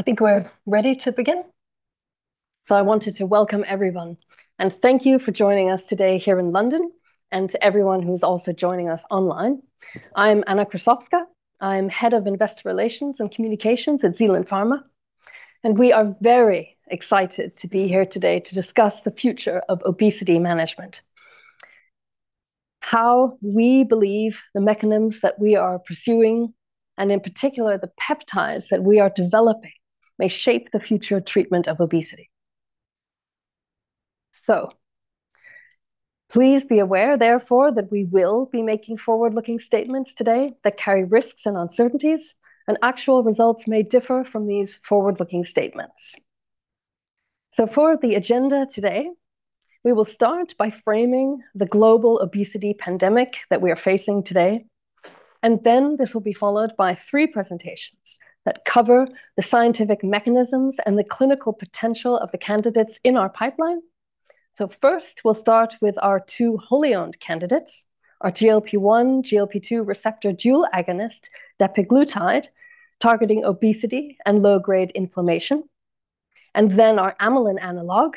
I think we're ready to begin. So I wanted to welcome everyone, and thank you for joining us today here in London, and to everyone who's also joining us online. I'm Anna Krassowska. I'm Head of Investor Relations and Communications at Zealand Pharma, and we are very excited to be here today to discuss the future of obesity management, how we believe the mechanisms that we are pursuing, and in particular, the peptides that we are developing, may shape the future treatment of obesity. So please be aware, therefore, that we will be making forward-looking statements today that carry risks and uncertainties, and actual results may differ from these forward-looking statements. For the agenda today, we will start by framing the global obesity pandemic that we are facing today, and then this will be followed by three presentations that cover the scientific mechanisms and the clinical potential of the candidates in our pipeline. First, we'll start with our two wholly-owned candidates, our GLP-1/GLP-2 receptor dual agonist, dapiglutide, targeting obesity and low-grade inflammation, and then our amylin analog,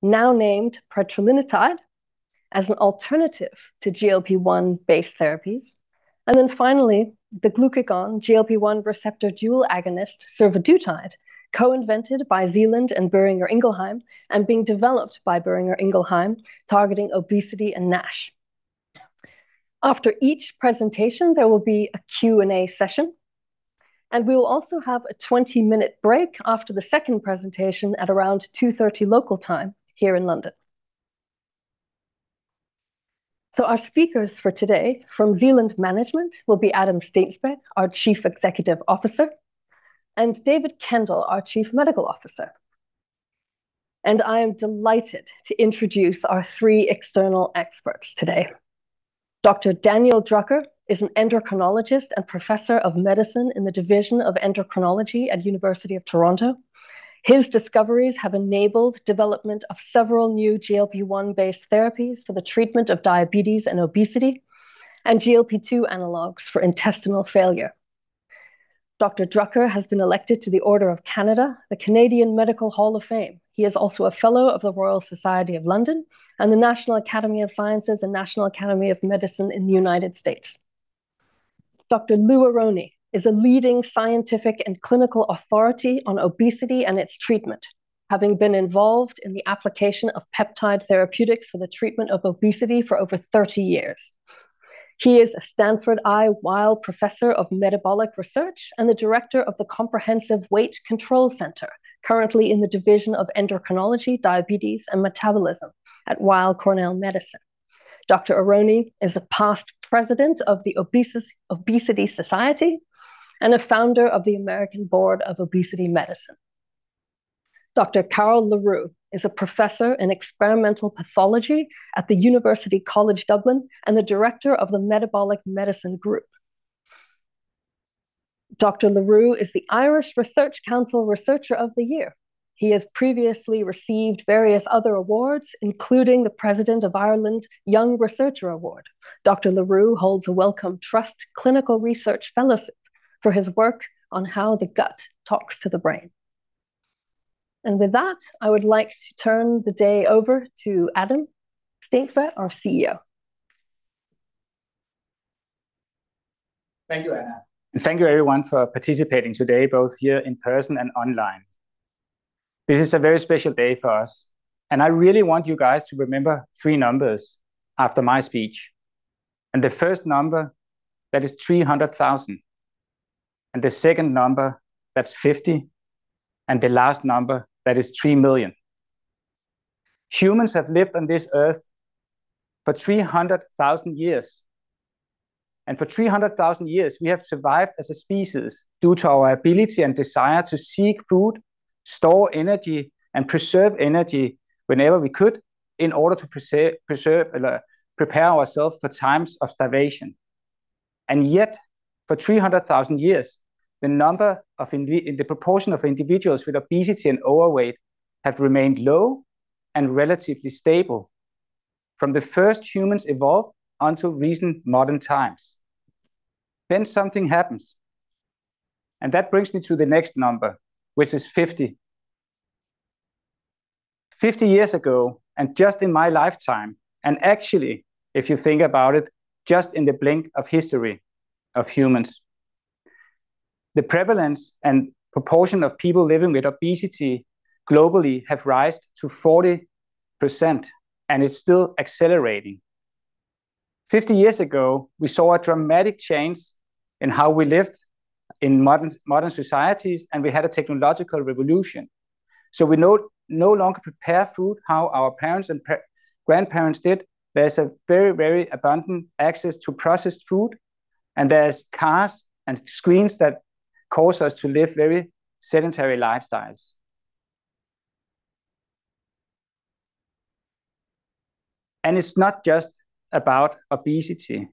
now named petrelintide, as an alternative to GLP-1-based therapies. And then finally, the glucagon/GLP-1 receptor dual agonist, survodutide, co-invented by Zealand and Boehringer Ingelheim, and being developed by Boehringer Ingelheim, targeting obesity and NASH. After each presentation, there will be a Q&A session, and we will also have a 20-minute break after the second presentation at around 2:30 P.M. local time here in London. Our speakers for today from Zealand Management will be Adam Steensberg, our Chief Executive Officer, and David Kendall, our Chief Medical Officer. I am delighted to introduce our three external experts today. Dr. Daniel Drucker is an endocrinologist and professor of medicine in the Division of Endocrinology at University of Toronto. His discoveries have enabled development of several new GLP-1-based therapies for the treatment of diabetes and obesity, and GLP-2 analogs for intestinal failure. Dr. Drucker has been elected to the Order of Canada, the Canadian Medical Hall of Fame. He is also a fellow of the Royal Society of London and the National Academy of Sciences and National Academy of Medicine in the United States. Dr. Louis Aronne is a leading scientific and clinical authority on obesity and its treatment, having been involved in the application of peptide therapeutics for the treatment of obesity for over 30 years. He is a Sanford I. Weill Professor of Metabolic Research and the director of the Comprehensive Weight Control Center, currently in the Division of Endocrinology, Diabetes, and Metabolism at Weill Cornell Medicine. Dr. Aronne is a past president of the Obesity Society and a founder of the American Board of Obesity Medicine. Dr. Carel le Roux is a professor in experimental pathology at University College Dublin and the director of the Metabolic Medicine Group. Dr. Le Roux is the Irish Research Council Researcher of the Year. He has previously received various other awards, including the President of Ireland Young Researcher Award. Dr. Le Roux holds a Wellcome Trust Clinical Research Fellowship for his work on how the gut talks to the brain. With that, I would like to turn the day over to Adam Steensberg, our CEO. Thank you, Anna, and thank you everyone for participating today, both here in person and online. This is a very special day for us, and I really want you guys to remember three numbers after my speech. The first number, that is 300,000, and the second number, that's 50, and the last number, that is 3 million. Humans have lived on this earth for 300,000 years, and for 300,000 years, we have survived as a species due to our ability and desire to seek food, store energy, and preserve energy whenever we could in order to prepare ourselves for times of starvation. Yet, for 300,000 years, the proportion of individuals with obesity and overweight have remained low and relatively stable, from the first humans evolved until recent modern times. Then something happens, and that brings me to the next number, which is 50. Fifty years ago, and just in my lifetime, and actually, if you think about it, just in the blink of history of humans, the prevalence and proportion of people living with obesity globally have risen to 40%, and it's still accelerating. Fifty years ago, we saw a dramatic change in how we lived in modern societies, and we had a technological revolution, so we no longer prepare food how our parents and grandparents did. There's a very, very abundant access to processed food, and there's cars and screens that cause us to live very sedentary lifestyles. And it's not just about obesity,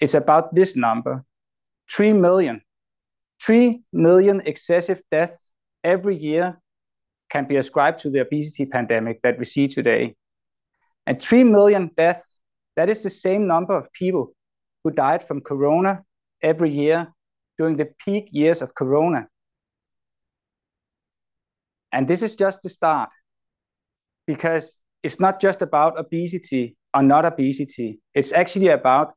it's about this number, 3 million. 3 million excessive deaths every year can be ascribed to the obesity pandemic that we see today. And 3 million deaths, that is the same number of people who died from corona every year during the peak years of corona. And this is just the start, because it's not just about obesity or not obesity, it's actually about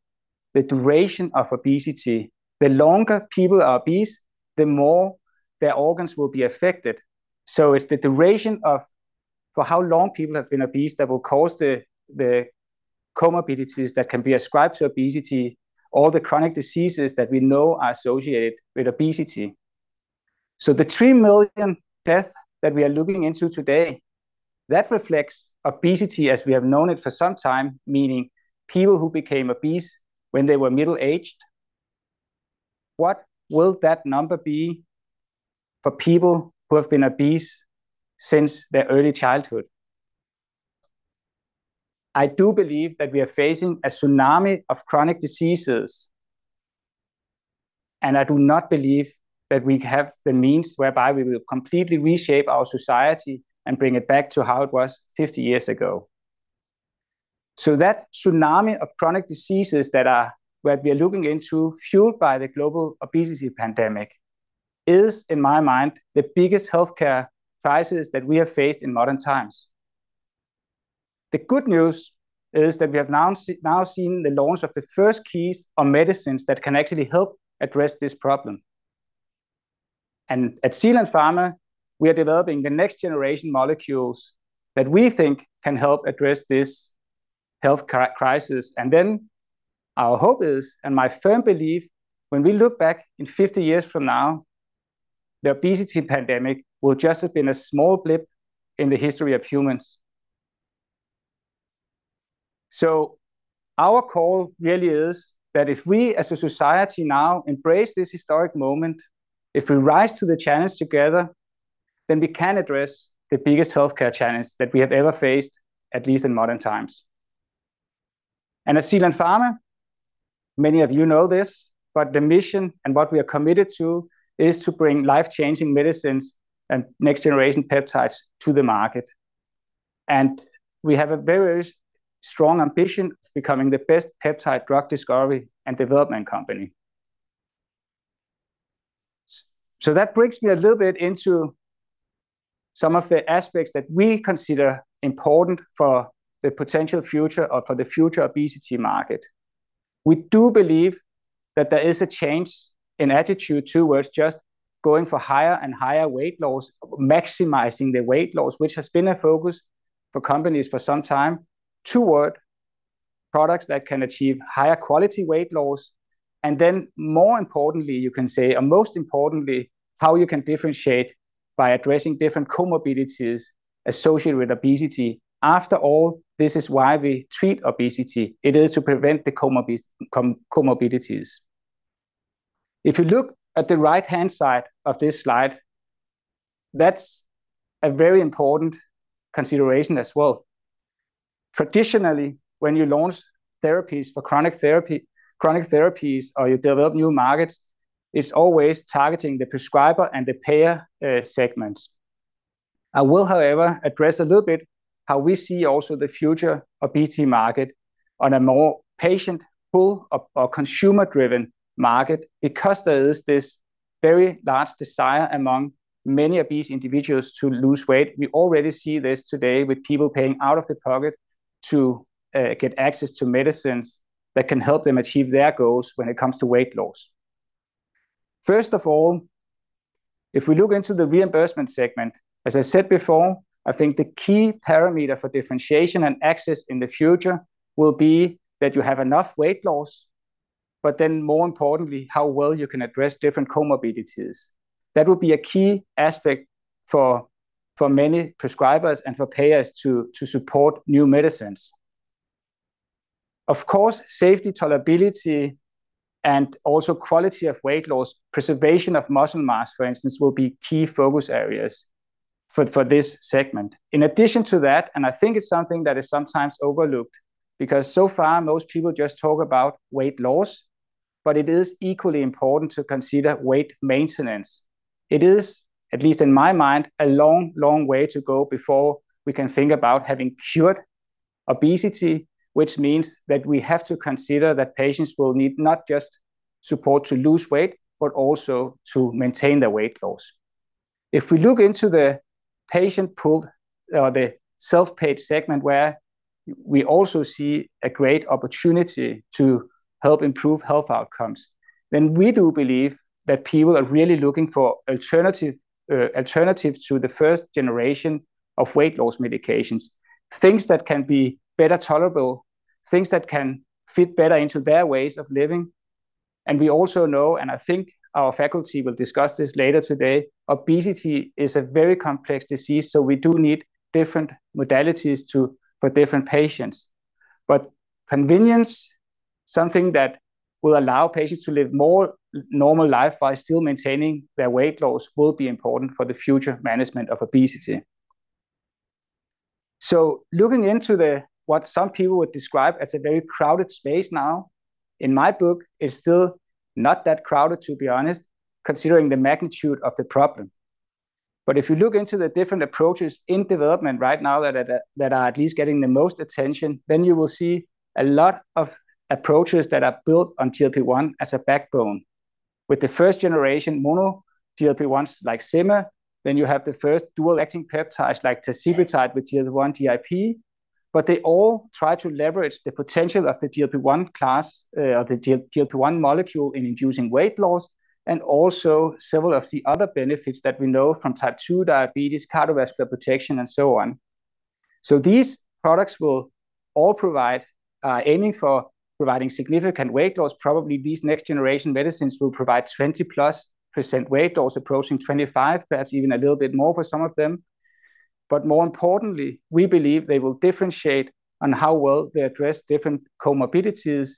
the duration of obesity. The longer people are obese, the more their organs will be affected. So it's the duration of for how long people have been obese that will cause the comorbidities that can be ascribed to obesity, or the chronic diseases that we know are associated with obesity. So the 3 million deaths that we are looking into today, that reflects obesity as we have known it for some time, meaning people who became obese when they were middle-aged. What will that number be for people who have been obese since their early childhood? I do believe that we are facing a tsunami of chronic diseases, and I do not believe that we have the means whereby we will completely reshape our society and bring it back to how it was 50 years ago. So that tsunami of chronic diseases that we are looking into, fueled by the global obesity pandemic, is, in my mind, the biggest healthcare crisis that we have faced in modern times. The good news is that we have now seen the launch of the first keys of medicines that can actually help address this problem. And at Zealand Pharma, we are developing the next generation molecules that we think can help address this health crisis. And then our hope is, and my firm belief, when we look back in 50 years from now, the obesity pandemic will just have been a small blip in the history of humans. So our call really is that if we as a society now embrace this historic moment, if we rise to the challenge together, then we can address the biggest healthcare challenge that we have ever faced, at least in modern times. And at Zealand Pharma, many of you know this, but the mission and what we are committed to is to bring life-changing medicines and next generation peptides to the market. And we have a very strong ambition of becoming the best peptide drug discovery and development company. So that brings me a little bit into some of the aspects that we consider important for the potential future or for the future obesity market. We do believe that there is a change in attitude towards just going for higher and higher weight loss, maximizing the weight loss, which has been a focus for companies for some time, toward products that can achieve higher quality weight loss. And then, more importantly, you can say, or most importantly, how you can differentiate by addressing different comorbidities associated with obesity. After all, this is why we treat obesity. It is to prevent the comorbidities. If you look at the right-hand side of this slide, that's a very important consideration as well. Traditionally, when you launch therapies for chronic therapies or you develop new markets, it's always targeting the prescriber and the payer segments. I will, however, address a little bit how we see also the future obesity market on a more patient pool or, or consumer-driven market, because there is this very large desire among many obese individuals to lose weight. We already see this today with people paying out of their pocket to get access to medicines that can help them achieve their goals when it comes to weight loss. First of all, if we look into the reimbursement segment, as I said before, I think the key parameter for differentiation and access in the future will be that you have enough weight loss, but then, more importantly, how well you can address different comorbidities. That will be a key aspect for, for many prescribers and for payers to, to support new medicines. Of course, safety, tolerability, and also quality of weight loss, preservation of muscle mass, for instance, will be key focus areas for this segment. In addition to that, and I think it's something that is sometimes overlooked, because so far most people just talk about weight loss, but it is equally important to consider weight maintenance. It is, at least in my mind, a long, long way to go before we can think about having cured obesity, which means that we have to consider that patients will need not just support to lose weight, but also to maintain their weight loss. If we look into the patient pool, the self-paid segment, where we also see a great opportunity to help improve health outcomes, then we do believe that people are really looking for alternative, alternatives to the first generation of weight loss medications, things that can be better tolerable, things that can fit better into their ways of living. And we also know, and I think our faculty will discuss this later today, obesity is a very complex disease, so we do need different modalities to for different patients. But convenience, something that will allow patients to live more normal life while still maintaining their weight loss, will be important for the future management of obesity. So looking into what some people would describe as a very crowded space now, in my book, it's still not that crowded, to be honest, considering the magnitude of the problem. But if you look into the different approaches in development right now that are at least getting the most attention, then you will see a lot of approaches that are built on GLP-1 as a backbone. With the first generation mono GLP-1s like sema, then you have the first dual-acting peptides like tirzepatide with GLP-1/GIP. But they all try to leverage the potential of the GLP-1 class, the GLP-1 molecule in inducing weight loss, and also several of the other benefits that we know from type 2 diabetes, cardiovascular protection, and so on. So these products will all provide, aiming for providing significant weight loss. Probably, these next-generation medicines will provide 20+% weight loss, approaching 25, perhaps even a little bit more for some of them. But more importantly, we believe they will differentiate on how well they address different comorbidities,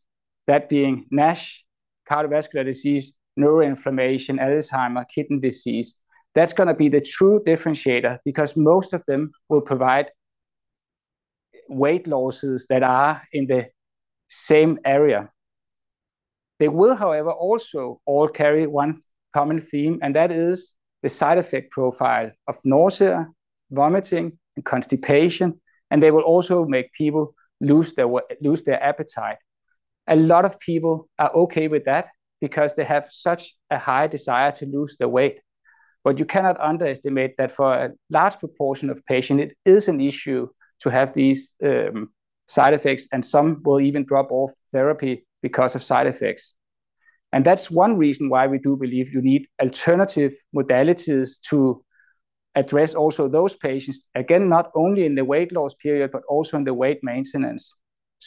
that being NASH, cardiovascular disease, neuroinflammation, Alzheimer's, kidney disease. That's gonna be the true differentiator because most of them will provide weight losses that are in the same area. They will, however, also all carry one common theme, and that is the side effect profile of nausea, vomiting, and constipation, and they will also make people lose their appetite. A lot of people are okay with that because they have such a high desire to lose the weight. But you cannot underestimate that for a large proportion of patient, it is an issue to have these side effects, and some will even drop off therapy because of side effects. That's one reason why we do believe you need alternative modalities to address also those patients, again, not only in the weight loss period, but also in the weight maintenance.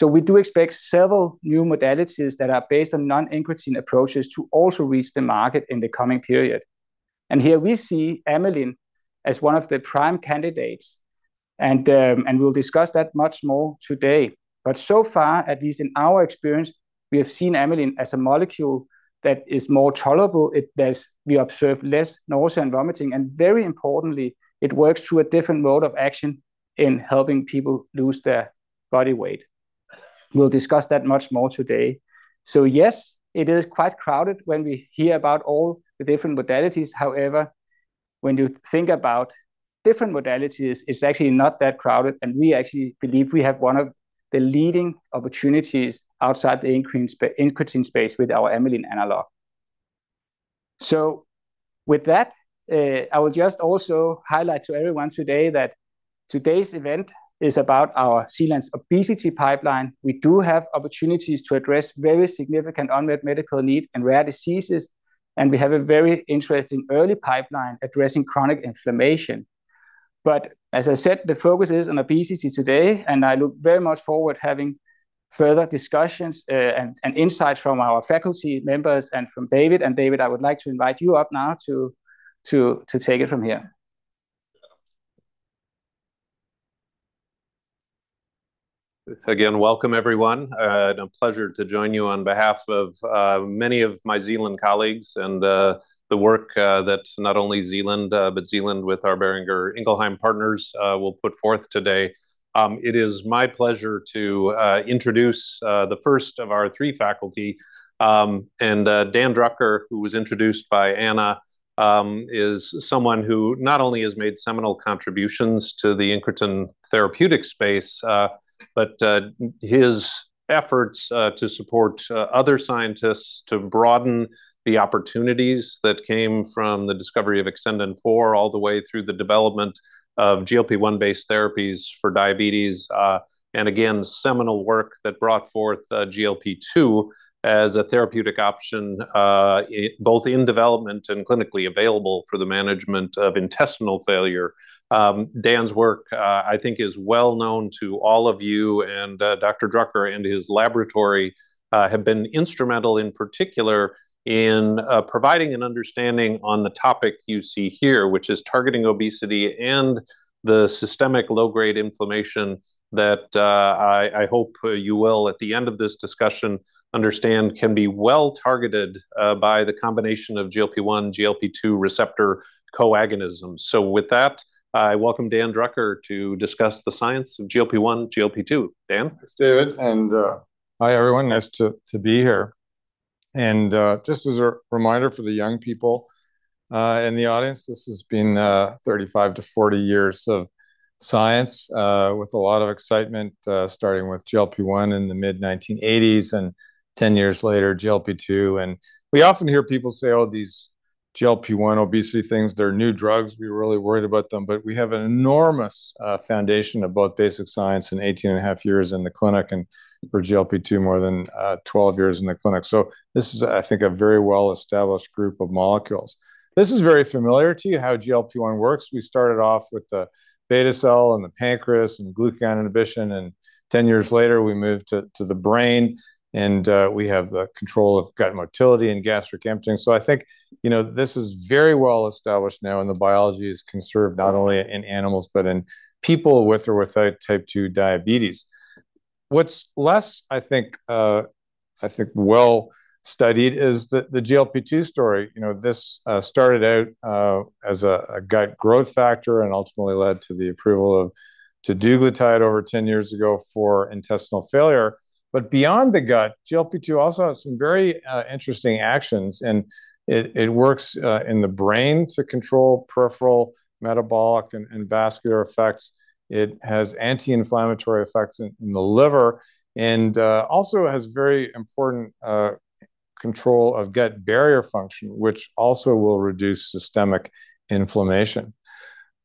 We do expect several new modalities that are based on non-incretin approaches to also reach the market in the coming period. Here we see amylin as one of the prime candidates, and we'll discuss that much more today. But so far, at least in our experience, we have seen amylin as a molecule that is more tolerable. It does. We observe less nausea and vomiting, and very importantly, it works through a different mode of action in helping people lose their body weight. We'll discuss that much more today. Yes, it is quite crowded when we hear about all the different modalities. However, when you think about different modalities, it's actually not that crowded, and we actually believe we have one of the leading opportunities outside the incretin space with our amylin analog. So with that, I will just also highlight to everyone today that today's event is about our Zealand's obesity pipeline. We do have opportunities to address very significant unmet medical need and rare diseases, and we have a very interesting early pipeline addressing chronic inflammation. But as I said, the focus is on obesity today, and I look very much forward having further discussions and insight from our faculty members and from David. And David, I would like to invite you up now to take it from here. Again, welcome everyone. A pleasure to join you on behalf of many of my Zealand colleagues and the work that not only Zealand, but Zealand with our Boehringer Ingelheim partners will put forth today. It is my pleasure to introduce the first of our three faculty. Dan Drucker, who was introduced by Anna, is someone who not only has made seminal contributions to the incretin therapeutic space, but his efforts to support other scientists to broaden the opportunities that came from the discovery of Exendin-4 all the way through the development of GLP-1 based therapies for diabetes, and again, seminal work that brought forth GLP-2 as a therapeutic option both in development and clinically available for the management of intestinal failure. Dan's work, I think is well known to all of you, and, Dr. Drucker and his laboratory have been instrumental, in particular, in providing an understanding on the topic you see here, which is targeting obesity and the systemic low-grade inflammation that I hope you will, at the end of this discussion, understand, can be well targeted by the combination of GLP-1, GLP-2 receptor co-agonism. So with that, I welcome Dan Drucker to discuss the science of GLP-1, GLP-2. Dan? Thanks, David, and hi, everyone. Nice to be here. Just as a reminder for the young people in the audience, this has been 35-40 years of science with a lot of excitement starting with GLP-1 in the mid-1980s, and 10 years later, GLP-2. We often hear people say, "Oh, these GLP-1 obesity things, they're new drugs. We're really worried about them." But we have an enormous foundation of both basic science and 18.5 years in the clinic, and for GLP-2, more than 12 years in the clinic. So this is, I think, a very well-established group of molecules. This is very familiar to you, how GLP-1 works. We started off with the beta cell and the pancreas and glucagon inhibition, and ten years later, we moved to, to the brain, and we have the control of gut motility and gastric emptying. So I think, you know, this is very well established now, and the biology is conserved not only in animals but in people with or without type 2 diabetes. What's less, I think, I think well studied is the GLP-2 story. You know, this started out as a gut growth factor and ultimately led to the approval of teduglutide over 10 years ago for intestinal failure. But beyond the gut, GLP-2 also has some very interesting actions, and it works in the brain to control peripheral metabolic and vascular effects. It has anti-inflammatory effects in the liver, and also has very important control of gut barrier function, which also will reduce systemic inflammation.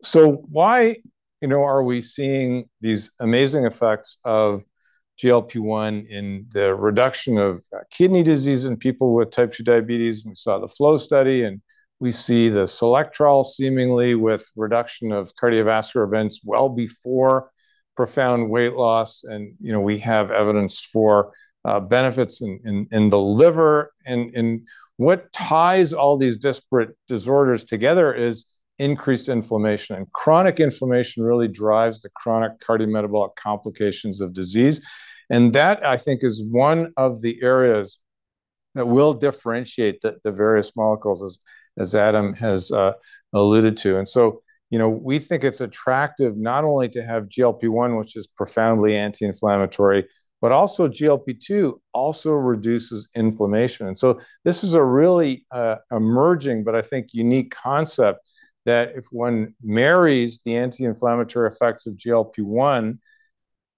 So why, you know, are we seeing these amazing effects of GLP-1 in the reduction of kidney disease in people with type two diabetes? We saw the FLOW study, and we see the SELECT trial seemingly with reduction of cardiovascular events well before profound weight loss. You know, we have evidence for benefits in the liver. And what ties all these disparate disorders together is increased inflammation. And chronic inflammation really drives the chronic cardiometabolic complications of disease, and that, I think, is one of the areas that will differentiate the various molecules, as Adam has alluded to. And so, you know, we think it's attractive not only to have GLP-1, which is profoundly anti-inflammatory, but also GLP-2 also reduces inflammation. And so this is a really emerging, but I think unique concept that if one marries the anti-inflammatory effects of GLP-1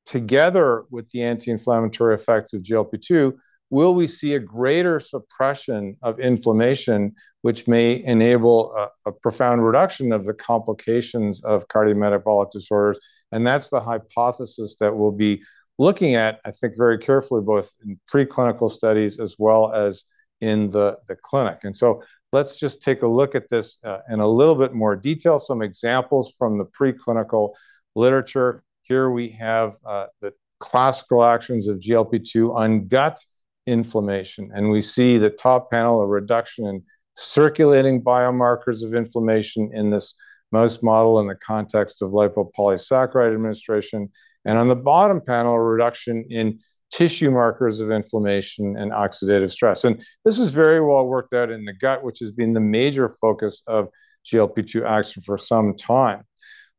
together with the anti-inflammatory effects of GLP-2, will we see a greater suppression of inflammation, which may enable a profound reduction of the complications of cardiometabolic disorders? That's the hypothesis that we'll be looking at, I think, very carefully, both in preclinical studies as well as in the clinic. So let's just take a look at this in a little bit more detail. Some examples from the preclinical literature. Here we have the classical actions of GLP-2 on gut inflammation, and we see the top panel, a reduction in circulating biomarkers of inflammation in this mouse model in the context of lipopolysaccharide administration. And on the bottom panel, a reduction in tissue markers of inflammation and oxidative stress. And this is very well worked out in the gut, which has been the major focus of GLP-2 action for some time.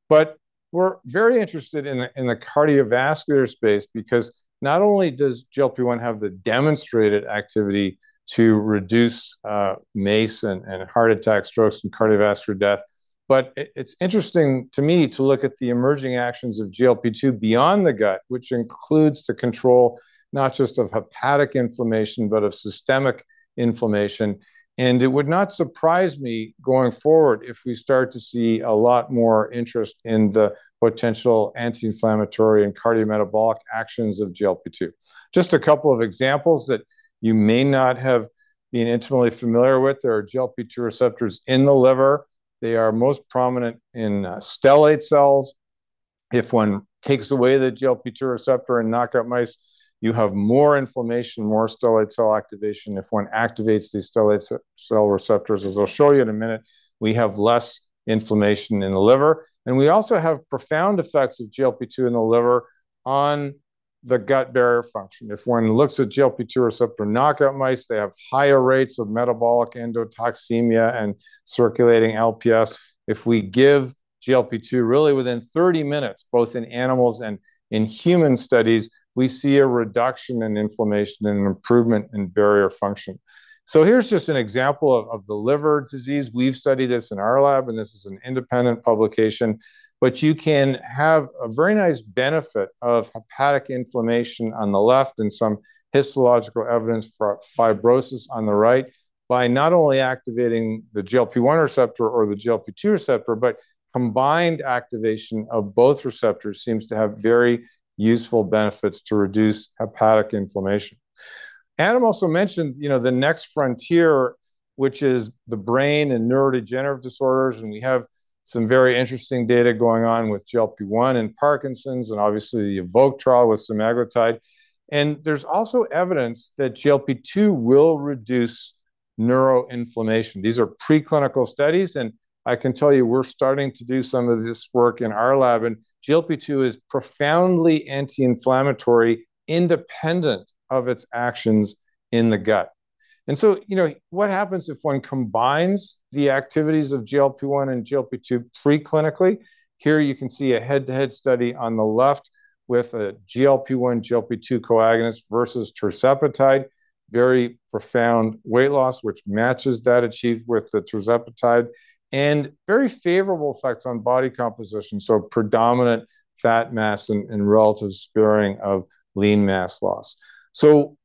But we're very interested in the cardiovascular space because not only does GLP-1 have the demonstrated activity to reduce MACE and heart attack, strokes, and cardiovascular death, but it's interesting to me to look at the emerging actions of GLP-2 beyond the gut, which includes the control not just of hepatic inflammation, but of systemic inflammation. And it would not surprise me going forward if we start to see a lot more interest in the potential anti-inflammatory and cardiometabolic actions of GLP-2. Just a couple of examples that you may not have been intimately familiar with. There are GLP-2 receptors in the liver. They are most prominent in stellate cells. If one takes away the GLP-2 receptor in knockout mice, you have more inflammation, more stellate cell activation. If one activates these stellate cell receptors, as I'll show you in a minute, we have less inflammation in the liver, and we also have profound effects of GLP-2 in the liver on the gut barrier function. If one looks at GLP-2 receptor knockout mice, they have higher rates of metabolic endotoxemia and circulating LPS. If we give GLP-2, really within 30 minutes, both in animals and in human studies, we see a reduction in inflammation and an improvement in barrier function. So here's just an example of the liver disease. We've studied this in our lab, and this is an independent publication. But you can have a very nice benefit of hepatic inflammation on the left and some histological evidence for fibrosis on the right by not only activating the GLP-1 receptor or the GLP-2 receptor, but combined activation of both receptors seems to have very useful benefits to reduce hepatic inflammation. Adam also mentioned, you know, the next frontier, which is the brain and neurodegenerative disorders, and we have some very interesting data going on with GLP-1 and Parkinson's, and obviously the EVOKE trial with semaglutide. And there's also evidence that GLP-2 will reduce neuroinflammation. These are preclinical studies, and I can tell you we're starting to do some of this work in our lab, and GLP-2 is profoundly anti-inflammatory, independent of its actions in the gut. And so, you know, what happens if one combines the activities of GLP-1 and GLP-2 preclinically? Here you can see a head-to-head study on the left with a GLP-1/GLP-2 co-agonist versus tirzepatide. Very profound weight loss, which matches that achieved with the tirzepatide, and very favorable effects on body composition, so predominant fat mass and relative sparing of lean mass loss. So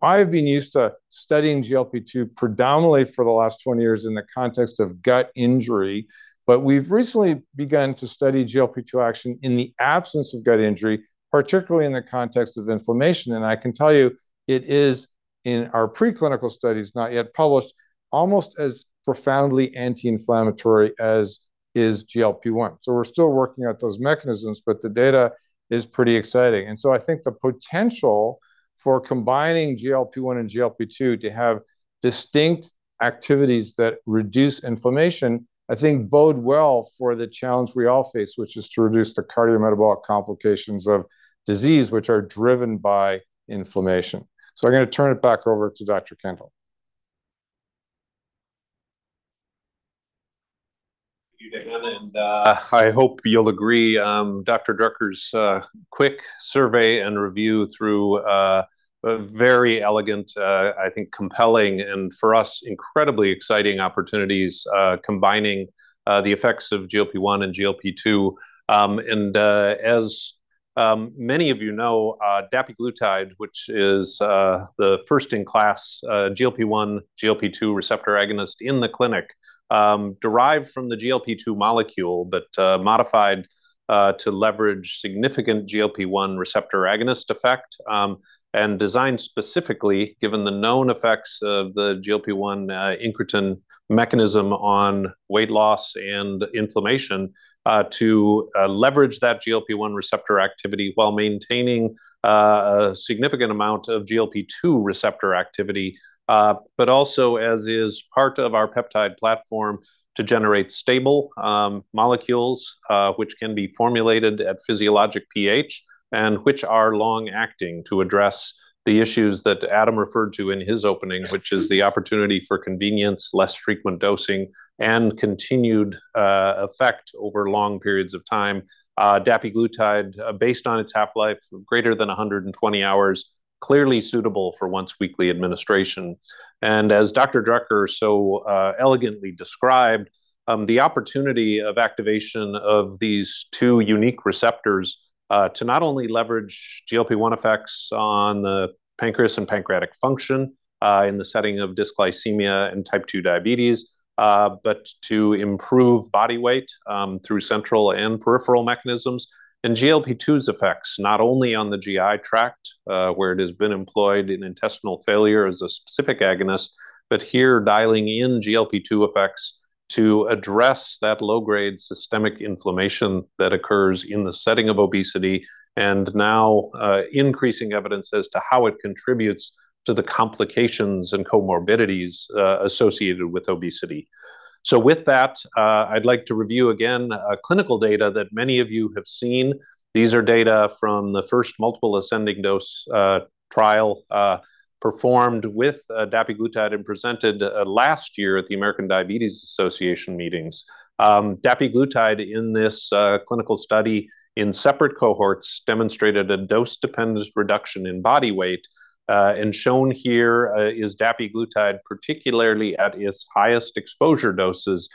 I have been used to studying GLP-2 predominantly for the last 20 years in the context of gut injury, but we've recently begun to study GLP-2 action in the absence of gut injury, particularly in the context of inflammation. And I can tell you it is, in our preclinical studies, not yet published, almost as profoundly anti-inflammatory as is GLP-1. So we're still working out those mechanisms, but the data is pretty exciting. I think the potential for combining GLP-1 and GLP-2 to have distinct activities that reduce inflammation, I think bode well for the challenge we all face, which is to reduce the cardiometabolic complications of disease, which are driven by inflammation. I'm gonna turn it back over to Dr. Kendall. I hope you'll agree, Dr. Drucker's quick survey and review through a very elegant, I think compelling and for us, incredibly exciting opportunities, combining the effects of GLP-1 and GLP-2. As many of you know, dapiglutide, which is the first-in-class GLP-1/GLP-2 receptor agonist in the clinic, derived from the GLP-2 molecule, but modified to leverage significant GLP-1 receptor agonist effect. And designed specifically, given the known effects of the GLP-1 incretin mechanism on weight loss and inflammation, to leverage that GLP-1 receptor activity while maintaining a significant amount of GLP-2 receptor activity. But also, as is part of our peptide platform, to generate stable, molecules, which can be formulated at physiologic pH and which are long-acting to address the issues that Adam referred to in his opening, which is the opportunity for convenience, less frequent dosing, and continued effect over long periods of time. Dapiglutide, based on its half-life, greater than 120 hours, clearly suitable for once-weekly administration. And as Dr. Drucker so elegantly described, the opportunity of activation of these two unique receptors, to not only leverage GLP-1 effects on the pancreas and pancreatic function, in the setting of dysglycemia and type 2 diabetes, but to improve body weight, through central and peripheral mechanisms. GLP-2's effects, not only on the GI tract, where it has been employed in intestinal failure as a specific agonist, but here dialing in GLP-2 effects to address that low-grade systemic inflammation that occurs in the setting of obesity, and now, increasing evidence as to how it contributes to the complications and comorbidities associated with obesity. So with that, I'd like to review again clinical data that many of you have seen. These are data from the first multiple ascending dose trial performed with dapiglutide and presented last year at the American Diabetes Association meetings. Dapiglutide in this clinical study in separate cohorts demonstrated a dose-dependent reduction in body weight, and shown here is dapiglutide, particularly at its highest exposure doses.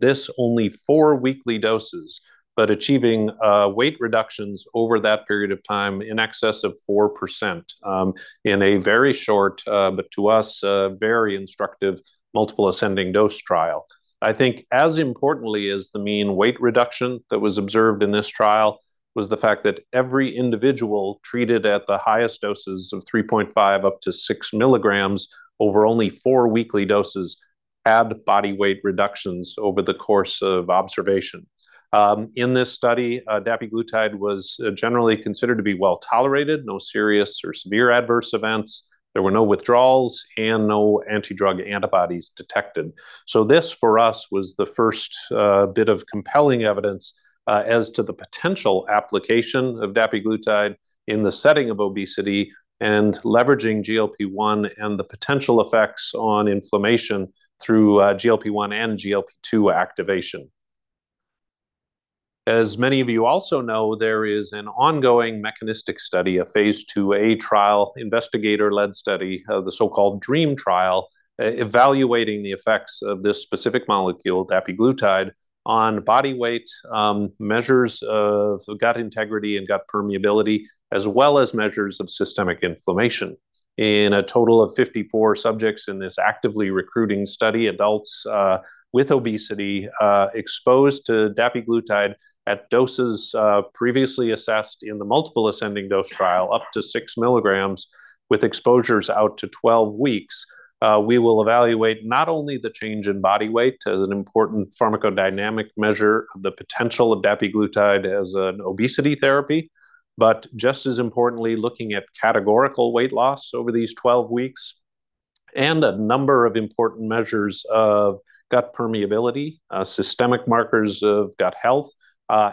This only four weekly doses, but achieving weight reductions over that period of time in excess of 4%, in a very short, but to us, a very instructive multiple ascending dose trial. I think as importantly as the mean weight reduction that was observed in this trial was the fact that every individual treated at the highest doses of 3.5 up to 6 mg over only four weekly doses had body weight reductions over the course of observation. In this study, dapiglutide was generally considered to be well-tolerated, no serious or severe adverse events. There were no withdrawals and no anti-drug antibodies detected. So this, for us, was the first bit of compelling evidence as to the potential application of dapiglutide in the setting of obesity and leveraging GLP-1 and the potential effects on inflammation through GLP-1 and GLP-2 activation. As many of you also know, there is an ongoing mechanistic study, a phase IIa trial, investigator-led study, the so-called DREAM trial, evaluating the effects of this specific molecule, dapiglutide, on body weight, measures of gut integrity and gut permeability, as well as measures of systemic inflammation. In a total of 54 subjects in this actively recruiting study, adults with obesity, exposed to dapiglutide at doses previously assessed in the multiple ascending-dose trial, up to 6 mg, with exposures out to 12 weeks. We will evaluate not only the change in body weight as an important pharmacodynamic measure of the potential of dapiglutide as an obesity therapy, but just as importantly, looking at categorical weight loss over these 12 weeks and a number of important measures of gut permeability, systemic markers of gut health,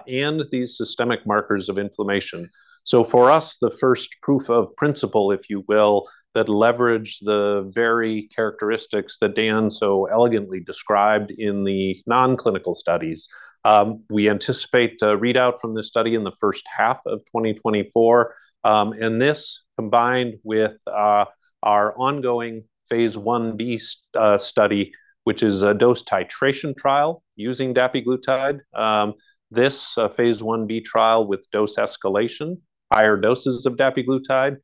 and these systemic markers of inflammation. So for us, the first proof of principle, if you will, that leveraged the very characteristics that Dan so elegantly described in the non-clinical studies. We anticipate a readout from this study in the first half of 2024. And this, combined with our ongoing phase Ib study, which is a dose titration trial using dapiglutide. This phase Ib trial with dose escalation, higher doses of dapiglutide,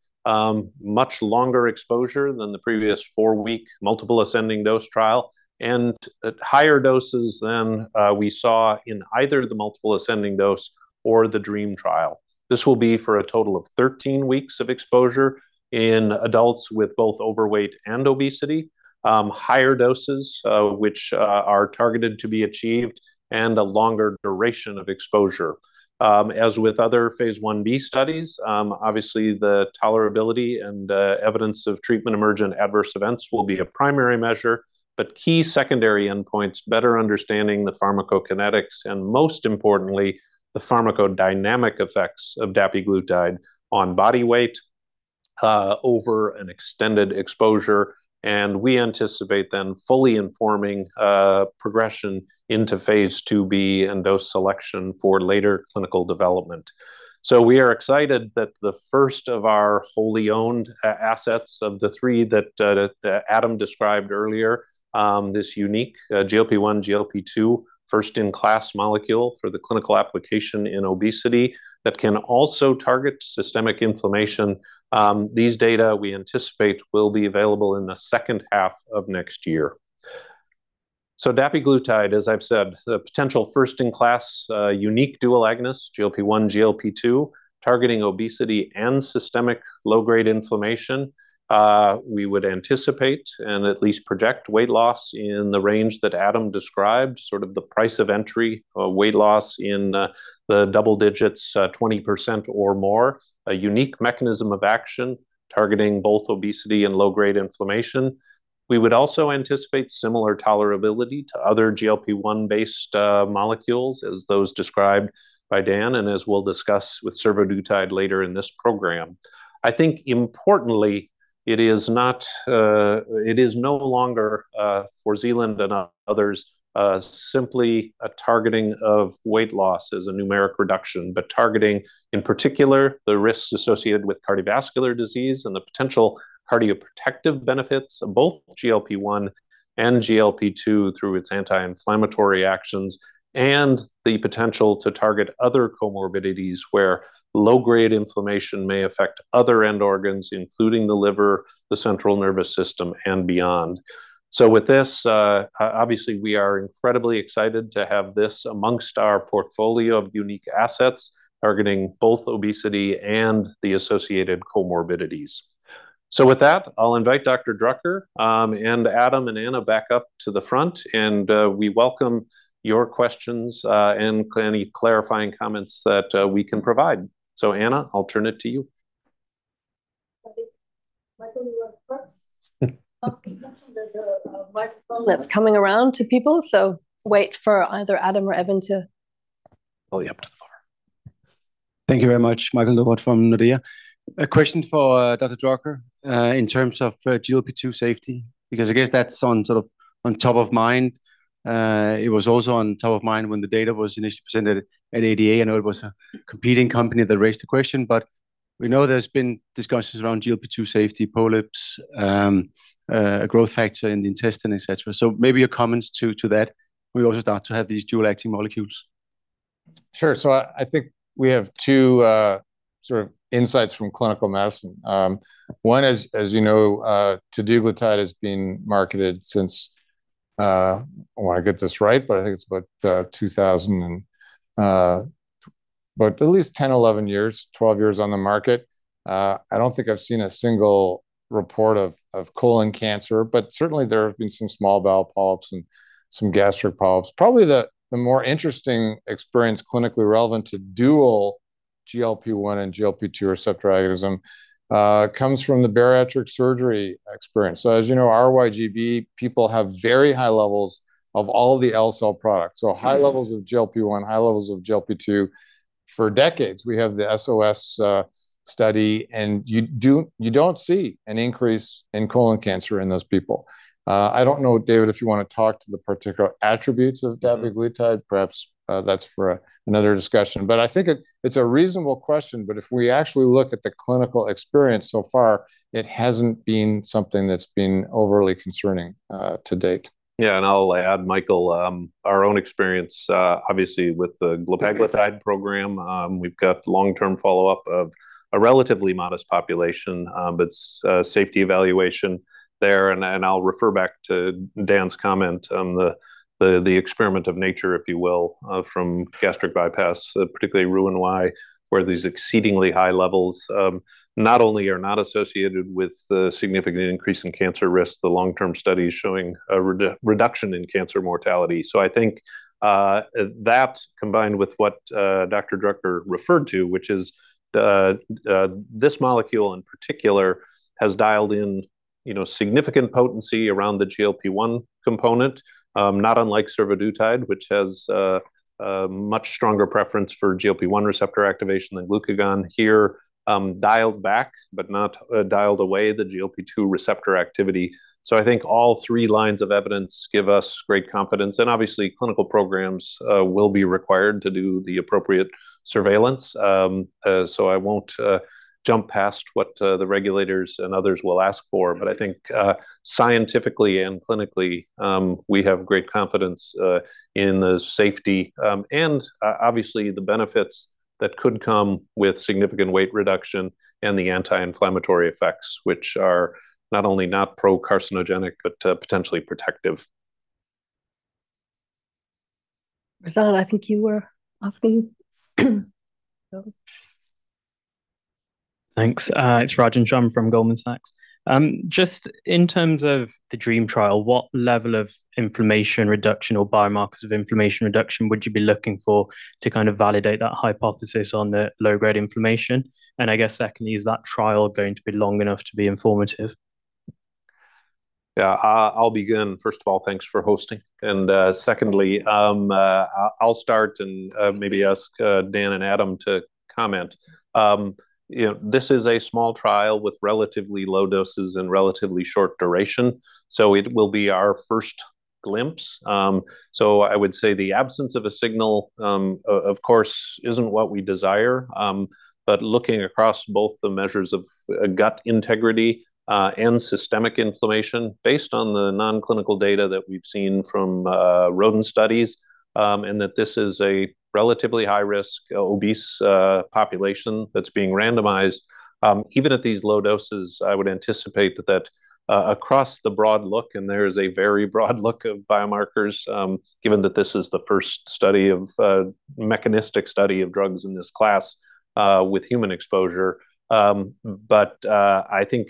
much longer exposure than the previous four-week multiple ascending dose trial, and at higher doses than we saw in either the multiple ascending dose or the DREAM trial. This will be for a total of 13 weeks of exposure in adults with both overweight and obesity, higher doses, which are targeted to be achieved, and a longer duration of exposure. As with other phase Ib studies, obviously, the tolerability and evidence of treatment-emergent adverse events will be a primary measure, but key secondary endpoints, better understanding the pharmacokinetics, and most importantly, the pharmacodynamic effects of dapiglutide on body weight over an extended exposure, and we anticipate then fully informing progression into phase IIb and dose selection for later clinical development. So we are excited that the first of our wholly owned assets of the three that Adam described earlier, this unique GLP-1, GLP-2, first-in-class molecule for the clinical application in obesity, that can also target systemic inflammation. These data, we anticipate, will be available in the second half of next year. So dapiglutide, as I've said, the potential first-in-class unique dual agonist, GLP-1, GLP-2, targeting obesity and systemic low-grade inflammation. We would anticipate and at least project weight loss in the range that Adam described, sort of the price of entry weight loss in the double digits, 20% or more. A unique mechanism of action, targeting both obesity and low-grade inflammation. We would also anticipate similar tolerability to other GLP-1-based molecules, as those described by Dan, and as we'll discuss with survodutide later in this program. I think importantly, it is not... it is no longer, for Zealand and others, simply a targeting of weight loss as a numeric reduction, but targeting, in particular, the risks associated with cardiovascular disease and the potential cardioprotective benefits of both GLP-1 and GLP-2 through its anti-inflammatory actions, and the potential to target other comorbidities, where low-grade inflammation may affect other end organs, including the liver, the central nervous system, and beyond. So with this, obviously, we are incredibly excited to have this amongst our portfolio of unique assets, targeting both obesity and the associated comorbidities. So with that, I'll invite Dr. Drucker, and Adam, and Anna back up to the front, and we welcome your questions and any clarifying comments that we can provide. So Anna, I'll turn it to you. Michael, you are first. There's a microphone that's coming around to people, so wait for either Adam or Evan to- pull you up to the bar. Thank you very much. Michael Novod from Nordea. A question for, Dr. Drucker, in terms of, GLP-2 safety, because I guess that's on, sort of, on top of mind. It was also on top of mind when the data was initially presented at ADA. I know it was a competing company that raised the question, but we know there's been discussions around GLP-2 safety, polyps, a growth factor in the intestine, et cetera. So maybe your comments to, to that. We also start to have these dual-acting molecules. Sure. So I think we have two sort of insights from clinical medicine. One is, as you know, teduglutide has been marketed since, I want to get this right, but I think it's about 2000, but at least 10, 11 years, 12 years on the market. I don't think I've seen a single report of colon cancer, but certainly there have been some small bowel polyps and some gastric polyps. Probably the more interesting experience, clinically relevant to dual GLP-1 and GLP-2 receptor agonism, comes from the bariatric surgery experience. So as you know, RYGB people have very high levels of all the L-cell products, so high levels of GLP-1, high levels of GLP-2. For decades, we have the SOS study, and you don't see an increase in colon cancer in those people. I don't know, David, if you want to talk to the particular attributes of dapiglutide. Perhaps, that's for another discussion. But I think it's a reasonable question, but if we actually look at the clinical experience so far, it hasn't been something that's been overly concerning, to date. Yeah, and I'll add, Michael, our own experience, obviously, with the glepaglutide program, we've got long-term follow-up of a relatively modest population, but safety evaluation there. And, I'll refer back to Dan's comment on the, the experiment of nature, if you will, from gastric bypass, particularly Roux-en-Y, where these exceedingly high levels, not only are not associated with the significant increase in cancer risk, the long-term studies showing a reduction in cancer mortality. So I think, that, combined with what, Dr. Drucker referred to, which is the, this molecule in particular, has dialed in, you know, significant potency around the GLP-1 component, not unlike survodutide, which has, a much stronger preference for GLP-1 receptor activation than glucagon. Here, dialed back, but not, dialed away the GLP-2 receptor activity. So I think all three lines of evidence give us great confidence, and obviously, clinical programs will be required to do the appropriate surveillance. So I won't jump past what the regulators and others will ask for, but I think scientifically and clinically we have great confidence in the safety and obviously the benefits that could come with significant weight reduction and the anti-inflammatory effects, which are not only not pro-carcinogenic, but potentially protective. Rajan, I think you were asking? Go on. Thanks. It's Rajan Sharma from Goldman Sachs. Just in terms of the DREAM trial, what level of inflammation reduction or biomarkers of inflammation reduction would you be looking for to kind of validate that hypothesis on the low-grade inflammation? And I guess secondly, is that trial going to be long enough to be informative? Yeah, I'll begin. First of all, thanks for hosting. And secondly, I'll start and maybe ask Dan and Adam to comment. You know, this is a small trial with relatively low doses and relatively short duration, so it will be our first glimpse. So I would say the absence of a signal, of course, isn't what we desire. But looking across both the measures of gut integrity and systemic inflammation, based on the non-clinical data that we've seen from rodent studies, and that this is a relatively high risk, obese population that's being randomized. Even at these low doses, I would anticipate that across the broad look - and there is a very broad look of biomarkers, given that this is the first study of mechanistic study of drugs in this class with human exposure. But I think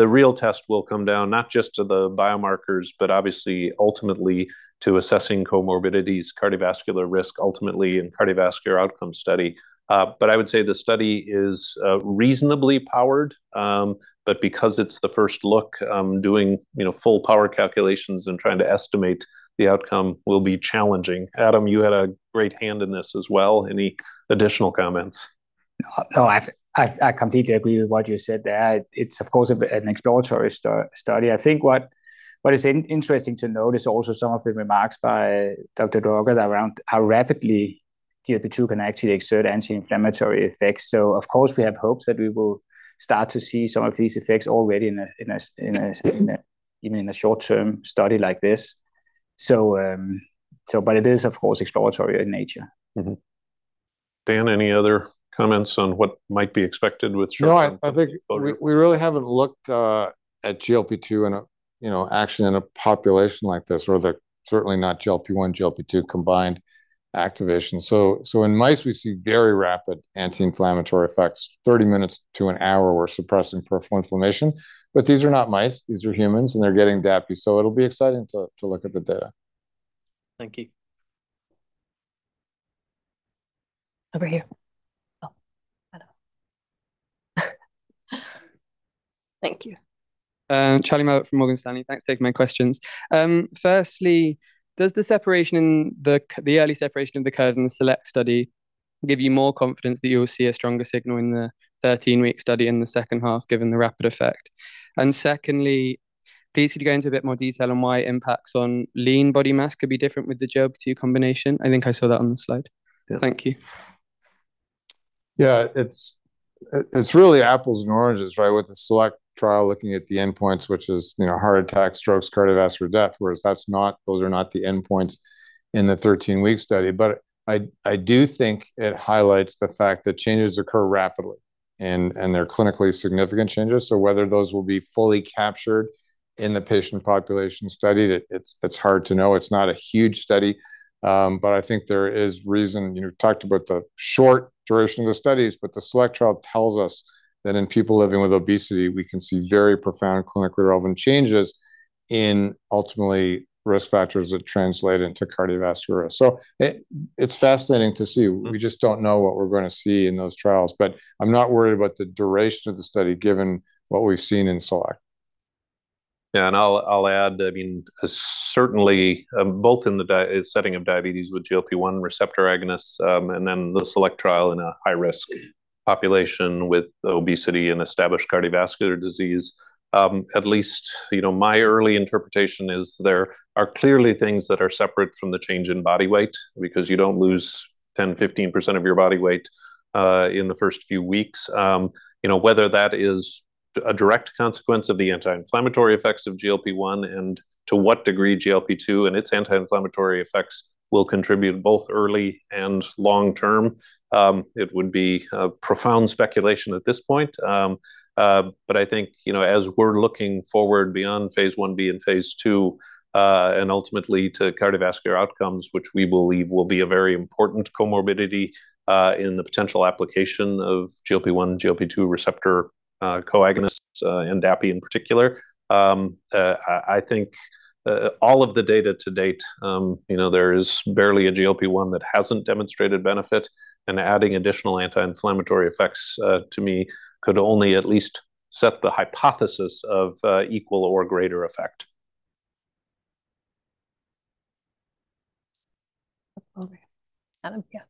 the real test will come down not just to the biomarkers, but obviously, ultimately, to assessing comorbidities, cardiovascular risk, ultimately, in cardiovascular outcome study. But I would say the study is reasonably powered, but because it's the first look, doing, you know, full power calculations and trying to estimate the outcome will be challenging. Adam, you had a great hand in this as well. Any additional comments? No, I completely agree with what you said there. It's, of course, an exploratory study. I think what is interesting to note is also some of the remarks by Dr. Drucker around how rapidly GLP-2 can actually exert anti-inflammatory effects. So of course, we have hopes that we will start to see some of these effects already even in a short-term study like this. So, but it is, of course, exploratory in nature. Mm-hmm. Dan, any other comments on what might be expected with- No, I think we really haven't looked at GLP-2 in a, you know, actually in a population like this, or certainly not GLP-1, GLP-2 combined activation. So in mice, we see very rapid anti-inflammatory effects, 30 minutes to an hour, we're suppressing peripheral inflammation. But these are not mice, these are humans, and they're getting dapiglutide. So it'll be exciting to look at the data. Thank you. Over here. Oh, hello. Thank you. Charlie Mabbutt from Morgan Stanley. Thanks for taking my questions. Firstly, does the separation in the early separation of the curves in the SELECT study give you more confidence that you will see a stronger signal in the 13-week study in the second half, given the rapid effect? And secondly, please, could you go into a bit more detail on why impacts on lean body mass could be different with the GLP-2 combination? I think I saw that on the slide. Thank you. Yeah, it's really apples and oranges, right? With the SELECT trial, looking at the endpoints, which is, you know, heart attack, strokes, cardiovascular death, whereas that's not, those are not the endpoints in the 13-week study. But I do think it highlights the fact that changes occur rapidly, and they're clinically significant changes. So whether those will be fully captured in the patient population study, it's hard to know. It's not a huge study, but I think there is reason... You talked about the short duration of the studies, but the SELECT trial tells us that in people living with obesity, we can see very profound, clinically relevant changes in ultimately risk factors that translate into cardiovascular risk. So it's fascinating to see. We just don't know what we're gonna see in those trials, but I'm not worried about the duration of the study, given what we've seen in SELECT. Yeah, and I'll, I'll add, I mean, certainly, both in the diabetes setting of diabetes with GLP-1 receptor agonists, and then the SELECT trial in a high-risk population with obesity and established cardiovascular disease, at least, you know, my early interpretation is there are clearly things that are separate from the change in body weight because you don't lose 10, 15% of your body weight in the first few weeks. You know, whether that is a direct consequence of the anti-inflammatory effects of GLP-1 and to what degree GLP-2 and its anti-inflammatory effects will contribute both early and long term, it would be a profound speculation at this point. But I think, you know, as we're looking forward beyond phase Ib and phase II, and ultimately to cardiovascular outcomes, which we believe will be a very important comorbidity, in the potential application of GLP-1, GLP-2 receptor co-agonists, and dapiglutide in particular, I think, all of the data to date, you know, there is barely a GLP-1 that hasn't demonstrated benefit, and adding additional anti-inflammatory effects, to me, could only at least set the hypothesis of equal or greater effect. Okay. Adam, yeah.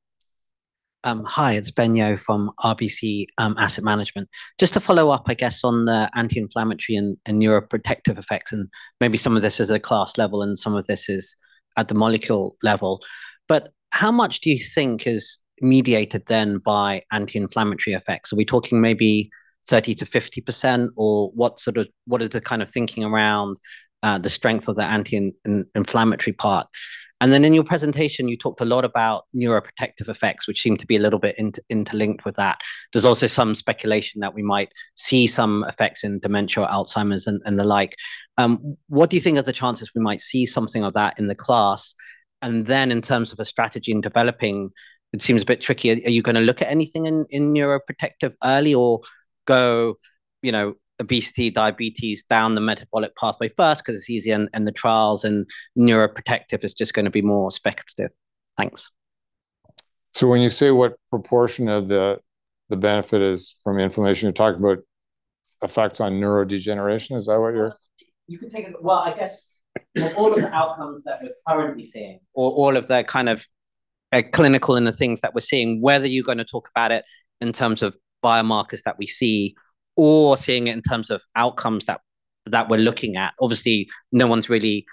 Hi, it's Ben Yeoh from RBC Asset Management. Just to follow up, I guess, on the anti-inflammatory and neuroprotective effects, and maybe some of this is at a class level, and some of this is at the molecule level. But how much do you think is mediated then by anti-inflammatory effects? Are we talking maybe 30%-50%, or what sort of-- what is the kind of thinking around the strength of the anti-inflammatory part? And then in your presentation, you talked a lot about neuroprotective effects, which seem to be a little bit interlinked with that. There's also some speculation that we might see some effects in dementia, Alzheimer's, and the like. What do you think are the chances we might see something of that in the class? And then in terms of a strategy in developing, it seems a bit tricky. Are you gonna look at anything in neuroprotective early or go, you know, obesity, diabetes, down the metabolic pathway first, 'cause it's easier, and the trials and neuroprotective is just gonna be more speculative? Thanks. So when you say what proportion of the benefit is from inflammation, you're talking about effects on neurodegeneration? Is that what you're- You can take it. Well, I guess all of the outcomes that we're currently seeing or all of the kind of clinical and the things that we're seeing, whether you're gonna talk about it in terms of biomarkers that we see or seeing it in terms of outcomes that we're looking at. Obviously, no one's really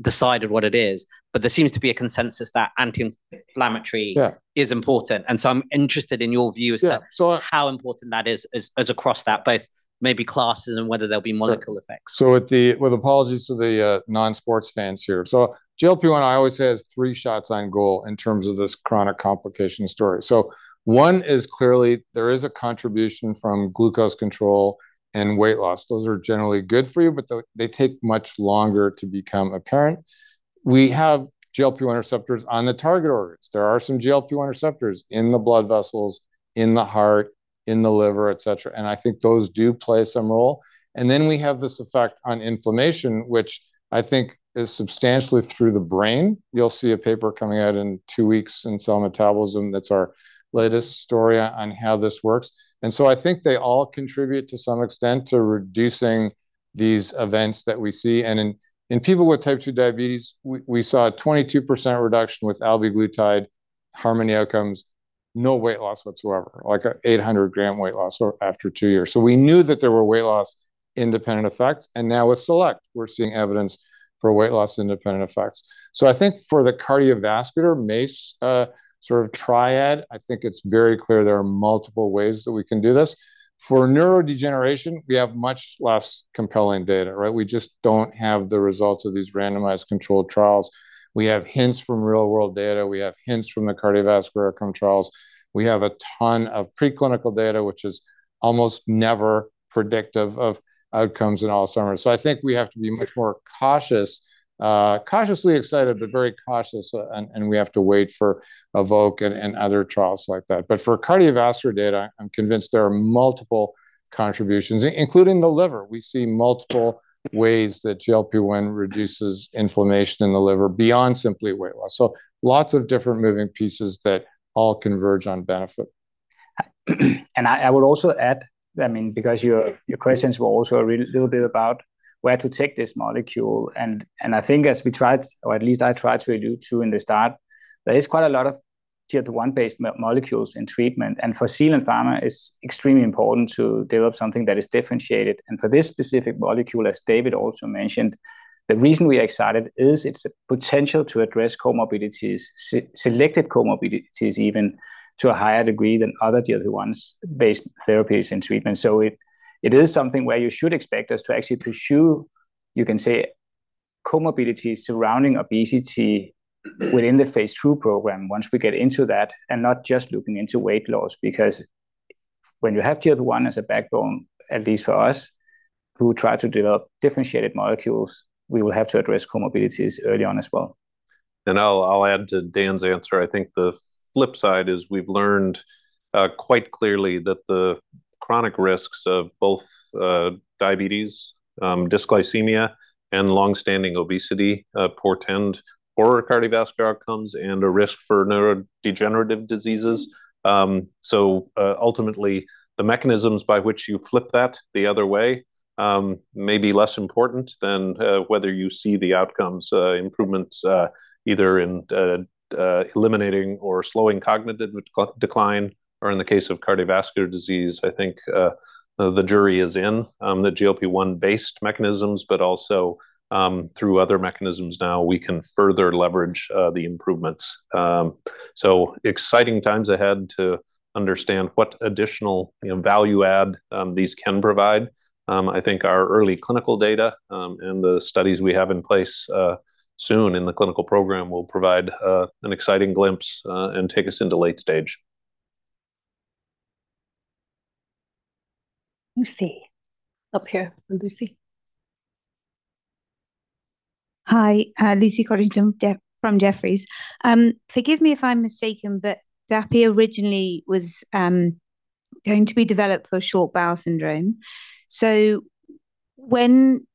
decided what it is, but there seems to be a consensus that anti-inflammatory- Yeah. is important, and so I'm interested in your view as to- Yeah, so- how important that is, as across that, both maybe classes and whether there'll be molecule effects. So with apologies to the non-sports fans here. So GLP-1, I always say, has three shots on goal in terms of this chronic complication story. So one is clearly there is a contribution from glucose control and weight loss. Those are generally good for you, but they take much longer to become apparent. We have GLP-1 receptors on the target organs. There are some GLP-1 receptors in the blood vessels, in the heart, in the liver, et cetera, and I think those do play some role. And then we have this effect on inflammation, which I think is substantially through the brain. You'll see a paper coming out in two weeks in Cell Metabolism. That's our latest story on how this works. And so I think they all contribute to some extent to reducing these events that we see. In people with type 2 diabetes, we saw a 22% reduction with albiglutide Harmony Outcomes, no weight loss whatsoever, like an 800-gram weight loss or after two years. So we knew that there were weight loss-independent effects, and now with SELECT, we're seeing evidence for weight loss-independent effects. So I think for the cardiovascular MACE, sort of triad, I think it's very clear there are multiple ways that we can do this. For neurodegeneration, we have much less compelling data, right? We just don't have the results of these randomized controlled trials. We have hints from real-world data. We have hints from the cardiovascular outcome trials. We have a ton of preclinical data, which is almost never predictive of outcomes in Alzheimer's. So I think we have to be much more cautious, cautiously excited, but very cautious, and we have to wait for EVOKE and other trials like that. But for cardiovascular data, I'm convinced there are multiple contributions, including the liver. We see multiple ways that GLP-1 reduces inflammation in the liver beyond simply weight loss. So lots of different moving pieces that all converge on benefit. And I would also add, I mean, because your questions were also a little bit about where to take this molecule. And I think as we tried, or at least I tried to do, too, at the start, there is quite a lot of GLP-1 based molecules in treatment. And for Zealand Pharma, it's extremely important to develop something that is differentiated. And for this specific molecule, as David also mentioned, the reason we are excited is its potential to address comorbidities, selected comorbidities, even to a higher degree than other GLP-1s based therapies and treatment. So it is something where you should expect us to actually pursue, you can say, comorbidities surrounding obesity within the phase II program once we get into that, and not just looking into weight loss. Because when you have GLP-1 as a backbone, at least for us, who try to develop differentiated molecules, we will have to address comorbidities early on as well. I'll add to Dan's answer. I think the flip side is we've learned quite clearly that the chronic risks of both diabetes, dysglycemia, and long-standing obesity portend poorer cardiovascular outcomes and a risk for neurodegenerative diseases. So ultimately, the mechanisms by which you flip that the other way may be less important than whether you see the outcomes improvements either in eliminating or slowing cognitive decline, or in the case of cardiovascular disease, I think the jury is in, the GLP-1-based mechanisms, but also through other mechanisms now, we can further leverage the improvements. So exciting times ahead to understand what additional, you know, value add these can provide. I think our early clinical data and the studies we have in place soon in the clinical program will provide an exciting glimpse and take us into late stage. Lucy. Up here, Lucy. Hi, Lucy Codrington, from Jefferies. Forgive me if I'm mistaken, but the API originally was going to be developed for short bowel syndrome. So when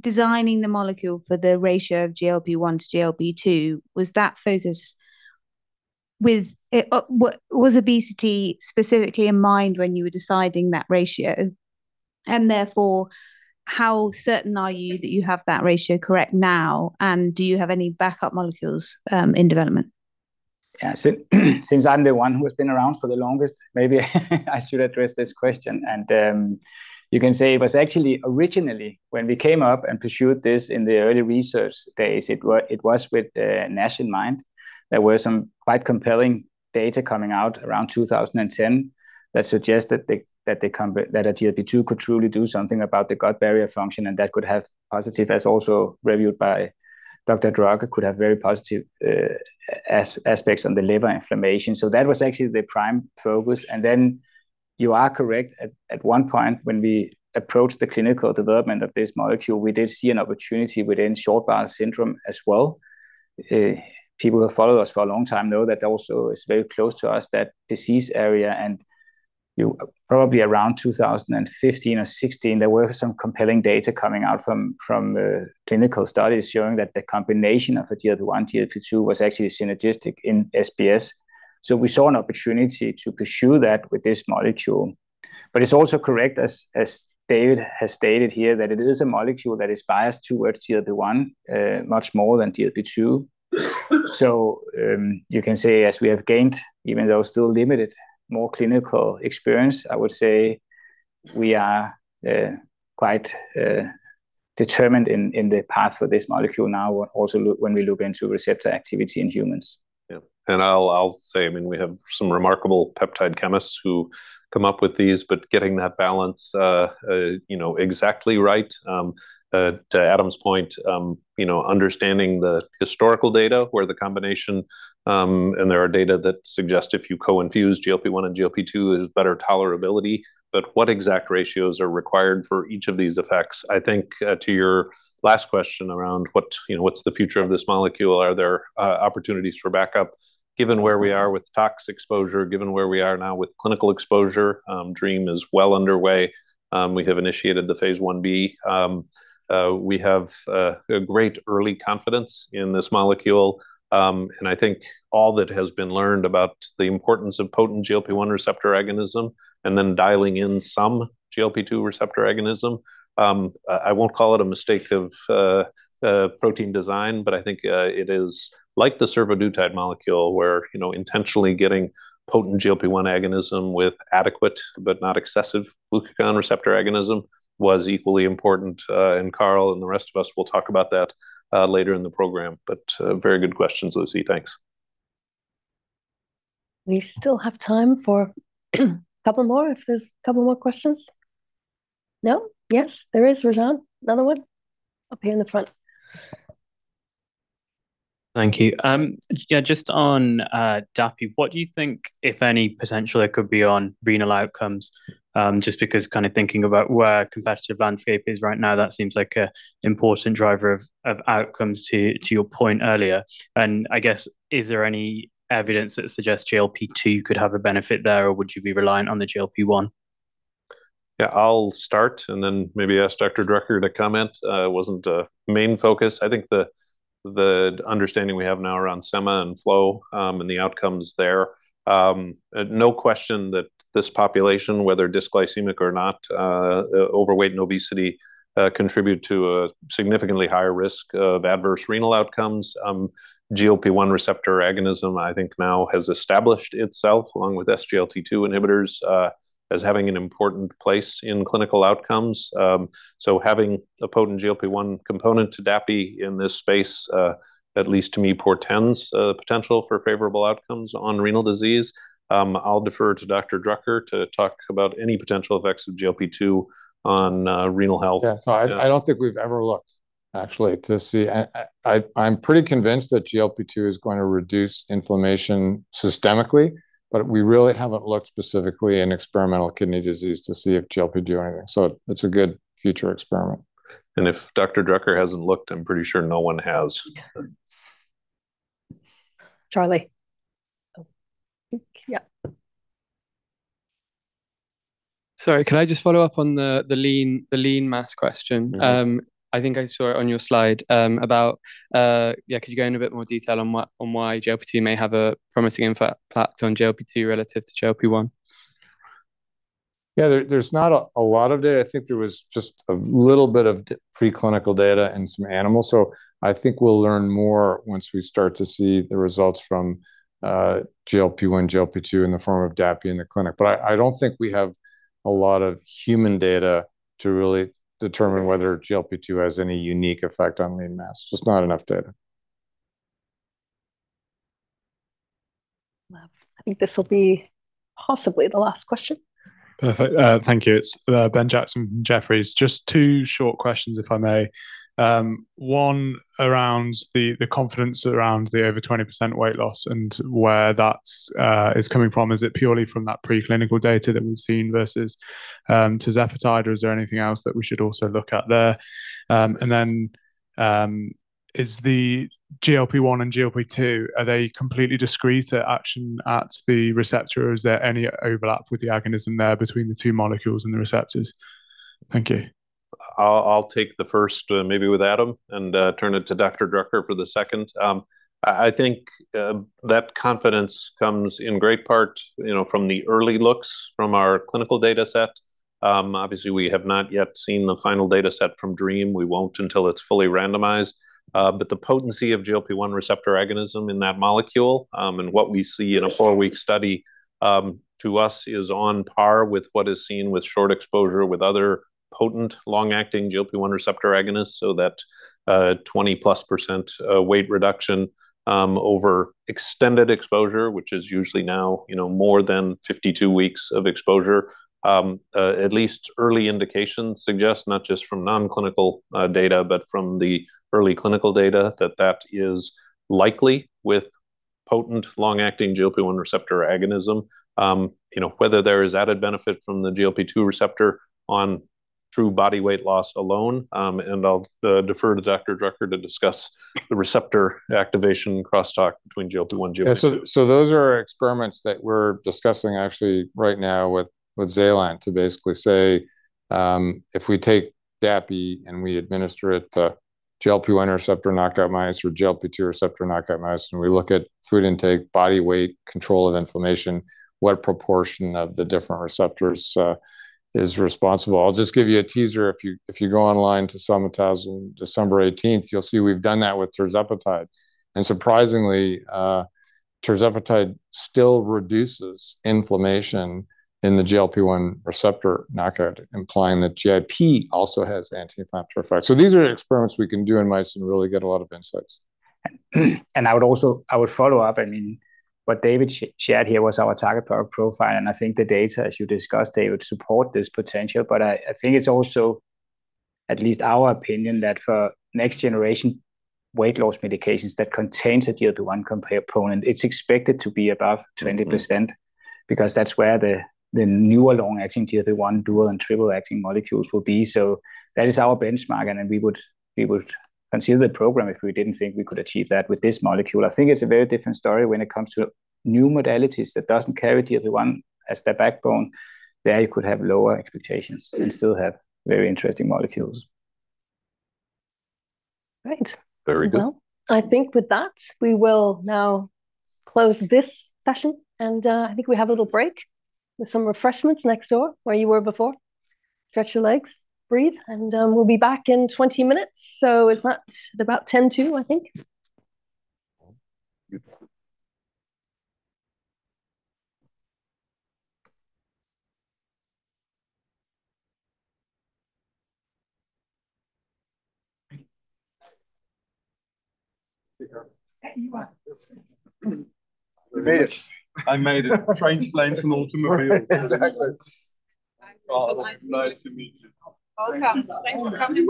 designing the molecule for the ratio of GLP-1 to GLP-2, was that focus with obesity specifically in mind when you were deciding that ratio? And therefore, how certain are you that you have that ratio correct now, and do you have any backup molecules in development? Yeah, so since I'm the one who has been around for the longest, maybe I should address this question. And you can say it was actually originally, when we came up and pursued this in the early research days, it was with NASH in mind. There were some quite compelling data coming out around 2010 that suggest that a GLP-2 could truly do something about the gut barrier function, and that could have positive, as also reviewed by Dr. Drucker, could have very positive aspects on the liver inflammation. So that was actually the prime focus. And then you are correct. At one point, when we approached the clinical development of this molecule, we did see an opportunity within short bowel syndrome as well. People who have followed us for a long time know that also is very close to us, that disease area, and, You, probably around 2015 or 2016, there were some compelling data coming out from clinical studies showing that the combination of a GLP-1, GLP-2 was actually synergistic in SBS. So we saw an opportunity to pursue that with this molecule. But it's also correct, as David has stated here, that it is a molecule that is biased towards GLP-1, much more than GLP-2. So, you can say, as we have gained, even though still limited, more clinical experience, I would say we are quite determined in the path for this molecule now, when also when we look into receptor activity in humans. Yeah. I'll say, I mean, we have some remarkable peptide chemists who come up with these, but getting that balance, you know, exactly right, to Adam's point, you know, understanding the historical data where the combination... And there are data that suggest if you co-infuse GLP-1 and GLP-2, there's better tolerability, but what exact ratios are required for each of these effects? I think, to your last question around what, you know, what's the future of this molecule? Are there, opportunities for backup? Given where we are with tox exposure, given where we are now with clinical exposure, DREAM is well underway. We have initiated the phase Ib. We have a great early confidence in this molecule. And I think all that has been learned about the importance of potent GLP-1 receptor agonism and then dialing in some GLP-2 receptor agonism. I won't call it a mistake of protein design, but I think it is like the survodutide molecule, where, you know, intentionally getting potent GLP-1 agonism with adequate, but not excessive glucagon receptor agonism was equally important. And Carel and the rest of us will talk about that later in the program. But very good questions, Lucy. Thanks. We still have time for a couple more, if there's a couple more questions. No? Yes, there is, Rajan. Another one up here in the front. Thank you. Yeah, just on Dapi, what do you think, if any, potential there could be on renal outcomes? Just because kinda thinking about where competitive landscape is right now, that seems like a important driver of outcomes to your point earlier. And I guess, is there any evidence that suggests GLP-2 could have a benefit there, or would you be relying on the GLP-1? Yeah, I'll start and then maybe ask Dr. Drucker to comment. It wasn't a main focus. I think the understanding we have now around Sema and FLOW, and the outcomes there, no question that this population, whether dysglycemic or not, overweight and obesity, contribute to a significantly higher risk of adverse renal outcomes. GLP-1 receptor agonism, I think, now has established itself, along with SGLT2 inhibitors, as having an important place in clinical outcomes. So having a potent GLP-1 component to Dapi in this space, at least to me, portends potential for favorable outcomes on renal disease. I'll defer to Dr. Drucker to talk about any potential effects of GLP-2 on renal health. Yeah. So I don't think we've ever looked, actually, to see... I'm pretty convinced that GLP-2 is going to reduce inflammation systemically, but we really haven't looked specifically in experimental kidney disease to see if GLP-2 do anything. So it's a good future experiment. If Dr. Drucker hasn't looked, I'm pretty sure no one has. Charlie? Oh, yeah. Sorry, can I just follow up on the lean mass question? Mm-hmm. I think I saw it on your slide. Yeah, could you go into a bit more detail on why, on why GLP-2 may have a promising impact on GLP-2 relative to GLP-1? Yeah, there's not a lot of data. I think there was just a little bit of preclinical data in some animals, so I think we'll learn more once we start to see the results from GLP-1, GLP-2 in the form of dapiglutide in the clinic. But I don't think we have a lot of human data to really determine whether GLP-2 has any unique effect on lean mass. Just not enough data. Well, I think this will be possibly the last question. Perfect. Thank you. It's Ben Jackson from Jefferies. Just two short questions, if I may. One around the confidence around the over 20% weight loss and where that's is coming from. Is it purely from that preclinical data that we've seen versus tirzepatide, or is there anything else that we should also look at there? And then, is the GLP-1 and GLP-2 completely discrete to action at the receptor, or is there any overlap with the agonism there between the two molecules and the receptors? Thank you. I'll take the first, maybe with Adam, and turn it to Dr. Drucker for the second. I think that confidence comes in great part, you know, from the early looks from our clinical data set. Obviously, we have not yet seen the final data set from DREAM. We won't until it's fully randomized. But the potency of GLP-1 receptor agonism in that molecule, and what we see in a four-week study, to us, is on par with what is seen with short exposure with other potent, long-acting GLP-1 receptor agonists. So that 20%+ weight reduction over extended exposure, which is usually now, you know, more than 52 weeks of exposure. At least early indications suggest, not just from non-clinical data, but from the early clinical data, that that is likely with potent, long-acting GLP-1 receptor agonism. You know, whether there is added benefit from the GLP-2 receptor on true body weight loss alone. I'll defer to Dr. Drucker to discuss the receptor activation crosstalk between GLP-1, GLP-2. Yeah, so, so those are experiments that we're discussing actually right now with, with Zealand to basically say, if we take dapiglutide and we administer it to GLP-1 receptor knockout mice or GLP-2 receptor knockout mice, and we look at food intake, body weight, control of inflammation, what proportion of the different receptors is responsible? I'll just give you a teaser. If you go online to Cell Metabolism, December 18th, you'll see we've done that with tirzepatide. And surprisingly, tirzepatide still reduces inflammation in the GLP-1 receptor knockout, implying that GIP also has anti-inflammatory effects. So these are experiments we can do in mice and really get a lot of insights. And I would also follow up. I mean, what David shared here was our target product profile, and I think the data, as you discussed, David, support this potential. But I, I think it's also at least our opinion, that for next generation weight loss medications that contain a GLP-1 component, it's expected to be above 20%, because that's where the, the newer long-acting GLP-1, dual and triple-acting molecules will be. So that is our benchmark, and then we would, we would consider the program if we didn't think we could achieve that with this molecule. I think it's a very different story when it comes to new modalities that doesn't carry GLP-1 as their backbone. There, you could have lower expectations and still have very interesting molecules. Great. Very good. Well, I think with that, we will now close this session, and I think we have a little break with some refreshments next door, where you were before. Stretch your legs, breathe, and we'll be back in 20 minutes. So is that about 10 to, I think? Beautiful. I made it. Train plane from Baltimore. Exactly. Nice to meet you. Welcome. Thanks for coming.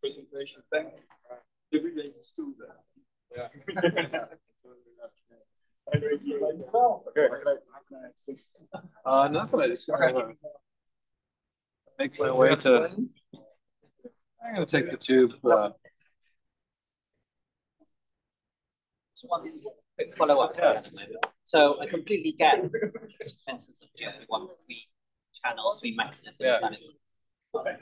Presentation. Thank you. Everybody is still there. Not that I just make my way to-- I'm gonna take the tube. Follow up. So I completely get the sense of one, three channels, three mechanisms. Okay.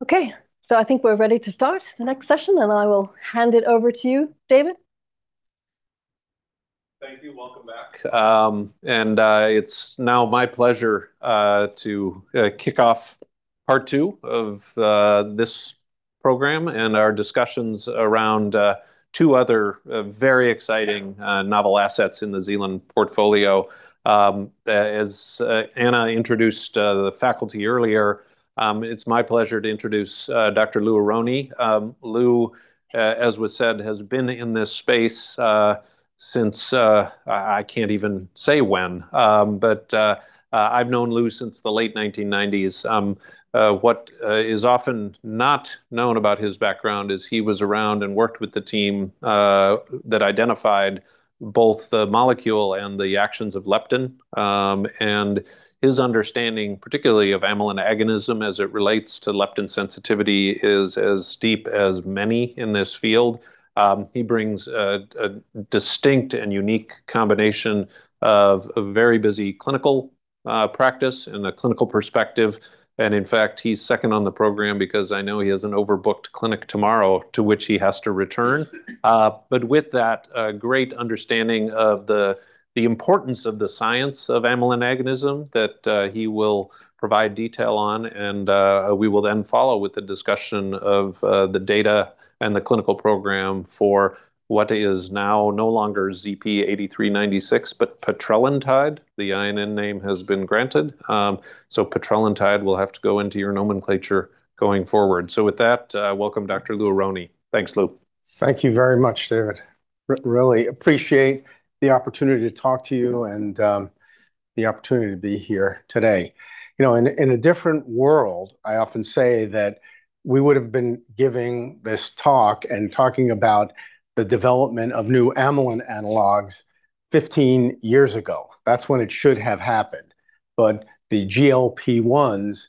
Okay, so I think we're ready to start the next session, and I will hand it over to you, David. Thank you. Welcome back. It's now my pleasure to kick off part two of this program and our discussions around two other very exciting novel assets in the Zealand portfolio. As Anna introduced the faculty earlier, it's my pleasure to introduce Dr. Louis Aronne. Louis, as was said, has been in this space since I can't even say when. I've known Louis since the late 1990s. What is often not known about his background is he was around and worked with the team that identified both the molecule and the actions of leptin. His understanding, particularly of amylin agonism as it relates to leptin sensitivity, is as deep as many in this field. He brings a distinct and unique combination of a very busy clinical practice and a clinical perspective. And in fact, he's second on the program because I know he has an overbooked clinic tomorrow to which he has to return. But with that, a great understanding of the importance of the science of amylin agonism that he will provide detail on, and we will then follow with a discussion of the data and the clinical program for what is now no longer ZP-8396, but petrelintide, the INN name has been granted. So petrelintide will have to go into your nomenclature going forward. So with that, welcome, Dr. Louis Aronne. Thanks, Louis. Thank you very much, David. Really appreciate the opportunity to talk to you and, the opportunity to be here today. You know, in a different world, I often say that we would have been giving this talk and talking about the development of new amylin analogs 15 years ago. That's when it should have happened. But the GLP-1s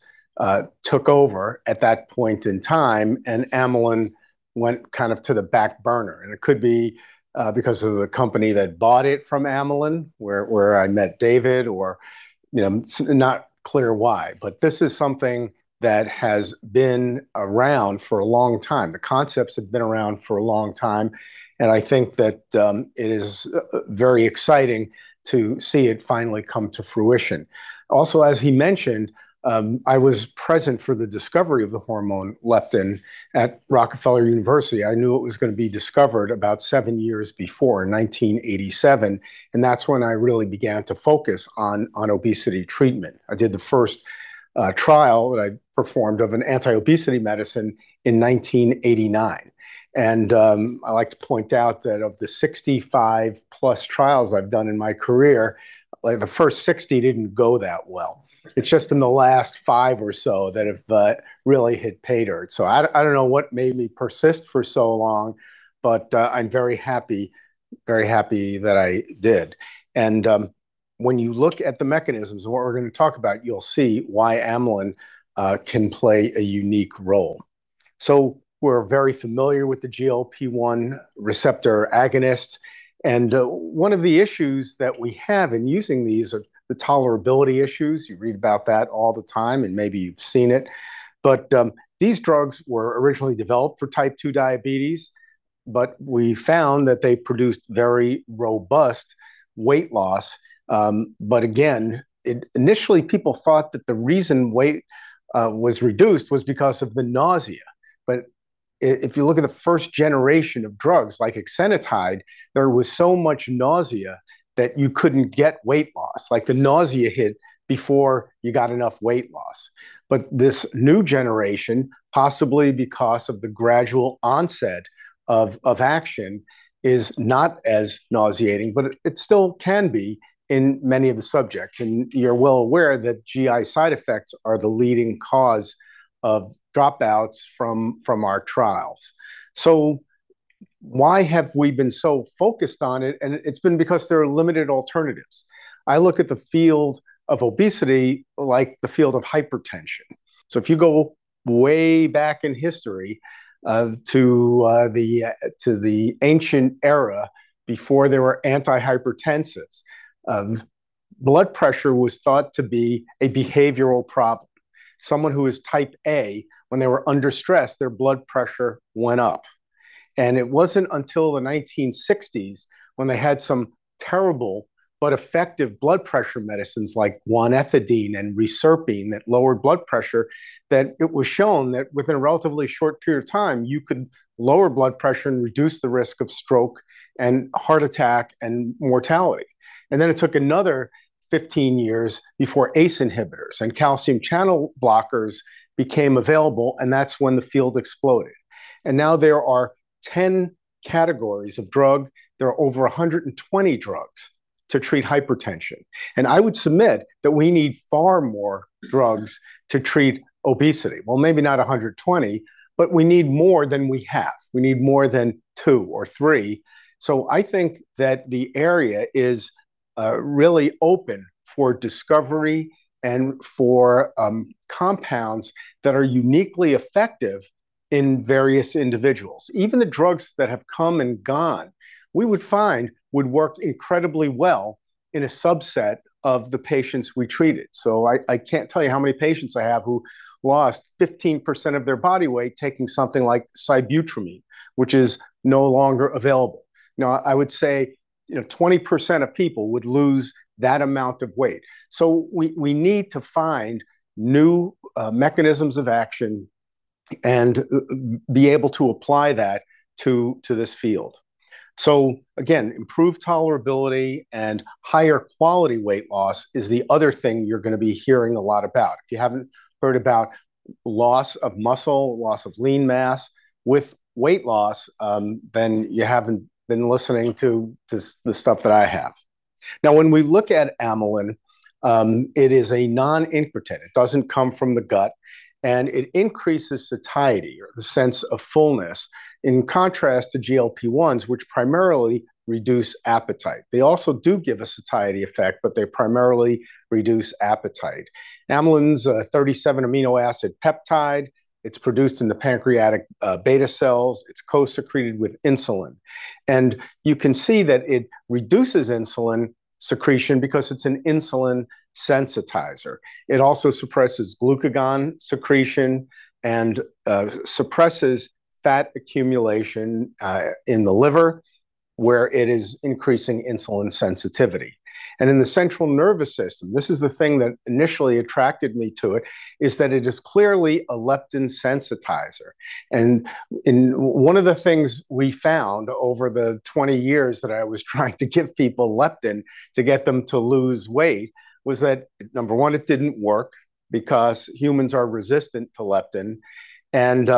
took over at that point in time, and amylin went kind of to the back burner. And it could be, because of the company that bought it from Amylin, where I met David or, you know, not clear why. But this is something that has been around for a long time. The concepts have been around for a long time, and I think that, it is very exciting to see it finally come to fruition. Also, as he mentioned, I was present for the discovery of the hormone leptin at Rockefeller University. I knew it was gonna be discovered about seven years before, in 1987, and that's when I really began to focus on obesity treatment. I did the first trial that I performed of an anti-obesity medicine in 1989. And I like to point out that of the 65+ trials I've done in my career, like, the first 60 didn't go that well. It's just in the last five or so that have really hit paydirt. So I don't know what made me persist for so long, but I'm very happy, very happy that I did. And when you look at the mechanisms, what we're gonna talk about, you'll see why amylin can play a unique role. So we're very familiar with the GLP-1 receptor agonist, and one of the issues that we have in using these are the tolerability issues. You read about that all the time, and maybe you've seen it. But these drugs were originally developed for type 2 diabetes, but we found that they produced very robust weight loss. But again, initially, people thought that the reason weight was reduced was because of the nausea. But if you look at the first generation of drugs, like exenatide, there was so much nausea that you couldn't get weight loss. Like, the nausea hit before you got enough weight loss. But this new generation, possibly because of the gradual onset of action, is not as nauseating, but it still can be in many of the subjects. You're well aware that GI side effects are the leading cause of dropouts from our trials. So why have we been so focused on it? And it's been because there are limited alternatives. I look at the field of obesity like the field of hypertension. So if you go way back in history to the ancient era, before there were antihypertensives, blood pressure was thought to be a behavioral problem. Someone who was type A, when they were under stress, their blood pressure went up. And it wasn't until the 1960s, when they had some terrible but effective blood pressure medicines like guanethidine and reserpine that lowered blood pressure, that it was shown that within a relatively short period of time, you could lower blood pressure and reduce the risk of stroke and heart attack and mortality. And then it took another 15 years before ACE inhibitors and calcium channel blockers became available, and that's when the field exploded. And now there are 10 categories of drug. There are over 120 drugs to treat hypertension. And I would submit that we need far more drugs to treat obesity. Well, maybe not 120, but we need more than we have. We need more than two or three.... So I think that the area is really open for discovery and for compounds that are uniquely effective in various individuals. Even the drugs that have come and gone, we would find would work incredibly well in a subset of the patients we treated. So I can't tell you how many patients I have who lost 15% of their body weight taking something like sibutramine, which is no longer available. Now, I would say, you know, 20% of people would lose that amount of weight. So we need to find new mechanisms of action and be able to apply that to this field. So again, improved tolerability and higher quality weight loss is the other thing you're gonna be hearing a lot about. If you haven't heard about loss of muscle, loss of lean mass with weight loss, then you haven't been listening to the stuff that I have. Now, when we look at amylin, it is a non-enteral. It doesn't come from the gut, and it increases satiety or the sense of fullness, in contrast to GLP-1s, which primarily reduce appetite. They also do give a satiety effect, but they primarily reduce appetite. Amylin's a 37 amino acid peptide. It's produced in the pancreatic beta cells. It's co-secreted with insulin, and you can see that it reduces insulin secretion because it's an insulin sensitizer. It also suppresses glucagon secretion and suppresses fat accumulation in the liver, where it is increasing insulin sensitivity. And in the central nervous system, this is the thing that initially attracted me to it, is that it is clearly a leptin sensitizer. And one of the things we found over the 20 years that I was trying to give people leptin to get them to lose weight was that, number one, it didn't work because humans are resistant to leptin, and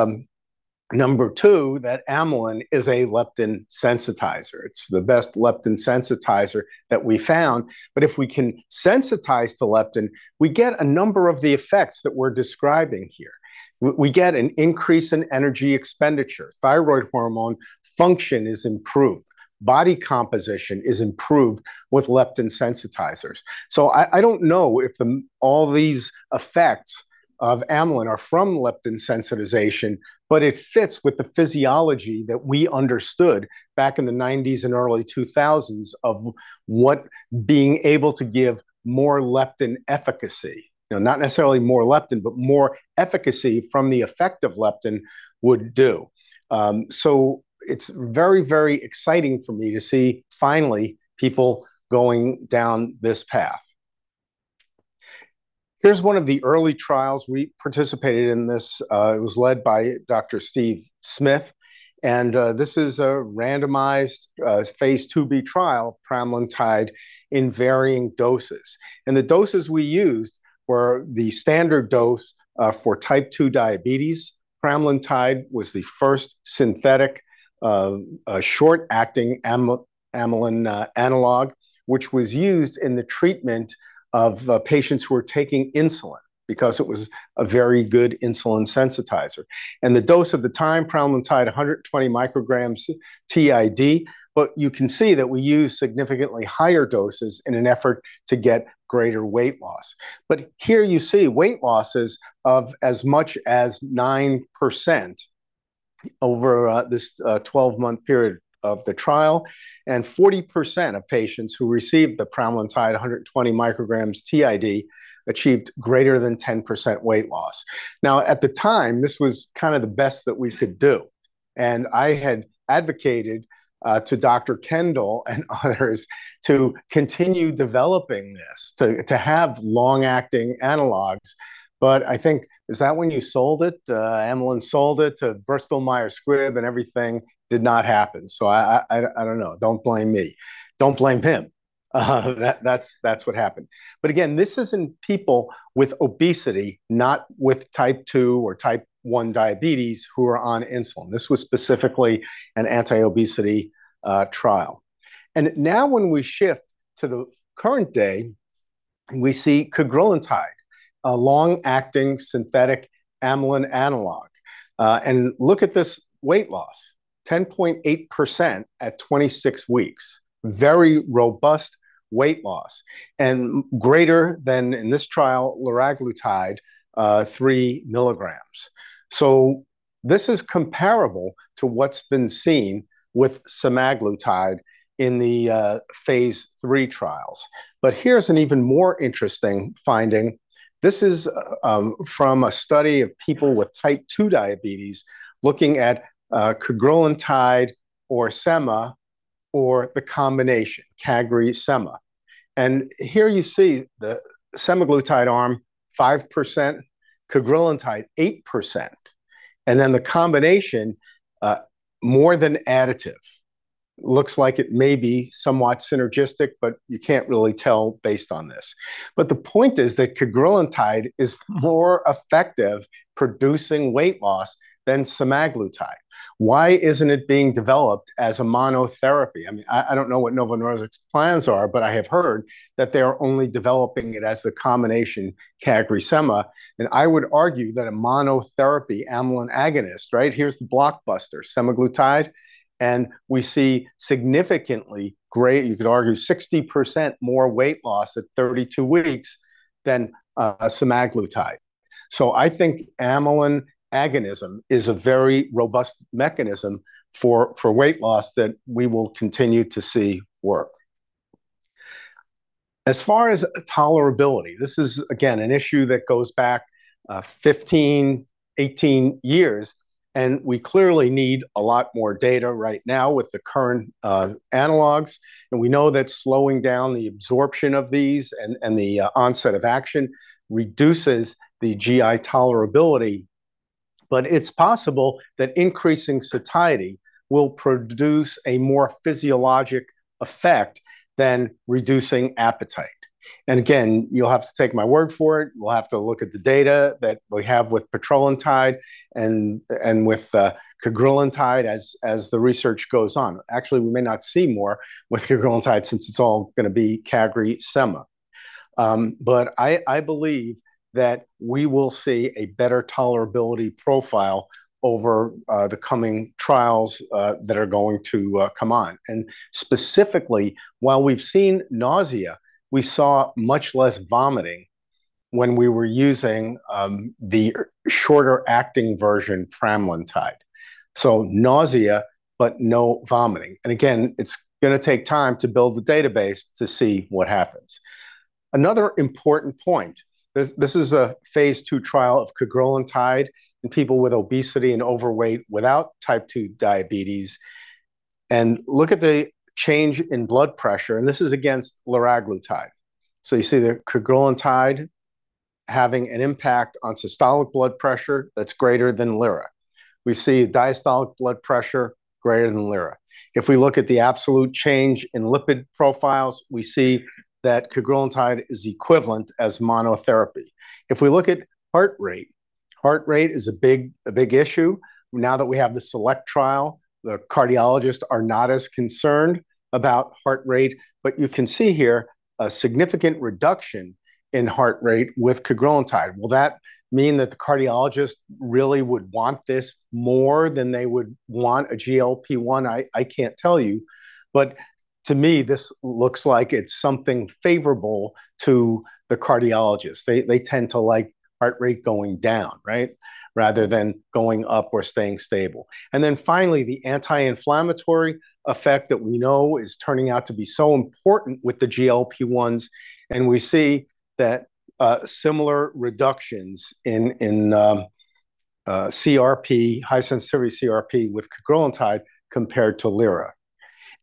number two, that amylin is a leptin sensitizer. It's the best leptin sensitizer that we found. But if we can sensitize to leptin, we get a number of the effects that we're describing here. We get an increase in energy expenditure. Thyroid hormone function is improved. Body composition is improved with leptin sensitizers. So I don't know if all these effects of amylin are from leptin sensitization, but it fits with the physiology that we understood back in the 1990s and early 2000s of what being able to give more leptin efficacy-- you know, not necessarily more leptin, but more efficacy from the effect of leptin would do. So it's very, very exciting for me to see, finally, people going down this path. Here's one of the early trials. We participated in this. It was led by Dr. Steve Smith, and this is a randomized phase IIb trial, pramlintide in varying doses. And the doses we used were the standard dose for type two diabetes. Pramlintide was the first synthetic, a short-acting amylin analog, which was used in the treatment of patients who were taking insulin because it was a very good insulin sensitizer. And the dose at the time, pramlintide, 120 micrograms TID, but you can see that we use significantly higher doses in an effort to get greater weight loss. But here you see weight losses of as much as 9% over this 12-month period of the trial, and 40% of patients who received the pramlintide 120 micrograms TID achieved greater than 10% weight loss. Now, at the time, this was kind of the best that we could do, and I had advocated to Dr. Kendall and others to continue developing this, to have long-acting analogs. But I think... Is that when you sold it? Amylin sold it to Bristol-Myers Squibb, and everything did not happen. So I don't know. Don't blame me. Don't blame him. That's what happened. But again, this is in people with obesity, not with type 2 or type 1 diabetes, who are on insulin. This was specifically an anti-obesity trial. And now, when we shift to the current day, we see cagrilintide, a long-acting synthetic amylin analog. And look at this weight loss, 10.8% at 26 weeks. Very robust weight loss and greater than, in this trial, liraglutide 3 mg. So this is comparable to what's been seen with semaglutide in the phase III trials. But here's an even more interesting finding. This is from a study of people with type 2 diabetes, looking at cagrilintide or sema or the combination, CagriSema. And here you see the semaglutide arm, 5%; cagrilintide, 8%. And then the combination, more than additive. Looks like it may be somewhat synergistic, but you can't really tell based on this. But the point is that cagrilintide is more effective producing weight loss than semaglutide. Why isn't it being developed as a monotherapy? I mean, I don't know what Novo Nordisk's plans are, but I have heard that they are only developing it as the combination, CagriSema, and I would argue that a monotherapy amylin agonist, right? Here's the blockbuster, semaglutide, and we see significantly great, you could argue 60% more weight loss at 32 weeks than a semaglutide. So I think amylin agonism is a very robust mechanism for weight loss that we will continue to see work. As far as tolerability, this is, again, an issue that goes back 15, 18 years, and we clearly need a lot more data right now with the current analogs. And we know that slowing down the absorption of these and the onset of action reduces the GI tolerability, but it's possible that increasing satiety will produce a more physiologic effect than reducing appetite. And again, you'll have to take my word for it. We'll have to look at the data that we have with petrelintide and with cagrilintide as the research goes on. Actually, we may not see more with cagrilintide since it's all gonna be CagriSema. But I believe that we will see a better tolerability profile over the coming trials that are going to come on. Specifically, while we've seen nausea, we saw much less vomiting when we were using the shorter acting version, pramlintide. Nausea, but no vomiting. Again, it's gonna take time to build the database to see what happens. Another important point, this is a phase II trial of cagrilintide in people with obesity and overweight without type 2 diabetes, and look at the change in blood pressure, and this is against liraglutide. So you see the cagrilintide having an impact on systolic blood pressure that's greater than liraglutide. We see diastolic blood pressure greater than liraglutide. If we look at the absolute change in lipid profiles, we see that cagrilintide is equivalent as monotherapy. If we look at heart rate, heart rate is a big, a big issue. Now that we have the SELECT trial, the cardiologists are not as concerned about heart rate. But you can see here a significant reduction in heart rate with cagrilintide. Will that mean that the cardiologist really would want this more than they would want a GLP-1? I, I can't tell you, but to me, this looks like it's something favorable to the cardiologist. They, they tend to like heart rate going down, right? Rather than going up or staying stable. And then finally, the anti-inflammatory effect that we know is turning out to be so important with the GLP-1s, and we see that, similar reductions in, in, CRP, high sensitivity CRP with cagrilintide compared to liraglutide.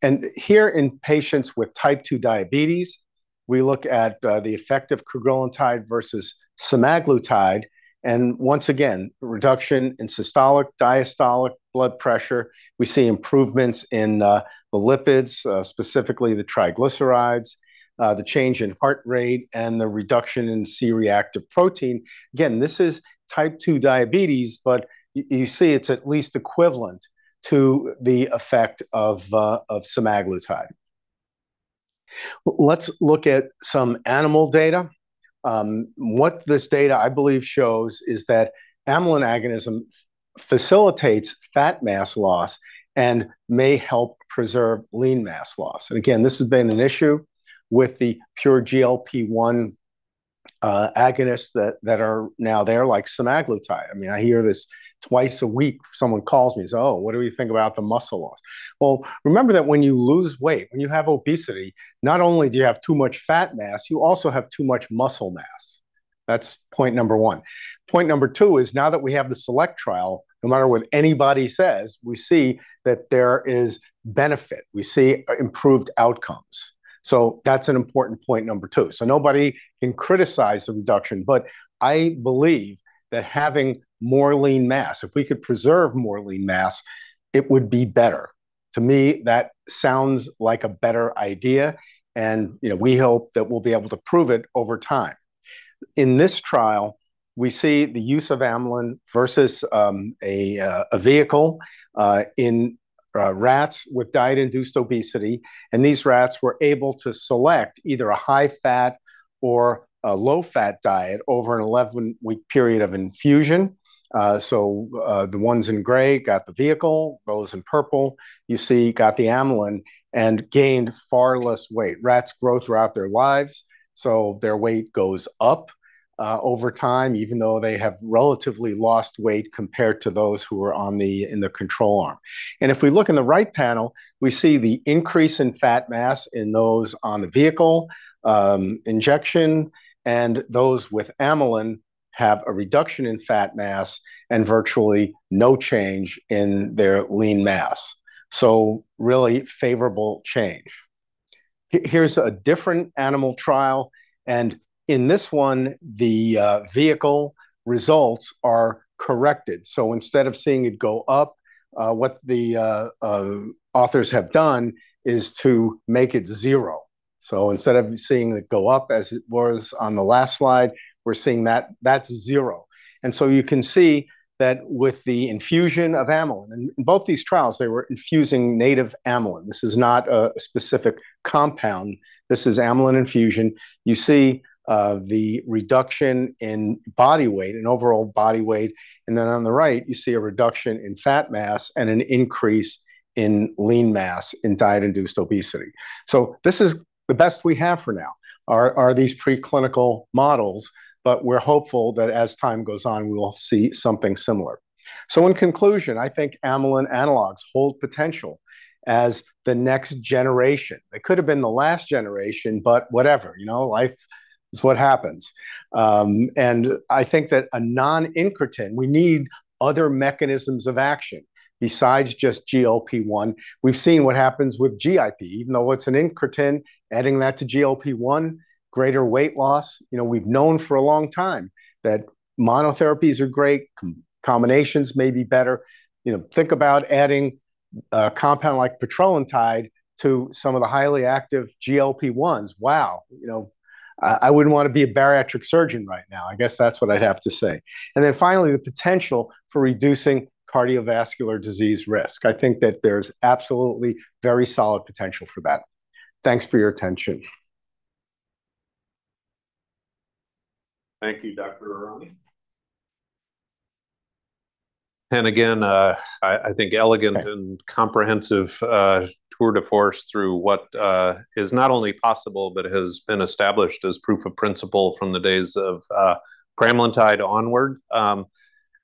And here in patients with type two diabetes, we look at, the effect of cagrilintide versus semaglutide, and once again, reduction in systolic diastolic blood pressure. We see improvements in the lipids, specifically the triglycerides, the change in heart rate, and the reduction in C-reactive protein. Again, this is type 2 diabetes, but you see it's at least equivalent to the effect of semaglutide. Let's look at some animal data. What this data, I believe, shows is that amylin agonism facilitates fat mass loss and may help preserve lean mass loss. And again, this has been an issue with the pure GLP-1 agonists that are now there, like semaglutide. I mean, I hear this twice a week. Someone calls me and say, "Oh, what do you think about the muscle loss?" Well, remember that when you lose weight, when you have obesity, not only do you have too much fat mass, you also have too much muscle mass. That's point number one. Point number two is now that we have the SELECT trial, no matter what anybody says, we see that there is benefit. We see improved outcomes. So that's an important point number two. So nobody can criticize the reduction, but I believe that having more lean mass, if we could preserve more lean mass, it would be better. To me, that sounds like a better idea, and, you know, we hope that we'll be able to prove it over time. In this trial, we see the use of amylin versus a vehicle in rats with diet-induced obesity, and these rats were able to select either a high fat or a low fat diet over an 11-week period of infusion. So, the ones in gray got the vehicle, those in purple, you see, got the amylin and gained far less weight. Rats grow throughout their lives, so their weight goes up over time, even though they have relatively lost weight compared to those who are on the, in the control arm. And if we look in the right panel, we see the increase in fat mass in those on the vehicle injection, and those with amylin have a reduction in fat mass and virtually no change in their lean mass. So really favorable change. Here's a different animal trial, and in this one, the vehicle results are corrected. So instead of seeing it go up, what the authors have done is to make it zero. So instead of seeing it go up as it was on the last slide, we're seeing that that's zero. And so you can see that with the infusion of amylin, and in both these trials, they were infusing native amylin. This is not a specific compound; this is amylin infusion. You see the reduction in body weight, in overall body weight, and then on the right, you see a reduction in fat mass and an increase in lean mass in diet-induced obesity. So this is the best we have for now, these preclinical models, but we're hopeful that as time goes on, we will see something similar. So in conclusion, I think amylin analogs hold potential as the next generation. They could have been the last generation, but whatever, you know, life is what happens. And I think that a non-incretin, we need other mechanisms of action besides just GLP-1. We've seen what happens with GIP, even though it's an incretin, adding that to GLP-1, greater weight loss. You know, we've known for a long time that monotherapies are great, combinations may be better. You know, think about adding a compound like petrelintide to some of the highly active GLP-1s. Wow! You know, I wouldn't wanna be a bariatric surgeon right now. I guess that's what I'd have to say. And then finally, the potential for reducing cardiovascular disease risk. I think that there's absolutely very solid potential for that. Thanks for your attention. Thank you, Dr. Aronne. And again, I think elegant and comprehensive tour de force through what is not only possible but has been established as proof of principle from the days of pramlintide onward.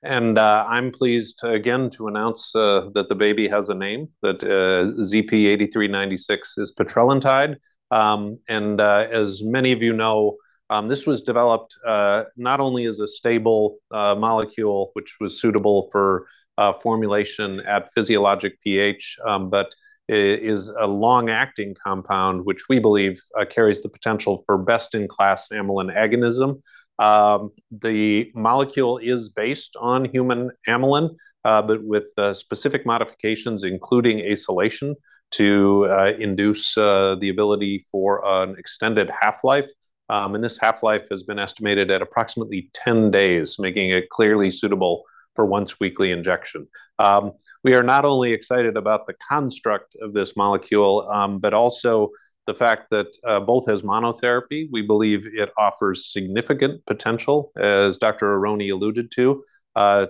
And I'm pleased to again announce that the baby has a name, that ZP-8396 is petrelintide. And as many of you know, this was developed not only as a stable molecule, which was suitable for formulation at physiologic pH, but is a long-acting compound, which we believe carries the potential for best-in-class amylin agonism. The molecule is based on human amylin, but with specific modifications, including acylation, to induce the ability for an extended half-life. This half-life has been estimated at approximately 10 days, making it clearly suitable for once-weekly injection. We are not only excited about the construct of this molecule, but also the fact that both as monotherapy, we believe it offers significant potential, as Dr. Aronne alluded to,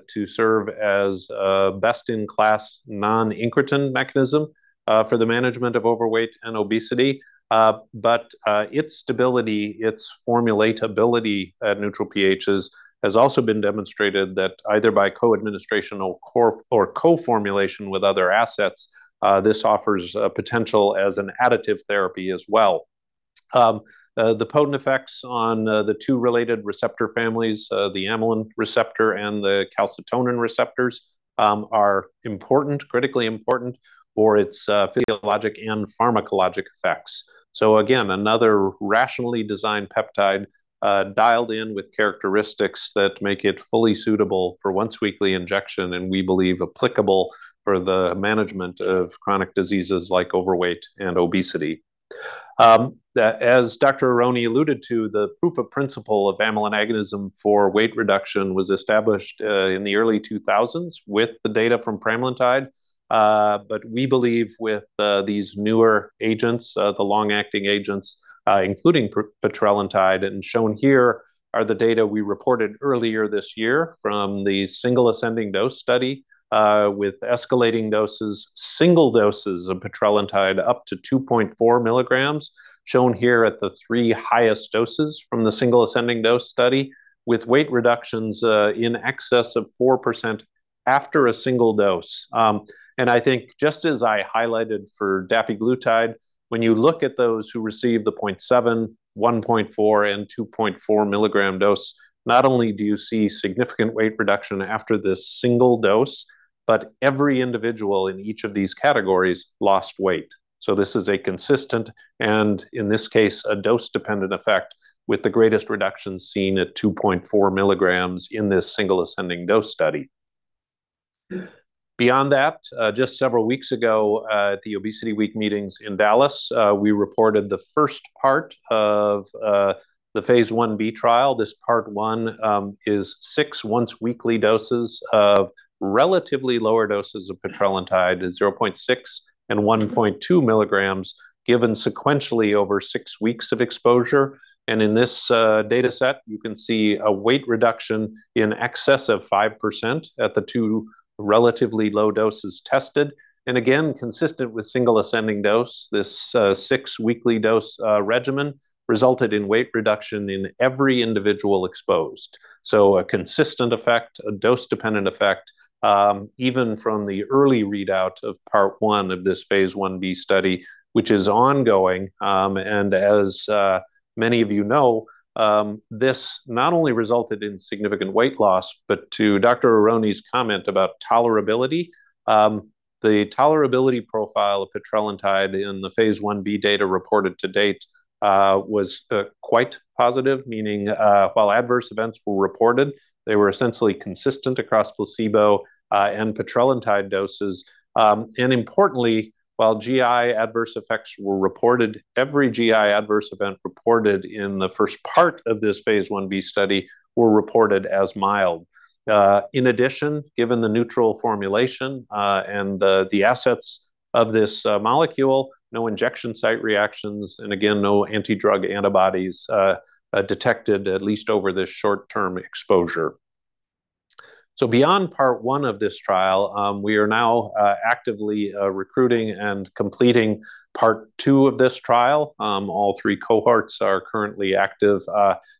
to serve as a best-in-class non-incretin mechanism for the management of overweight and obesity. Its stability, its formulatability at neutral pHs, has also been demonstrated that either by co-administration or co-formulation with other assets, this offers a potential as an additive therapy as well. The potent effects on the two related receptor families, the amylin receptor and the calcitonin receptors, are important, critically important for its physiologic and pharmacologic effects. So again, another rationally designed peptide, dialed in with characteristics that make it fully suitable for once-weekly injection, and we believe applicable for the management of chronic diseases like overweight and obesity. That as Dr. Aronne alluded to, the proof of principle of amylin agonism for weight reduction was established in the early 2000s with the data from pramlintide. But we believe with these newer agents, the long-acting agents, including petrelintide, and shown here are the data we reported earlier this year from the single-ascending dose study with escalating doses, single doses of petrelintide up to 2.4 mg, shown here at the three highest doses from the single-ascending dose study, with weight reductions in excess of 4% after a single dose. And I think, just as I highlighted for dapiglutide, when you look at those who received the 0.7, 1.4, and 2.4 mg dose, not only do you see significant weight reduction after this single dose, but every individual in each of these categories lost weight. So this is a consistent, and in this case, a dose-dependent effect, with the greatest reduction seen at 2.4 mg in this single-ascending dose study. Beyond that, just several weeks ago, at the Obesity Week meetings in Dallas, we reported the first part of the phase Ib trial. This Part One is six once-weekly doses of relatively lower doses of petrelintide, at 0.6 and 1.2 mg, given sequentially over six weeks of exposure. And in this dataset, you can see a weight reduction in excess of 5% at the two relatively low doses tested. And again, consistent with single ascending dose, this six-weekly dose regimen resulted in weight reduction in every individual exposed. So a consistent effect, a dose-dependent effect, even from the early readout of Part 1 of this phase Ib study, which is ongoing. And as many of you know, this not only resulted in significant weight loss, but to Dr. Aronne's comment about tolerability. The tolerability profile of petrelintide in the phase Ib data reported to date was quite positive, meaning while adverse events were reported, they were essentially consistent across placebo and petrelintide doses. And importantly, while GI adverse effects were reported, every GI adverse event reported in the first part of this phase Ib study were reported as mild. In addition, given the neutral formulation and the assets of this molecule, no injection site reactions, and again, no anti-drug antibodies detected, at least over this short-term exposure. So beyond part one of this trial, we are now actively recruiting and completing part two of this trial. All three cohorts are currently active,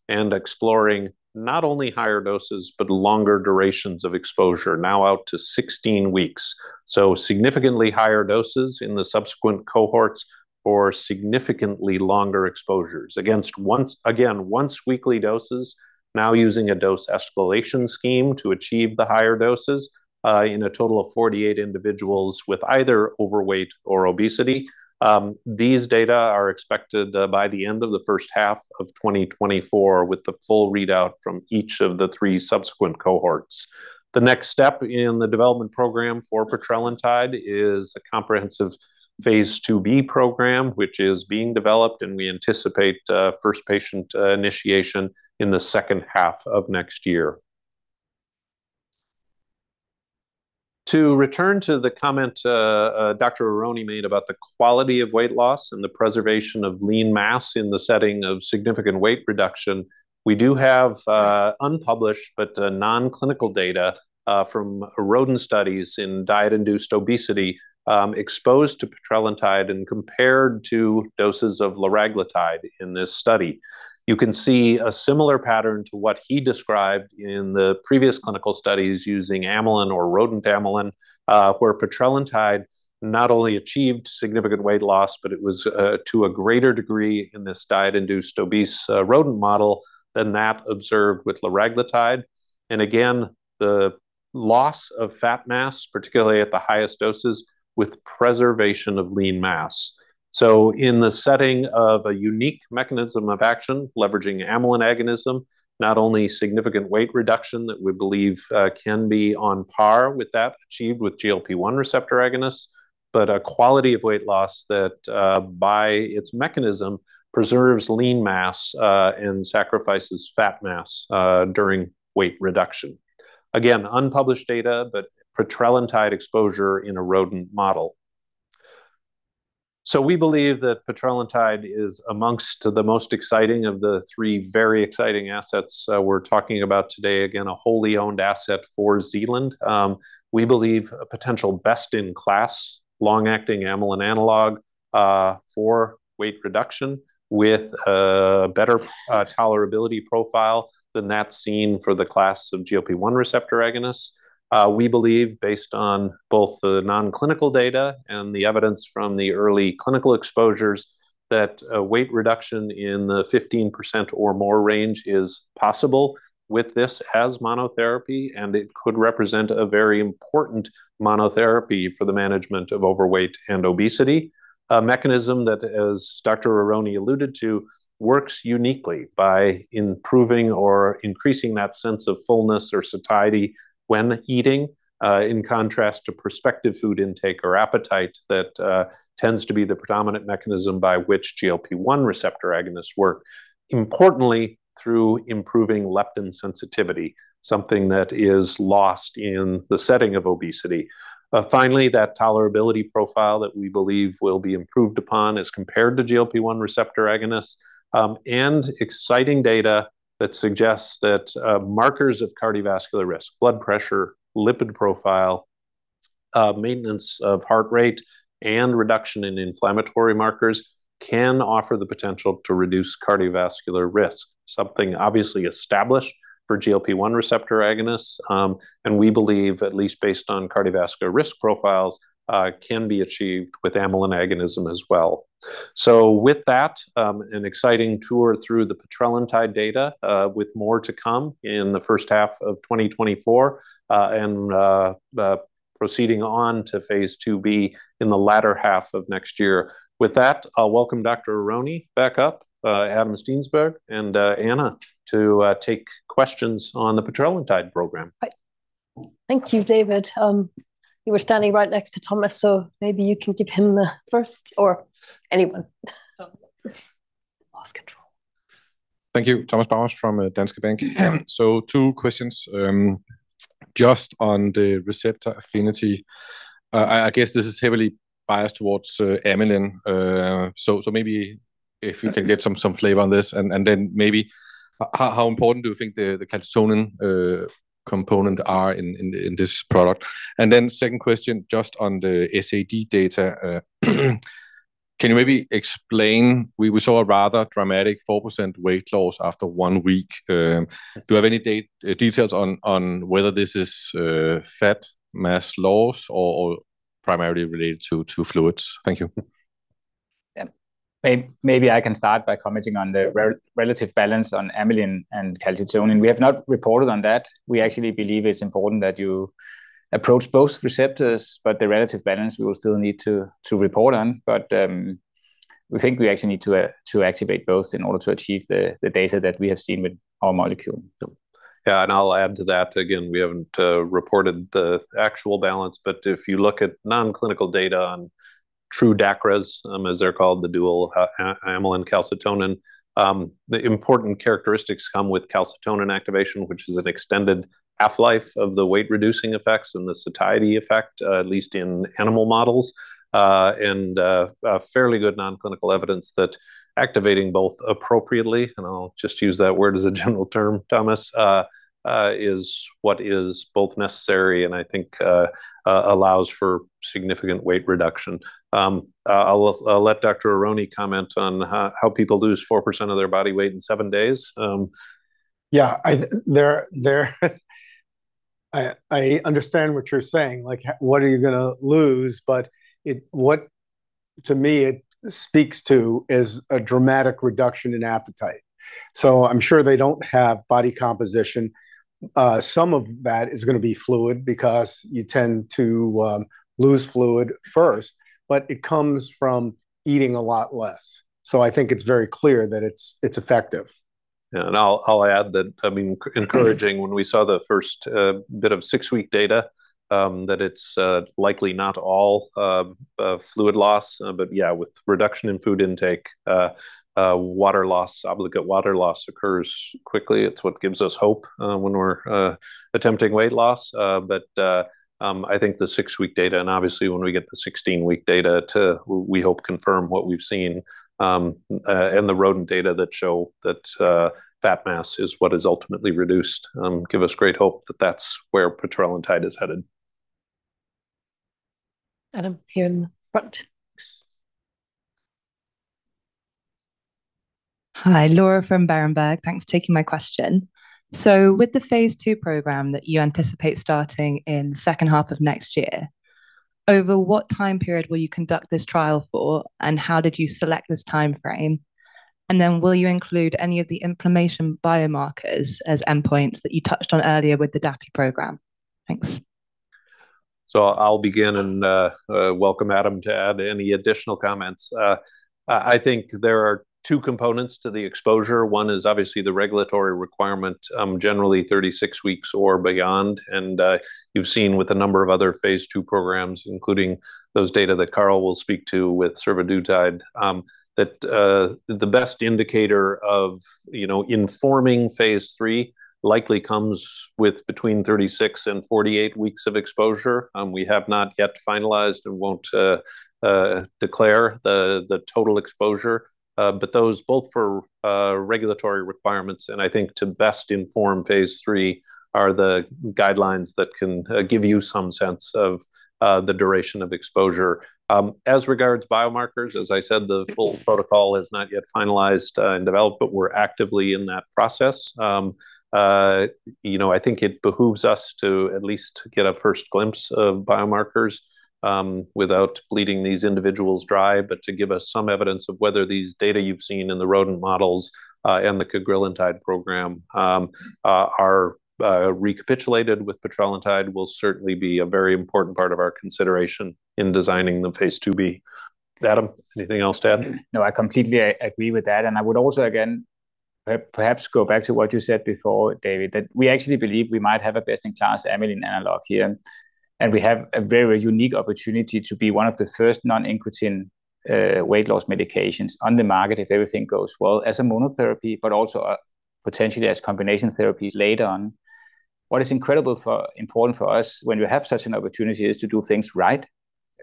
and exploring not only higher doses, but longer durations of exposure, now out to 16 weeks. So significantly higher doses in the subsequent cohorts or significantly longer exposures. Against once again, once-weekly doses, now using a dose escalation scheme to achieve the higher doses, in a total of 48 individuals with either overweight or obesity. These data are expected by the end of the first half of 2024, with the full readout from each of the three subsequent cohorts. The next step in the development program for petrelintide is a comprehensive phase IIb program, which is being developed, and we anticipate first patient initiation in the second half of next year. To return to the comment Dr. Aronne made about the quality of weight loss and the preservation of lean mass in the setting of significant weight reduction, we do have unpublished but non-clinical data from rodent studies in diet-induced obesity exposed to petrelintide and compared to doses of liraglutide in this study. You can see a similar pattern to what he described in the previous clinical studies using amylin or rodent amylin, where petrelintide not only achieved significant weight loss, but it was to a greater degree in this diet-induced obese rodent model than that observed with liraglutide. And again, the loss of fat mass, particularly at the highest doses, with preservation of lean mass. So in the setting of a unique mechanism of action, leveraging amylin agonism, not only significant weight reduction that we believe can be on par with that achieved with GLP-1 receptor agonists, but a quality of weight loss that by its mechanism, preserves lean mass and sacrifices fat mass during weight reduction. Again, unpublished data, but petrelintide exposure in a rodent model. So we believe that petrelintide is among the most exciting of the three very exciting assets, we're talking about today. Again, a wholly owned asset for Zealand. We believe a potential best-in-class, long-acting amylin analog, for weight reduction, with a better, tolerability profile than that seen for the class of GLP-1 receptor agonists. We believe, based on both the non-clinical data and the evidence from the early clinical exposures, that a weight reduction in the 15% or more range is possible with this as monotherapy, and it could represent a very important monotherapy for the management of overweight and obesity. A mechanism that, as Dr. Aronne alluded to, works uniquely by improving or increasing that sense of fullness or satiety when eating, in contrast to prospective food intake or appetite, that tends to be the predominant mechanism by which GLP-1 receptor agonists work, importantly, through improving leptin sensitivity, something that is lost in the setting of obesity. Finally, that tolerability profile that we believe will be improved upon as compared to GLP-1 receptor agonists, and exciting data that suggests that markers of cardiovascular risk, blood pressure, lipid profile, maintenance of heart rate, and reduction in inflammatory markers can offer the potential to reduce cardiovascular risk, something obviously established for GLP-1 receptor agonists, and we believe, at least based on cardiovascular risk profiles, can be achieved with amylin agonism as well. So with that, an exciting tour through the petrelintide data, with more to come in the first half of 2024, and proceeding on to phase IIb in the latter half of next year. With that, I'll welcome Dr. Aronne back up, Adam Steensberg, and Anna, to take questions on the petrelintide program. Thank you, David. You were standing right next to Thomas, so maybe you can give him the first or anyone. Lost control. Thank you. Thomas Bowers from Danske Bank. So two questions. Just on the receptor affinity, I guess this is heavily biased towards amylin. So maybe if you can get some flavor on this, and then maybe how important do you think the calcitonin component are in this product? And then second question, just on the SAD data, can you maybe explain. We saw a rather dramatic 4% weight loss after one week. Do you have any details on whether this is fat mass loss or primarily related to fluids? Thank you. Yeah, maybe I can start by commenting on the relative balance on amylin and calcitonin. We have not reported on that. We actually believe it's important that you approach both receptors, but the relative balance we will still need to report on. But, we think we actually need to activate both in order to achieve the data that we have seen with our molecule. So- Yeah, and I'll add to that. Again, we haven't reported the actual balance, but if you look at non-clinical data on true DACRAs, as they're called, the dual amylin calcitonin, the important characteristics come with calcitonin activation, which is an extended half-life of the weight-reducing effects and the satiety effect, at least in animal models. And a fairly good non-clinical evidence that activating both appropriately, and I'll just use that word as a general term, Thomas, is what is both necessary and I think allows for significant weight reduction. I'll let Dr. Aronne comment on how people lose 4% of their body weight in seven days. Yeah, I understand what you're saying, like, what are you gonna lose? But what to me it speaks to is a dramatic reduction in appetite. So I'm sure they don't have body composition. Some of that is gonna be fluid, because you tend to lose fluid first, but it comes from eating a lot less. So I think it's very clear that it's effective. Yeah. And I'll add that, I mean, encouraging when we saw the first bit of six-week data that it's likely not all fluid loss. But yeah, with reduction in food intake, water loss, obligate water loss occurs quickly. It's what gives us hope when we're attempting weight loss. But I think the six-week data, and obviously when we get the 16-week data to we hope confirm what we've seen in the rodent data that show that fat mass is what is ultimately reduced, give us great hope that that's where petrelintide is headed. Adam, here in the front. Hi, Laura from Berenberg. Thanks for taking my question. So with the phase II program that you anticipate starting in second half of next year, over what time period will you conduct this trial for, and how did you select this timeframe? And then will you include any of the inflammation biomarkers as endpoints that you touched on earlier with the dapiglutide program? Thanks. So I'll begin and welcome Adam to add any additional comments. I think there are two components to the exposure. One is obviously the regulatory requirement, generally 36 weeks or beyond. And you've seen with a number of other phase II programs, including those data that Carel will speak to with survodutide, that the best indicator of, you know, informing phase III likely comes with between 36 and 48 weeks of exposure. We have not yet finalized and won't declare the total exposure, but those both for regulatory requirements and I think to best inform phase III, are the guidelines that can give you some sense of the duration of exposure. As regards biomarkers, as I said, the full protocol is not yet finalized and developed, but we're actively in that process. You know, I think it behooves us to at least get a first glimpse of biomarkers, without bleeding these individuals dry. But to give us some evidence of whether these data you've seen in the rodent models, and the cagrilintide program, are recapitulated with petrelintide will certainly be a very important part of our consideration in designing the phase IIb. Adam, anything else to add? No, I completely agree with that, and I would also, again, perhaps go back to what you said before, David, that we actually believe we might have a best-in-class amylin analog here. And we have a very unique opportunity to be one of the first non-incretin weight loss medications on the market, if everything goes well, as a monotherapy, but also potentially as combination therapies later on. What is important for us when we have such an opportunity is to do things right.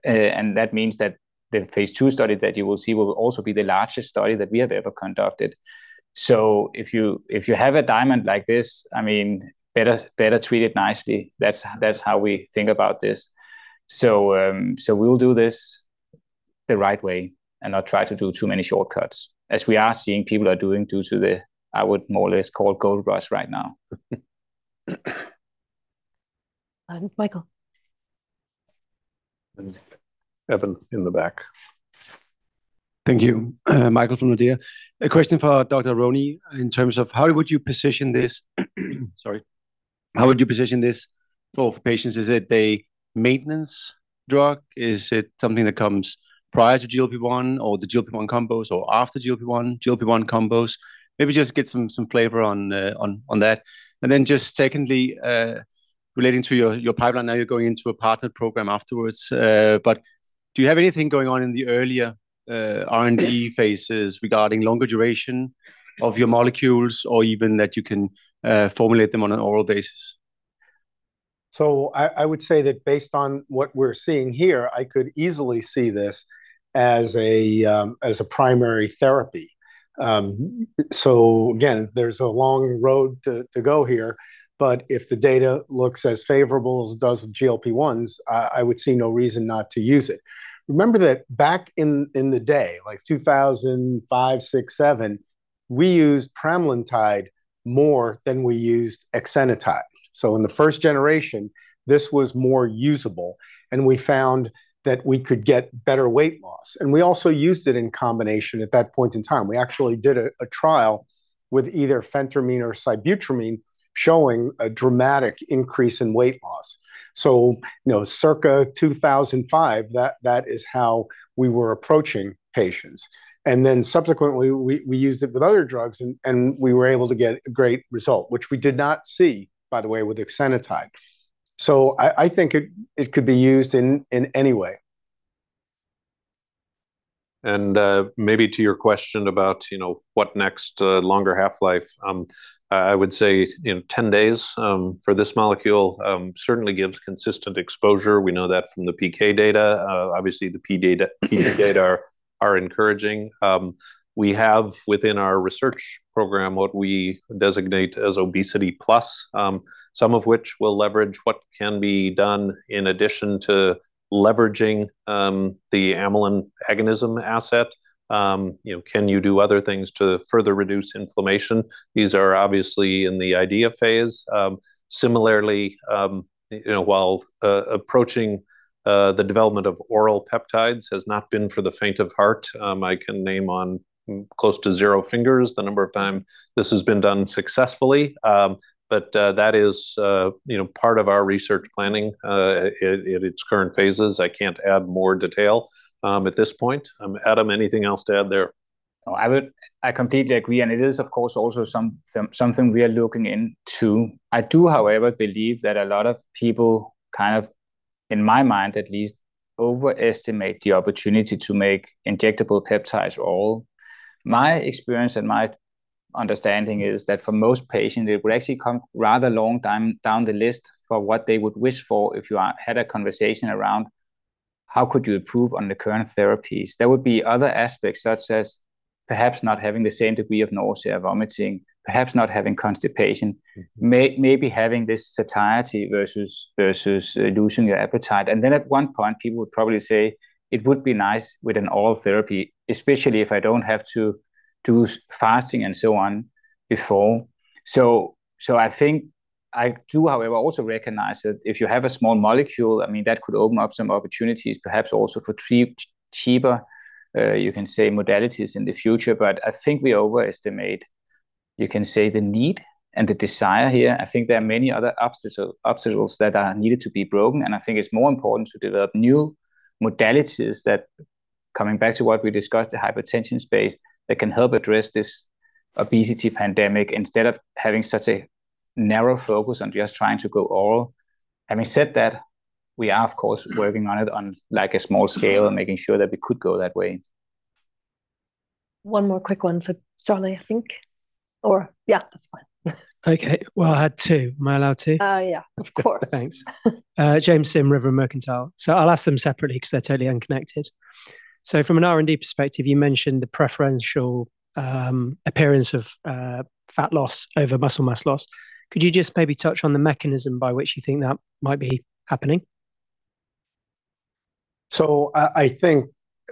And that means that the phase II study that you will see will also be the largest study that we have ever conducted. So if you have a diamond like this, I mean, better treat it nicely. That's how we think about this. So we'll do this the right way and not try to do too many shortcuts, as we are seeing people are doing due to the, I would more or less call, gold rush right now. Michael. Evan in the back. Thank you. Michael from Nordea. A question for Dr. Aronne, in terms of how would you position this, sorry, how would you position this for patients? Is it a maintenance drug? Is it something that comes prior to GLP-1, or the GLP-1 combos, or after GLP-1, GLP-1 combos? Maybe just get some, some flavor on, on, on that. And then just secondly, relating to your, your pipeline, now you're going into a partner program afterwards, but do you have anything going on in the earlier, R&D phases regarding longer duration of your molecules, or even that you can, formulate them on an oral basis? So I would say that based on what we're seeing here, I could easily see this as a primary therapy. So again, there's a long road to go here, but if the data looks as favorable as it does with GLP-1s, I would see no reason not to use it. Remember that back in the day, like 2005, 2006, 2007, we used pramlintide more than we used exenatide. So in the first generation, this was more usable, and we found that we could get better weight loss. And we also used it in combination at that point in time. We actually did a trial with either phentermine or sibutramine, showing a dramatic increase in weight loss. So, you know, circa 2005, that is how we were approaching patients. And then subsequently, we used it with other drugs and we were able to get a great result, which we did not see, by the way, with exenatide. So I think it could be used in any way. Maybe to your question about, you know, what next, longer half-life, I would say in 10 days, for this molecule, certainly gives consistent exposure. We know that from the PK data. Obviously, the PD data, PK data are encouraging. We have, within our research program, what we designate as obesity plus, some of which will leverage what can be done in addition to leveraging, the amylin agonism asset. You know, can you do other things to further reduce inflammation? These are obviously in the idea phase. Similarly, you know, while approaching, the development of oral peptides has not been for the faint of heart, I can name on close to zero fingers the number of times this has been done successfully. But, that is, you know, part of our research planning, at its current phases. I can't add more detail, at this point. Adam, anything else to add there? No, I would. I completely agree, and it is, of course, also something we are looking into. I do, however, believe that a lot of people, kind of, in my mind at least, overestimate the opportunity to make injectable peptides oral. My experience and my understanding is that for most patients, it would actually come rather long time down the list for what they would wish for if you had a conversation around how could you improve on the current therapies. There would be other aspects, such as perhaps not having the same degree of nausea, vomiting, perhaps not having constipation. Mm. Maybe having this satiety versus losing your appetite. And then at one point, people would probably say, "It would be nice with an oral therapy, especially if I don't have to do fasting and so on before." So I think... I do, however, also recognize that if you have a small molecule, I mean, that could open up some opportunities, perhaps also for cheaper, you can say, modalities in the future. But I think we overestimate, you can say, the need and the desire here. I think there are many other obstacles that are needed to be broken, and I think it's more important to develop new modalities that, coming back to what we discussed, the hypertension space, that can help address this obesity pandemic, instead of having such a narrow focus on just trying to go oral. Having said that, we are, of course, working on it on, like, a small scale and making sure that we could go that way. One more quick one for John, I think. Or, yeah, that's fine. Okay, well, I had two. Am I allowed two? Yeah, of course. Thanks. James Sym, River and Mercantile. So I'll ask them separately 'cause they're totally unconnected. So from an R&D perspective, you mentioned the preferential appearance of fat loss over muscle mass loss. Could you just maybe touch on the mechanism by which you think that might be happening? So I think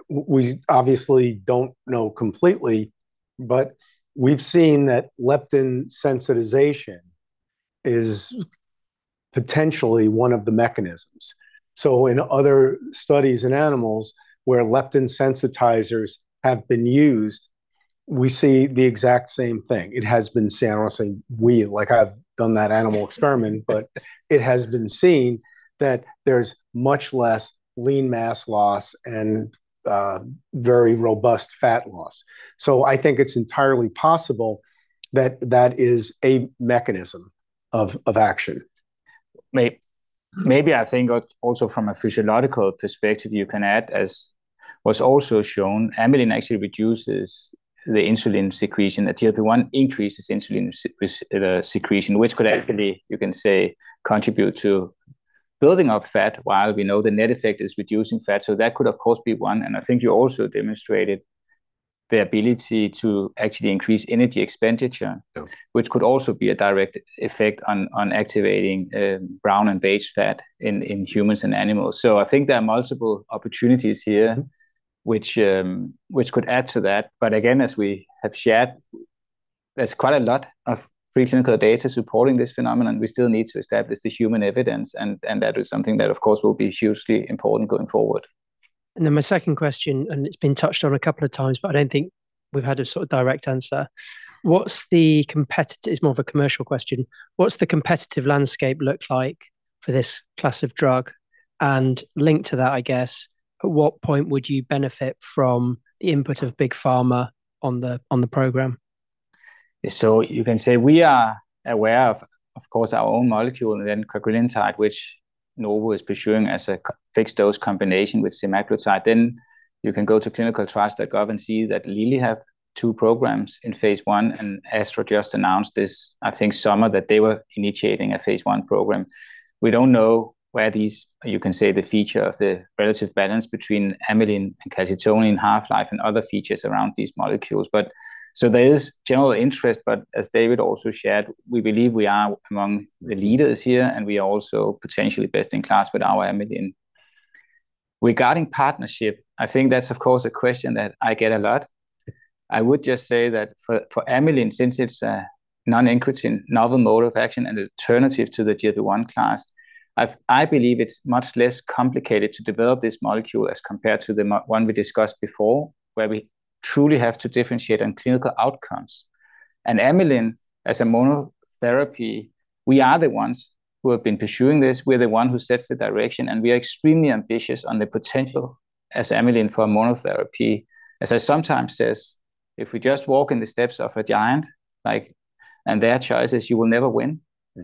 we obviously don't know completely, but we've seen that leptin sensitization is potentially one of the mechanisms. So in other studies in animals where leptin sensitizers have been used, we see the exact same thing. It has been seen, I was saying "we," like I've done that animal experiment. But it has been seen that there's much less lean mass loss and very robust fat loss. So I think it's entirely possible that that is a mechanism of action. Maybe, I think, also from a physiological perspective, you can add, as was also shown, amylin actually reduces the insulin secretion. The GLP-1 increases insulin secretion, which could actually, you can say, contribute to building up fat, while we know the net effect is reducing fat. So that could, of course, be one, and I think you also demonstrated the ability to actually increase energy expenditure- Yep,... which could also be a direct effect on activating brown and beige fat in humans and animals. So I think there are multiple opportunities here- Mm.... which, which could add to that. But again, as we have shared, there's quite a lot of preclinical data supporting this phenomenon. We still need to establish the human evidence, and that is something that, of course, will be hugely important going forward. Then my second question, and it's been touched on a couple of times, but I don't think we've had a sort of direct answer: What's the competitive... It's more of a commercial question. What's the competitive landscape look like for this class of drug? And linked to that, I guess, at what point would you benefit from the input of Big Pharma on the, on the program? So you can say we are aware of, of course, our own molecule and then cagrilintide, which Novo is pursuing as a fixed-dose combination with semaglutide. Then you can go to clinicaltrials.gov and see that Lilly have two programs in phase I, and AstraZeneca just announced this, I think, summer, that they were initiating a phase I program. We don't know where these, you can say, the feature of the relative balance between amylin and calcitonin half-life and other features around these molecules. But so there is general interest, but as David also shared, we believe we are among the leaders here, and we are also potentially best in class with our amylin. Regarding partnership, I think that's, of course, a question that I get a lot. I would just say that for amylin, since it's a non-incretin, novel mode of action and alternative to the GLP-1 class, I believe it's much less complicated to develop this molecule as compared to the one we discussed before, where we truly have to differentiate on clinical outcomes. And amylin, as a monotherapy, we are the ones who have been pursuing this. We're the one who sets the direction, and we are extremely ambitious on the potential as amylin for a monotherapy. As I sometimes says, if we just walk in the steps of a giant, like, and their choices, you will never win.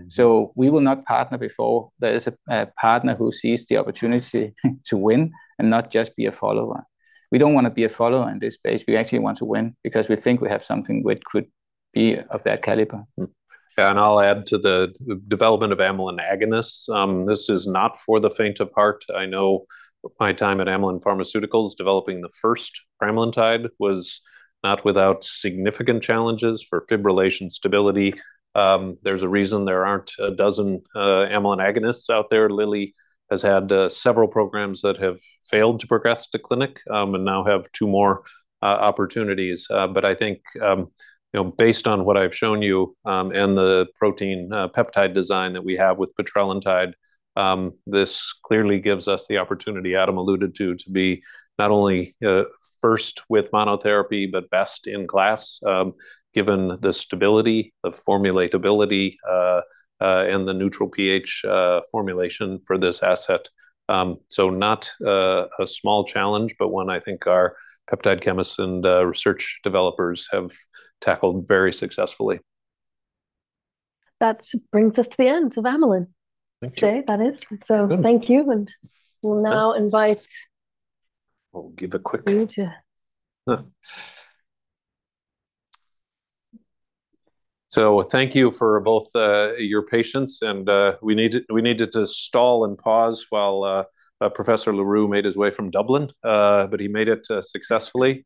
So we will not partner before there is a partner who sees the opportunity to win and not just be a follower. We don't want to be a follower in this space. We actually want to win because we think we have something which could be of that caliber. Yeah, and I'll add to the development of amylin agonists. This is not for the faint of heart. I know my time at Amylin Pharmaceuticals, developing the first pramlintide was not without significant challenges for fibrillation stability. There's a reason there aren't a dozen amylin agonists out there. Lilly has had several programs that have failed to progress to clinic, and now have two more opportunities. But I think, you know, based on what I've shown you, and the protein peptide design that we have with petrelintide, this clearly gives us the opportunity Adam alluded to, to be not only first with monotherapy, but best in class, given the stability, the formulatability, and the neutral pH formulation for this asset. So not a small challenge, but one I think our peptide chemists and research developers have tackled very successfully. That brings us to the end of amylin- Thank you. Today, that is. So thank you, and we'll now invite- I'll give a quick- You too. So thank you for both your patience and we needed to stall and pause while Professor Le Roux made his way from Dublin, but he made it successfully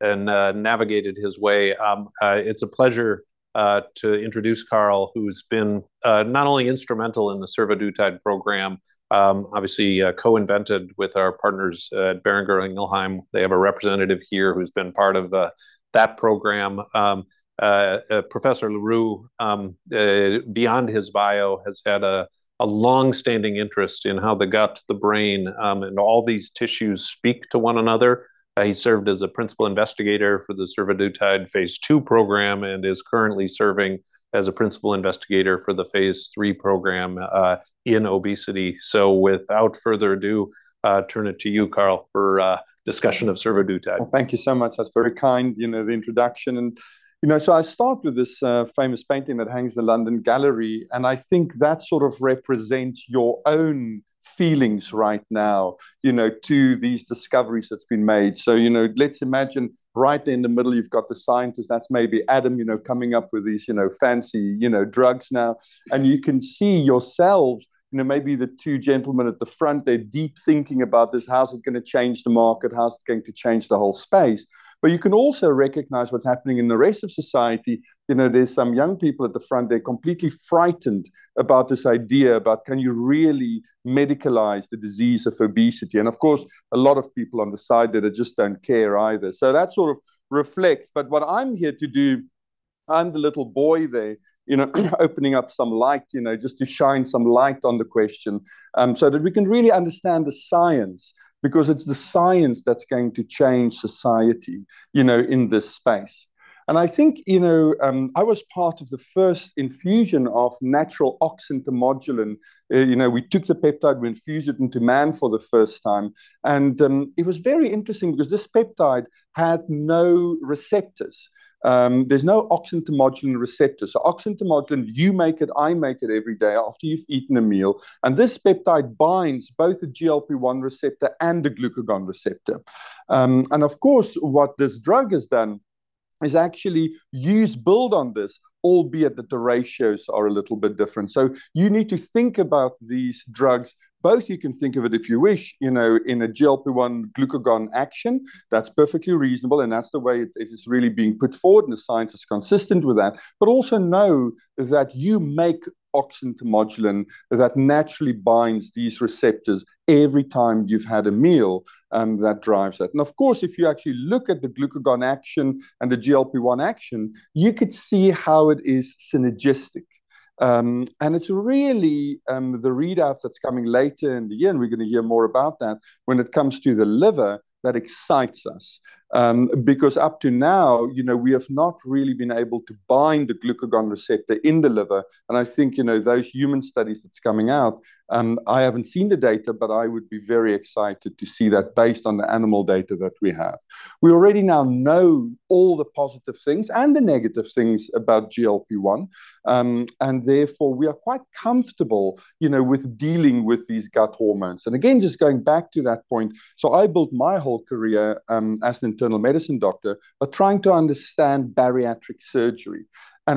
and navigated his way. It's a pleasure to introduce Carel, who's been not only instrumental in the survodutide program, obviously co-invented with our partners at Boehringer Ingelheim. They have a representative here who's been part of that program. Professor Le Roux, beyond his bio, has had a long-standing interest in how the gut, the brain, and all these tissues speak to one another. He served as a principal investigator for the survodutide phase II program and is currently serving as a principal investigator for the phase III program in obesity. Without further ado, turn it to you, Carel, for discussion of survodutide. Well, thank you so much. That's very kind, you know, the introduction and... You know, so I start with this famous painting that hangs in the London Gallery, and I think that sort of represents your own feelings right now, you know, to these discoveries that's been made. So, you know, let's imagine right in the middle, you've got the scientist, that's maybe Adam, you know, coming up with these, you know, fancy, you know, drugs now. And you can see yourselves, you know, maybe the two gentlemen at the front, they're deep thinking about this, how's it gonna change the market? How's it going to change the whole space? But you can also recognize what's happening in the rest of society. You know, there's some young people at the front, they're completely frightened about this idea, about can you really medicalize the disease of obesity? Of course, a lot of people on the side that just don't care either. That sort of reflects. But what I'm here to do, I'm the little boy there, you know, opening up some light, you know, just to shine some light on the question, so that we can really understand the science, because it's the science that's going to change society, you know, in this space. And I think, you know, I was part of the first infusion of natural oxyntomodulin. You know, we took the peptide, we infused it into man for the first time, and it was very interesting because this peptide had no receptors. There's no oxyntomodulin receptors. So oxyntomodulin, you make it, I make it every day after you've eaten a meal, and this peptide binds both the GLP-1 receptor and the glucagon receptor. And of course, what this drug has done is actually use build on this, albeit that the ratios are a little bit different. So you need to think about these drugs. Both you can think of it, if you wish, you know, in a GLP-1 glucagon action, that's perfectly reasonable, and that's the way it, it is really being put forward, and the science is consistent with that. But also know that you make oxyntomodulin that naturally binds these receptors every time you've had a meal, that drives that. And of course, if you actually look at the glucagon action and the GLP-1 action, you could see how it is synergistic. And it's really, the readouts that's coming later in the year, and we're going to hear more about that, when it comes to the liver, that excites us. Because up to now, you know, we have not really been able to bind the glucagon receptor in the liver, and I think, you know, those human studies that's coming out, I haven't seen the data, but I would be very excited to see that based on the animal data that we have. We already now know all the positive things and the negative things about GLP-1, and therefore, we are quite comfortable, you know, with dealing with these gut hormones. And again, just going back to that point, so I built my whole career, as an internal medicine doctor, by trying to understand bariatric surgery.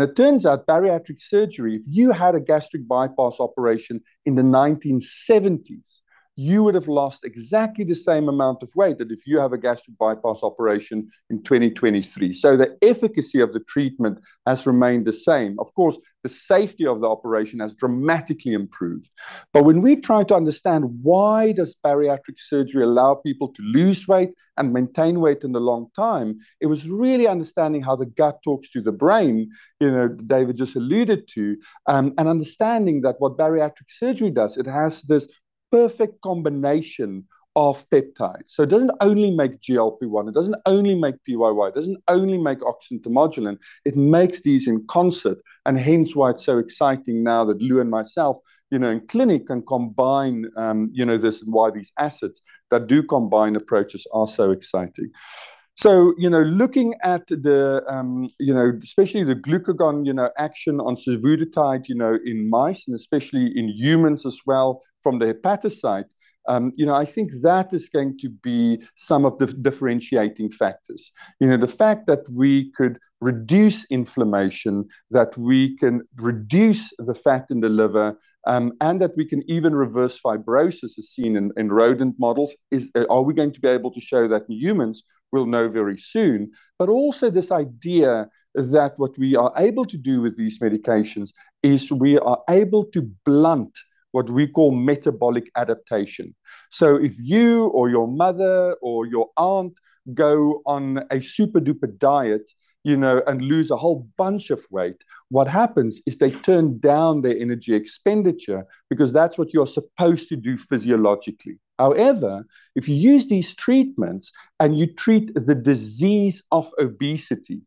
It turns out bariatric surgery, if you had a gastric bypass operation in the 1970s, you would have lost exactly the same amount of weight that if you have a gastric bypass operation in 2023. So the efficacy of the treatment has remained the same. Of course, the safety of the operation has dramatically improved. But when we try to understand why does bariatric surgery allow people to lose weight and maintain weight in the long time, it was really understanding how the gut talks to the brain, you know, David just alluded to, and understanding that what bariatric surgery does, it has this perfect combination of peptides. So it doesn't only make GLP-1, it doesn't only make PYY, it doesn't only make oxyntomodulin, it makes these in concert, and hence why it's so exciting now that Lou and myself, you know, in clinic can combine, you know, this and why these assets that do combine approaches are so exciting. So, you know, looking at the, you know, especially the glucagon, you know, action on survodutide, you know, in mice and especially in humans as well from the hepatocyte, you know, I think that is going to be some of the differentiating factors. You know, the fact that we could reduce inflammation, that we can reduce the fat in the liver, and that we can even reverse fibrosis as seen in rodent models, is, are we going to be able to show that in humans? We'll know very soon. But also this idea that what we are able to do with these medications is we are able to blunt what we call metabolic adaptation. So if you or your mother or your aunt go on a super-duper diet, you know, and lose a whole bunch of weight, what happens is they turn down their energy expenditure because that's what you're supposed to do physiologically. However, if you use these treatments and you treat the disease of obesity,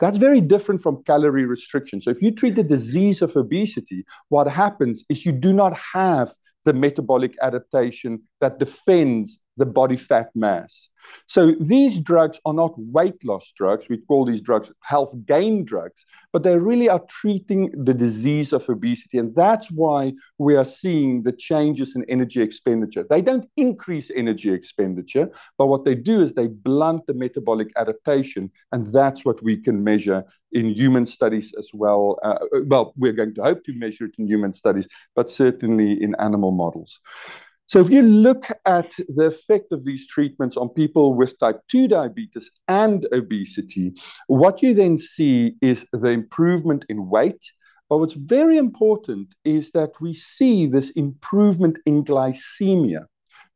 that's very different from calorie restriction. So if you treat the disease of obesity, what happens is you do not have the metabolic adaptation that defends the body fat mass. So these drugs are not weight loss drugs. We call these drugs health gain drugs, but they really are treating the disease of obesity, and that's why we are seeing the changes in energy expenditure. They don't increase energy expenditure, but what they do is they blunt the metabolic adaptation, and that's what we can measure in human studies as well. Well, we're going to hope to measure it in human studies, but certainly in animal models. So if you look at the effect of these treatments on people with type 2 diabetes and obesity, what you then see is the improvement in weight. But what's very important is that we see this improvement in glycemia,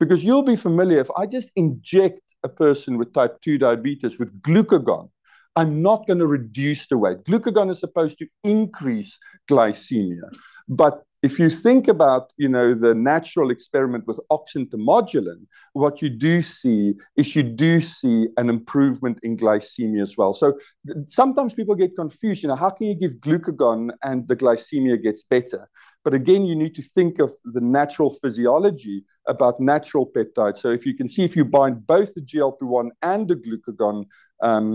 because you'll be familiar, if I just inject a person with type 2 diabetes with glucagon, I'm not gonna reduce the weight. Glucagon is supposed to increase glycemia, but if you think about, you know, the natural experiment with oxyntomodulin, what you do see is you do see an improvement in glycemia as well. So sometimes people get confused, you know, how can you give glucagon and the glycemia gets better? But again, you need to think of the natural physiology about natural peptides. So if you can see, if you bind both the GLP-1 and the glucagon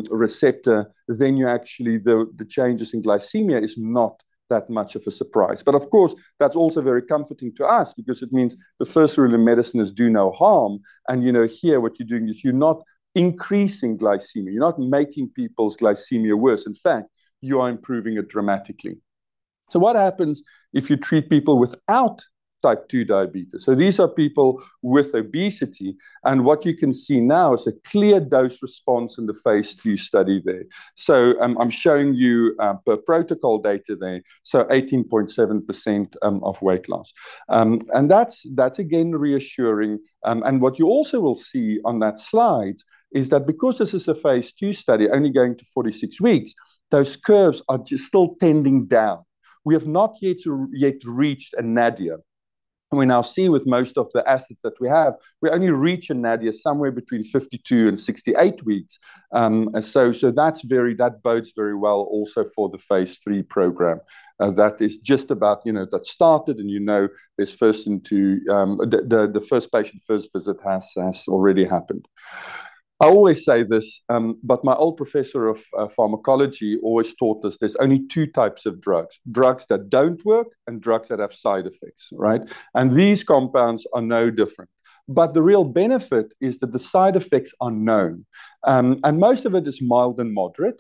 receptor, then you actually, the changes in glycemia is not that much of a surprise. But of course, that's also very comforting to us because it means the first rule in medicine is do no harm, and, you know, here what you're doing is you're not increasing glycemia, you're not making people's glycemia worse. In fact, you are improving it dramatically. So what happens if you treat people without type 2 diabetes? So these are people with obesity, and what you can see now is a clear dose response in the phase II study there. So, I'm showing you per protocol data there, so 18.7% of weight loss. And that's again, reassuring. And what you also will see on that slide is that because this is a phase II study only going to 46 weeks, those curves are just still tending down. We have not yet reached a nadir. We now see with most of the assets that we have, we only reach a nadir somewhere between 52 and 68 weeks. So that bodes very well also for the phase III program that is just about, you know, that started and, you know, this first into the first patient, first visit has already happened. I always say this, but my old professor of pharmacology always taught us there's only two types of drugs: drugs that don't work and drugs that have side effects, right? And these compounds are no different. But the real benefit is that the side effects are known, and most of it is mild and moderate,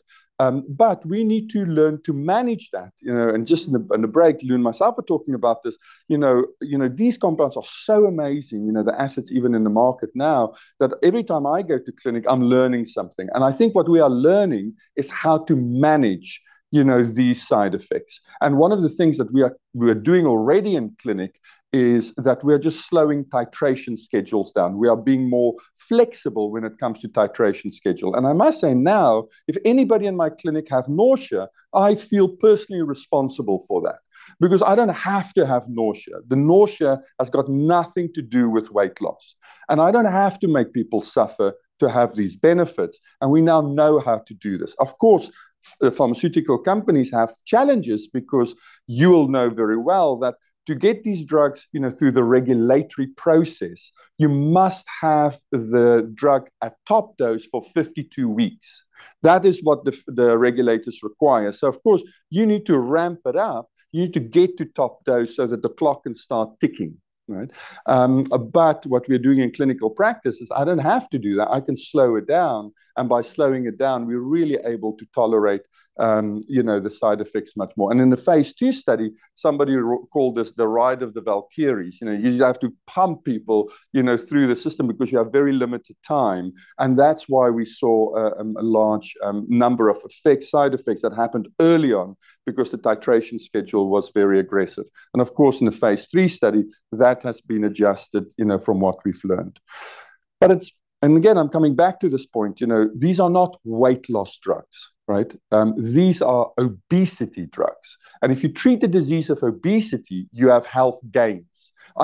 but we need to learn to manage that, you know. And just in the break, Lou and myself were talking about this, you know, you know, these compounds are so amazing, you know, the assets even in the market now, that every time I go to clinic, I'm learning something. And I think what we are learning is how to manage, you know, these side effects. And one of the things that we are doing already in clinic is that we are just slowing titration schedules down. We are being more flexible when it comes to titration schedule. And I must say now, if anybody in my clinic has nausea, I feel personally responsible for that because I don't have to have nausea. The nausea has got nothing to do with weight loss, and I don't have to make people suffer to have these benefits, and we now know how to do this. Of course, the pharmaceutical companies have challenges because you will know very well that to get these drugs, you know, through the regulatory process, you must have the drug at top dose for 52 weeks. That is what the regulators require. So of course, you need to ramp it up. You need to get to top dose so that the clock can start ticking, right? But what we're doing in clinical practice is I don't have to do that. I can slow it down, and by slowing it down, we're really able to tolerate, you know, the side effects much more. And in the phase III study, somebody called this the Ride of the Valkyries. You know, you have to pump people, you know, through the system because you have very limited time, and that's why we saw a large number of side effects that happened early on because the titration schedule was very aggressive. And of course, in the phase III study, that has been adjusted, you know, from what we've learned. But it's and again, I'm coming back to this point, you know, these are not weight loss drugs, right? These are obesity drugs, and if you treat the disease of obesity, you have health gains.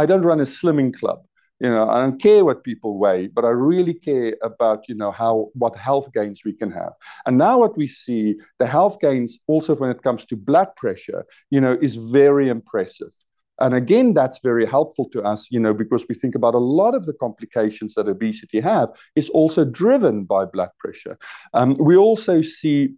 I don't run a slimming club, you know. I don't care what people weigh, but I really care about, you know, how, what health gains we can have. And now what we see, the health gains also when it comes to blood pressure, you know, is very impressive. Again, that's very helpful to us, you know, because we think about a lot of the complications that obesity have is also driven by blood pressure. We also see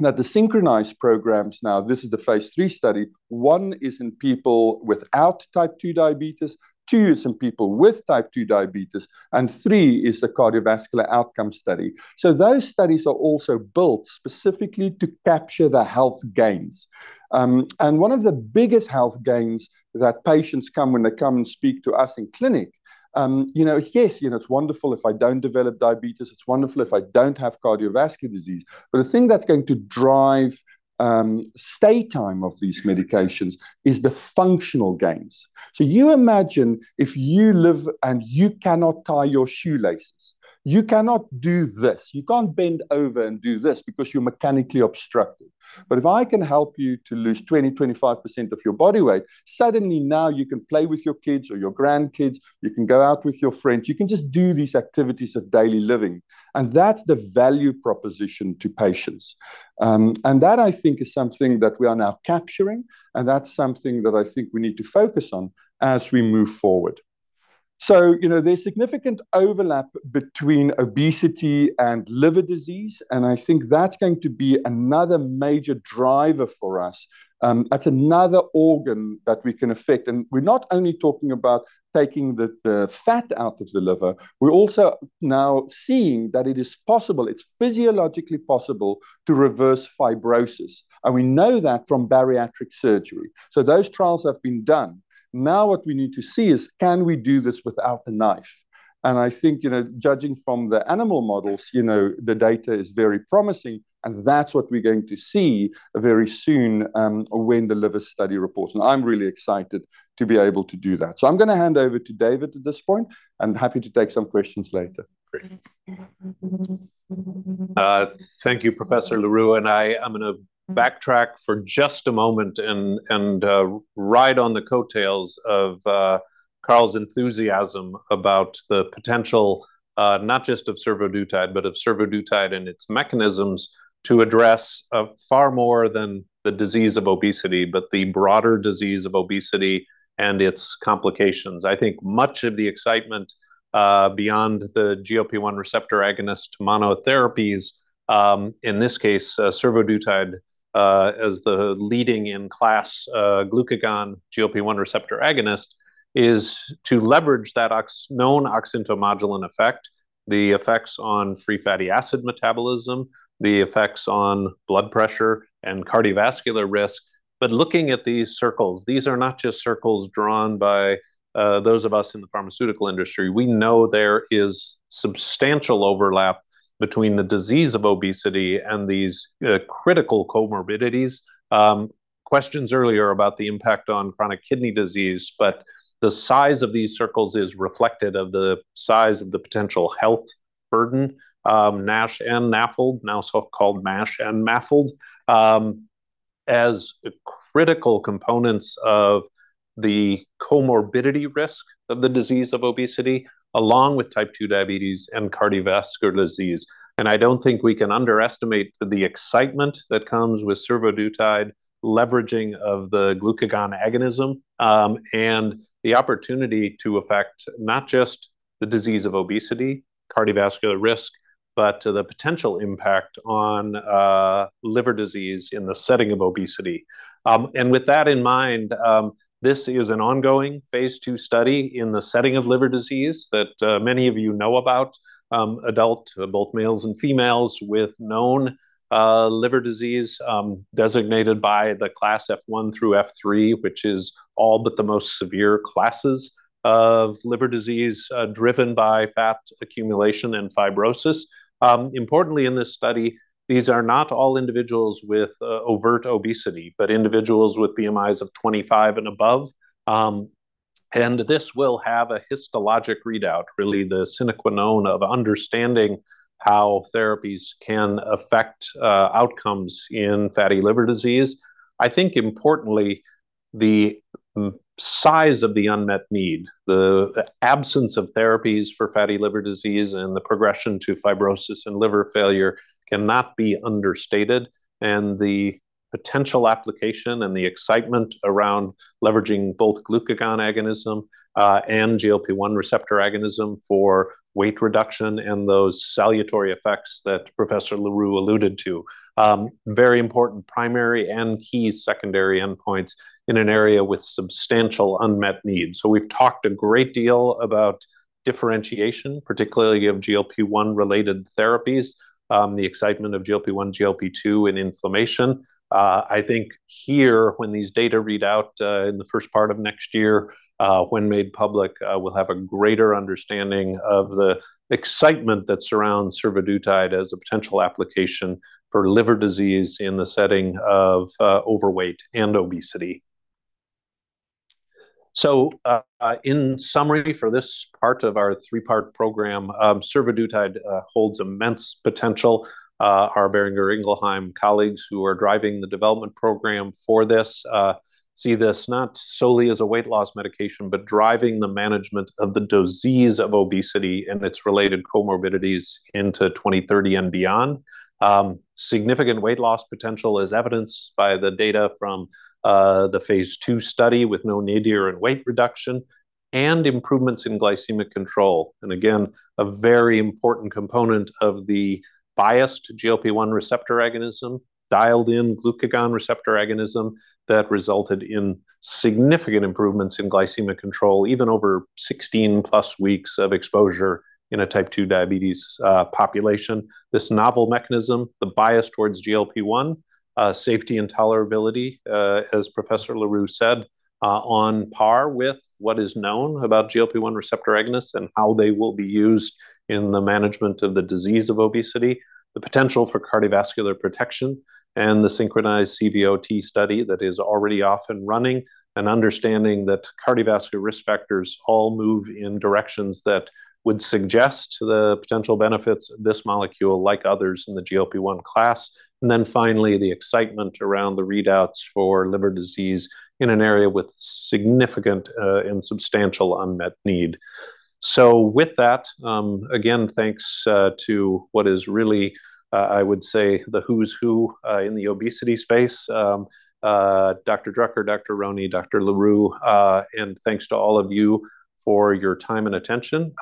that the synchronized programs now, this is the phase III study. One is in people without type two diabetes, two is in people with type two diabetes, and three is the cardiovascular outcome study. So those studies are also built specifically to capture the health gains. And one of the biggest health gains that patients come when they come and speak to us in clinic, you know, yes, you know, it's wonderful if I don't develop diabetes, it's wonderful if I don't have cardiovascular disease, but the thing that's going to drive stay time of these medications is the functional gains. So you imagine if you live and you cannot tie your shoelaces, you cannot do this. You can't bend over and do this because you're mechanically obstructed. But if I can help you to lose 20-25% of your body weight, suddenly now you can play with your kids or your grandkids, you can go out with your friends, you can just do these activities of daily living, and that's the value proposition to patients. And that, I think, is something that we are now capturing, and that's something that I think we need to focus on as we move forward. So, you know, there's significant overlap between obesity and liver disease, and I think that's going to be another major driver for us. That's another organ that we can affect, and we're not only talking about taking the fat out of the liver, we're also now seeing that it is possible, it's physiologically possible to reverse fibrosis, and we know that from bariatric surgery. So those trials have been done. Now, what we need to see is, can we do this without a knife? And I think, you know, judging from the animal models, you know, the data is very promising, and that's what we're going to see very soon, when the liver study reports, and I'm really excited to be able to do that. So I'm gonna hand over to David at this point and happy to take some questions later. Great. Thank you, Professor Le Roux, and I am gonna backtrack for just a moment and ride on the coattails of Carel's enthusiasm about the potential, not just of survodutide, but of survodutide and its mechanisms to address far more than the disease of obesity, but the broader disease of obesity and its complications. I think much of the excitement beyond the GLP-1 receptor agonist monotherapies, in this case, survodutide, as the leading in-class glucagon GLP-1 receptor agonist, is to leverage that known oxyntomodulin effect, the effects on free fatty acid metabolism, the effects on blood pressure and cardiovascular risk. But looking at these circles, these are not just circles drawn by those of us in the pharmaceutical industry. We know there is substantial overlap between the disease of obesity and these critical comorbidities. Questions earlier about the impact on chronic kidney disease, but the size of these circles is reflective of the size of the potential health burden, NASH and NAFLD, now so called MASH and MAFLD, as critical components of the comorbidity risk of the disease of obesity, along with type 2 diabetes and cardiovascular disease. I don't think we can underestimate the excitement that comes with survodutide, leveraging of the glucagon agonism, and the opportunity to affect not just the disease of obesity, cardiovascular risk, but the potential impact on liver disease in the setting of obesity. And with that in mind, this is an ongoing phase II study in the setting of liver disease that many of you know about, adult, both males and females, with known liver disease, designated by the class F1-F3, which is all but the most severe classes of liver disease driven by fat accumulation and fibrosis. Importantly, in this study, these are not all individuals with overt obesity, but individuals with BMIs of 25 and above. And this will have a histologic readout, really the sine qua non of understanding how therapies can affect outcomes in fatty liver disease. I think importantly, the size of the unmet need, the absence of therapies for fatty liver disease and the progression to fibrosis and liver failure cannot be understated, and the potential application and the excitement around leveraging both glucagon agonism and GLP-1 receptor agonism for weight reduction and those salutary effects that Professor Le Roux alluded to, very important primary and key secondary endpoints in an area with substantial unmet needs. So we've talked a great deal about differentiation, particularly of GLP-1 related therapies, the excitement of GLP-1, GLP-2 and inflammation. I think here, when these data read out in the first part of next year, when made public, we'll have a greater understanding of the excitement that surrounds survodutide as a potential application for liver disease in the setting of overweight and obesity. So, in summary for this part of our three-part program, survodutide holds immense potential. Our Boehringer Ingelheim colleagues who are driving the development program for this see this not solely as a weight loss medication, but driving the management of the disease of obesity and its related comorbidities into 2030 and beyond. Significant weight loss potential is evidenced by the data from the phase II study, with no nadir in weight reduction and improvements in glycemic control. And again, a very important component of the biased GLP-1 receptor agonism, dialed in glucagon receptor agonism that resulted in significant improvements in glycemic control, even over 16+ weeks of exposure in a type 2 diabetes population. This novel mechanism, the bias towards GLP-1, safety and tolerability, as Professor Le Roux said, on par with what is known about GLP-1 receptor agonists and how they will be used in the management of the disease of obesity, the potential for cardiovascular protection, and the synchronized CVOT study that is already off and running. And understanding that cardiovascular risk factors all move in directions that would suggest the potential benefits of this molecule, like others in the GLP-1 class. And then finally, the excitement around the readouts for liver disease in an area with significant, and substantial unmet need. So with that, again, thanks to what is really, I would say, the who's who in the obesity space. Dr. Drucker, Dr. Aronne, Dr. Le Roux, and thanks to all of you for your time and attention.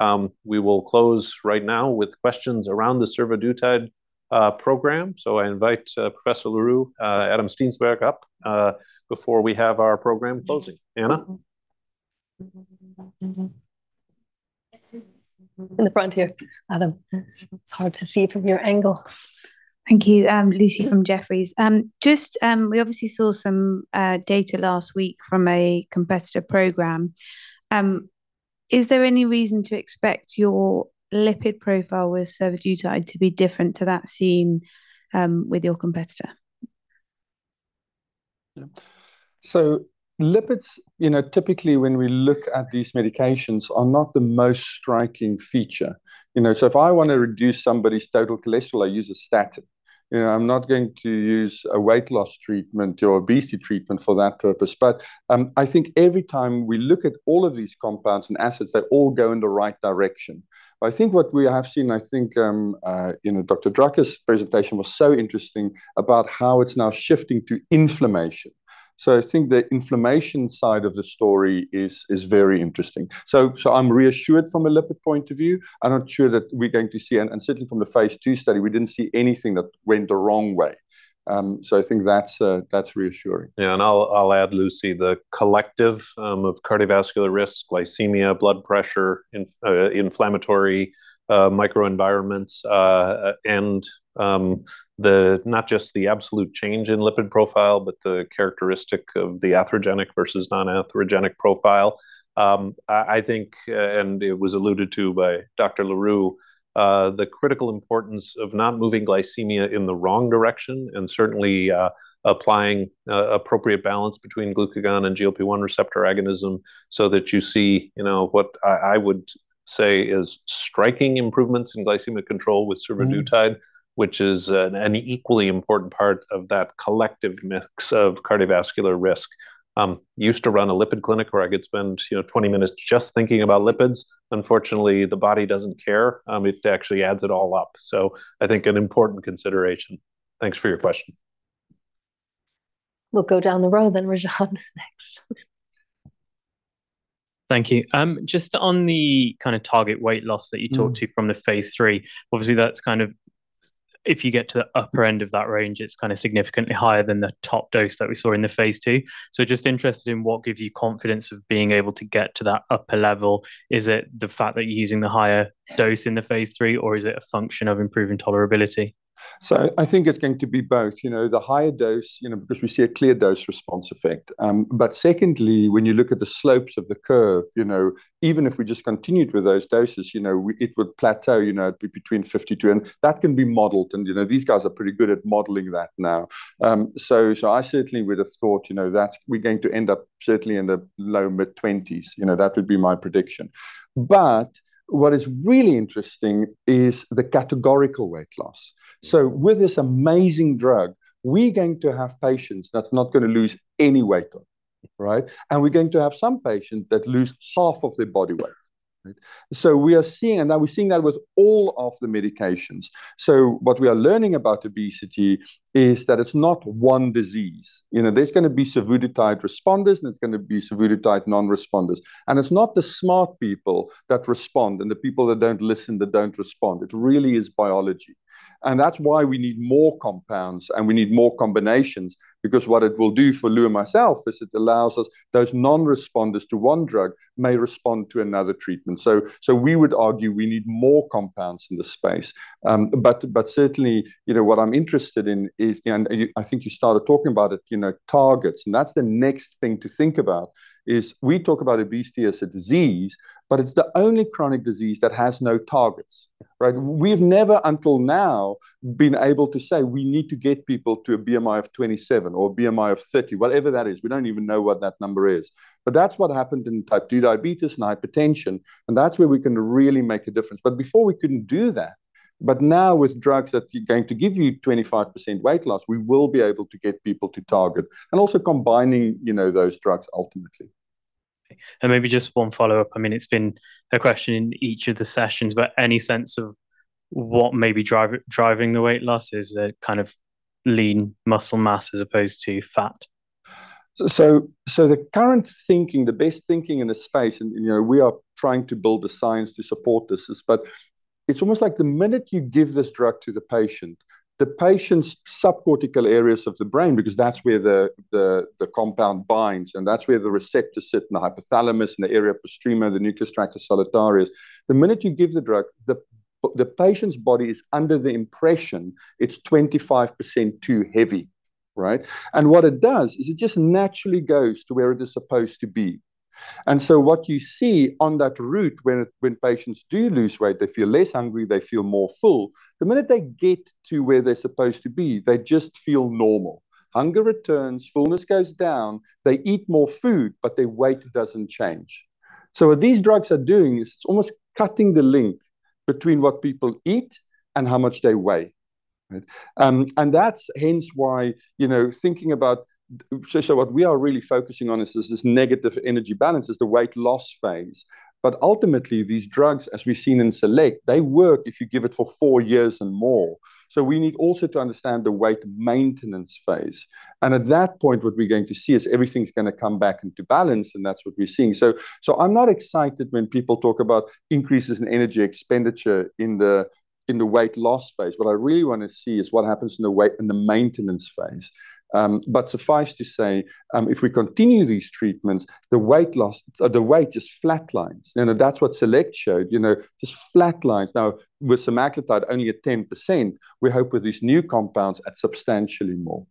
We will close right now with questions around the survodutide program. So I invite Professor Le Roux, Adam Steensberg up before we have our program closing. Anna? In the front here, Adam. It's hard to see from your angle. Thank you. I'm Lucy from Jefferies. Just, we obviously saw some data last week from a competitor program. Is there any reason to expect your lipid profile with survodutide to be different to that seen with your competitor? So lipids, you know, typically when we look at these medications, are not the most striking feature. You know, so if I want to reduce somebody's total cholesterol, I use a statin. You know, I'm not going to use a weight loss treatment or obesity treatment for that purpose. But I think every time we look at all of these compounds and assets, they all go in the right direction. But I think what we have seen, I think, you know, Dr. Drucker's presentation was so interesting about how it's now shifting to inflammation. So I think the inflammation side of the story is very interesting. So I'm reassured from a lipid point of view. I'm not sure that we're going to see... And certainly from the phase II study, we didn't see anything that went the wrong way. I think that's, that's reassuring. Yeah, and I'll add, Lucy, the collective of cardiovascular risk, glycemia, blood pressure, inflammatory microenvironments, and not just the absolute change in lipid profile, but the characteristic of the atherogenic versus non-atherogenic profile. I think, and it was alluded to by Dr. Le Roux, the critical importance of not moving glycemia in the wrong direction and certainly applying appropriate balance between glucagon and GLP-1 receptor agonism so that you see, you know, what I would say is striking improvements in glycemic control with survodutide- Mm-hmm. -which is an equally important part of that collective mix of cardiovascular risk. Used to run a lipid clinic where I could spend, you know, 20 minutes just thinking about lipids. Unfortunately, the body doesn't care, it actually adds it all up. So I think an important consideration. Thanks for your question. We'll go down the row then, Rajan next. Thank you. Just on the kind of target weight loss that you talked to- Mm. From the phase III, obviously, that's kind of, if you get to the upper end of that range, it's kind of significantly higher than the top dose that we saw in the phase II. So just interested in what gives you confidence of being able to get to that upper level. Is it the fact that you're using the higher dose in the phase III, or is it a function of improving tolerability? So I think it's going to be both, you know, the higher dose, you know, because we see a clear dose-response effect. But secondly, when you look at the slopes of the curve, you know, even if we just continued with those doses, you know, it would plateau, you know, between 52, and that can be modeled, and, you know, these guys are pretty good at modeling that now. So I certainly would have thought, you know, that we're going to end up certainly in the low-mid 20s. You know, that would be my prediction. But what is really interesting is the categorical weight loss. So with this amazing drug, we're going to have patients that's not going to lose any weight, right? And we're going to have some patients that lose half of their body weight, right? So we are seeing, and now we're seeing that with all of the medications. So what we are learning about obesity is that it's not one disease. You know, there's going to be survodutide responders, and there's going to be survodutide non-responders. And it's not the smart people that respond and the people that don't listen, that don't respond. It really is biology, and that's why we need more compounds, and we need more combinations, because what it will do for Lou and myself is it allows us, those non-responders to one drug may respond to another treatment. So, so we would argue we need more compounds in this space. But certainly, you know, what I'm interested in is, and I think you started talking about it, you know, targets, and that's the next thing to think about, is we talk about obesity as a disease, but it's the only chronic disease that has no targets, right? We've never, until now, been able to say, we need to get people to a BMI of 27 or a BMI of 30, whatever that is. We don't even know what that number is. But that's what happened in type 2 diabetes and hypertension, and that's where we can really make a difference. But before, we couldn't do that. But now with drugs that are going to give you 25% weight loss, we will be able to get people to target and also combining, you know, those drugs ultimately. And maybe just one follow-up. I mean, it's been a question in each of the sessions, but any sense of what may be driving the weight loss? Is it kind of lean muscle mass as opposed to fat? The current thinking, the best thinking in the space, and, you know, we are trying to build the science to support this. But it's almost like the minute you give this drug to the patient, the patient's subcortical areas of the brain, because that's where the compound binds, and that's where the receptors sit, in the hypothalamus, in the area postrema, the nucleus tractus solitarius. The minute you give the drug, the patient's body is under the impression it's 25% too heavy, right? And what it does is it just naturally goes to where it is supposed to be. And so what you see on that route, when patients do lose weight, they feel less hungry, they feel more full. The minute they get to where they're supposed to be, they just feel normal. Hunger returns, fullness goes down, they eat more food, but their weight doesn't change. So what these drugs are doing is it's almost cutting the link between what people eat and how much they weigh, right? And that's hence why, you know, thinking about... So what we are really focusing on is this, this negative energy balance, is the weight loss phase. But ultimately, these drugs, as we've seen in SELECT, they work if you give it for four years and more. So we need also to understand the weight maintenance phase. And at that point, what we're going to see is everything's going to come back into balance, and that's what we're seeing. So, so I'm not excited when people talk about increases in energy expenditure in the, in the weight loss phase. What I really want to see is what happens in the maintenance phase. But suffice to say, if we continue these treatments, the weight just flatlines. You know, that's what SELECT showed, you know, just flatlines. Now, with semaglutide only at 10%, we hope with these new compounds at substantially more.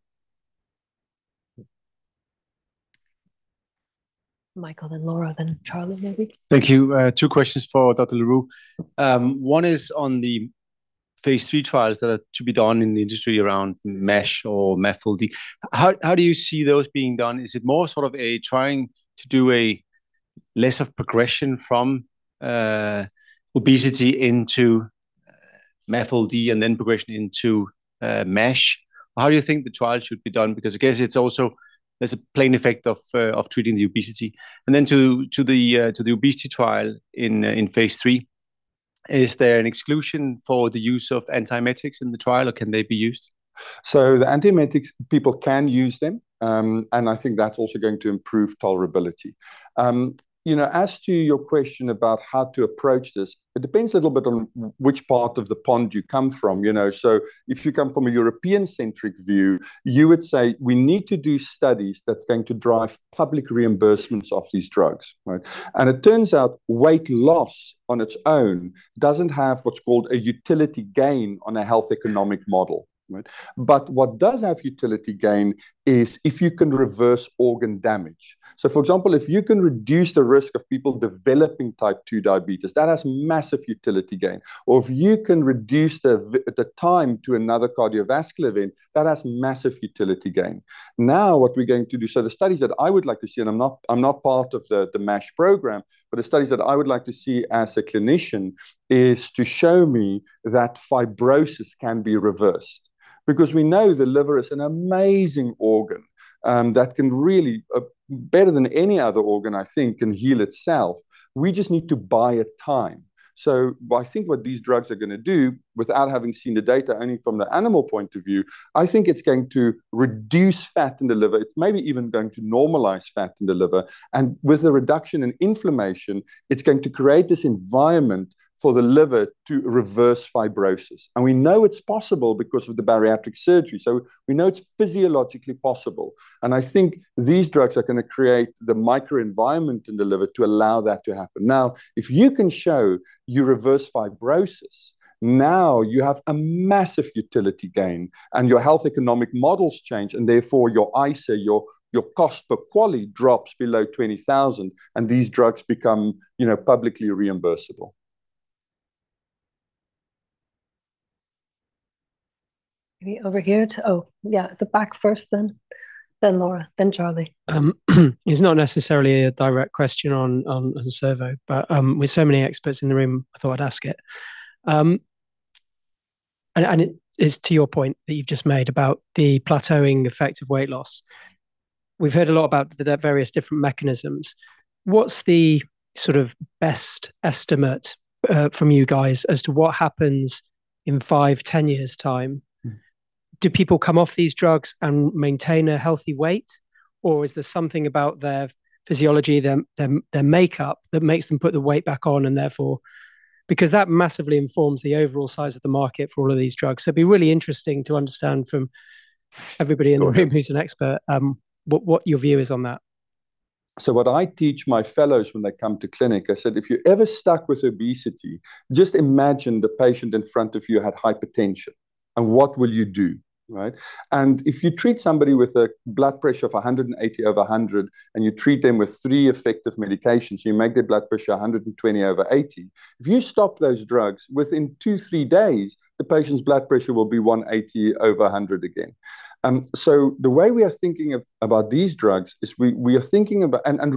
Michael, then Laura, then Charlie, maybe. Thank you. Two questions for Dr. Le Roux. One is on the phase III trials that are to be done in the industry around MASH or MAFLD. How do you see those being done? Is it more sort of a trying to do a less of progression from obesity into MAFLD, and then progression into MASH? How do you think the trial should be done? Because I guess it's also there's a plain effect of treating the obesity. And then to the obesity trial in phase III, is there an exclusion for the use of antiemetics in the trial, or can they be used? So the antiemetics, people can use them, and I think that's also going to improve tolerability. You know, as to your question about how to approach this, it depends a little bit on which part of the pond you come from, you know? So if you come from a European-centric view, you would say, "We need to do studies that's going to drive public reimbursements of these drugs," right? And it turns out weight loss on its own doesn't have what's called a utility gain on a health economic model, right? But what does have utility gain is if you can reverse organ damage. So for example, if you can reduce the risk of people developing type 2 diabetes, that has massive utility gain. Or if you can reduce the time to another cardiovascular event, that has massive utility gain. Now, what we're going to do. So the studies that I would like to see, and I'm not part of the MASH program, but the studies that I would like to see as a clinician is to show me that fibrosis can be reversed. Because we know the liver is an amazing organ that can really, better than any other organ, I think, can heal itself. We just need to buy it time. So I think what these drugs are gonna do, without having seen the data, only from the animal point of view, I think it's going to reduce fat in the liver. It's maybe even going to normalize fat in the liver, and with the reduction in inflammation, it's going to create this environment for the liver to reverse fibrosis. We know it's possible because of the bariatric surgery, so we know it's physiologically possible. I think these drugs are gonna create the microenvironment in the liver to allow that to happen. Now, if you can show you reverse fibrosis, now you have a massive utility gain, and your health economic models change, and therefore, your ICER, your cost per QALY drops below $20,000, and these drugs become, you know, publicly reimbursable. Maybe over here to... Oh, yeah, at the back first, then, then Laura, then Charlie. It's not necessarily a direct question on survodutide, but with so many experts in the room, I thought I'd ask it. And it is to your point that you've just made about the plateauing effect of weight loss. We've heard a lot about the various different mechanisms. What's the sort of best estimate from you guys as to what happens in five, ten years' time? Do people come off these drugs and maintain a healthy weight, or is there something about their physiology, their makeup, that makes them put the weight back on, and therefore. Because that massively informs the overall size of the market for all of these drugs. So it'd be really interesting to understand from everybody in the room who's an expert, what your view is on that. So what I teach my fellows when they come to clinic, I said, "If you're ever stuck with obesity, just imagine the patient in front of you had hypertension, and what will you do," right? And if you treat somebody with a blood pressure of 180 over 100, and you treat them with three effective medications, you make their blood pressure 120 over 80. If you stop those drugs, within two, three days, the patient's blood pressure will be 180 over 100 again. So the way we are thinking about these drugs is we are thinking about... And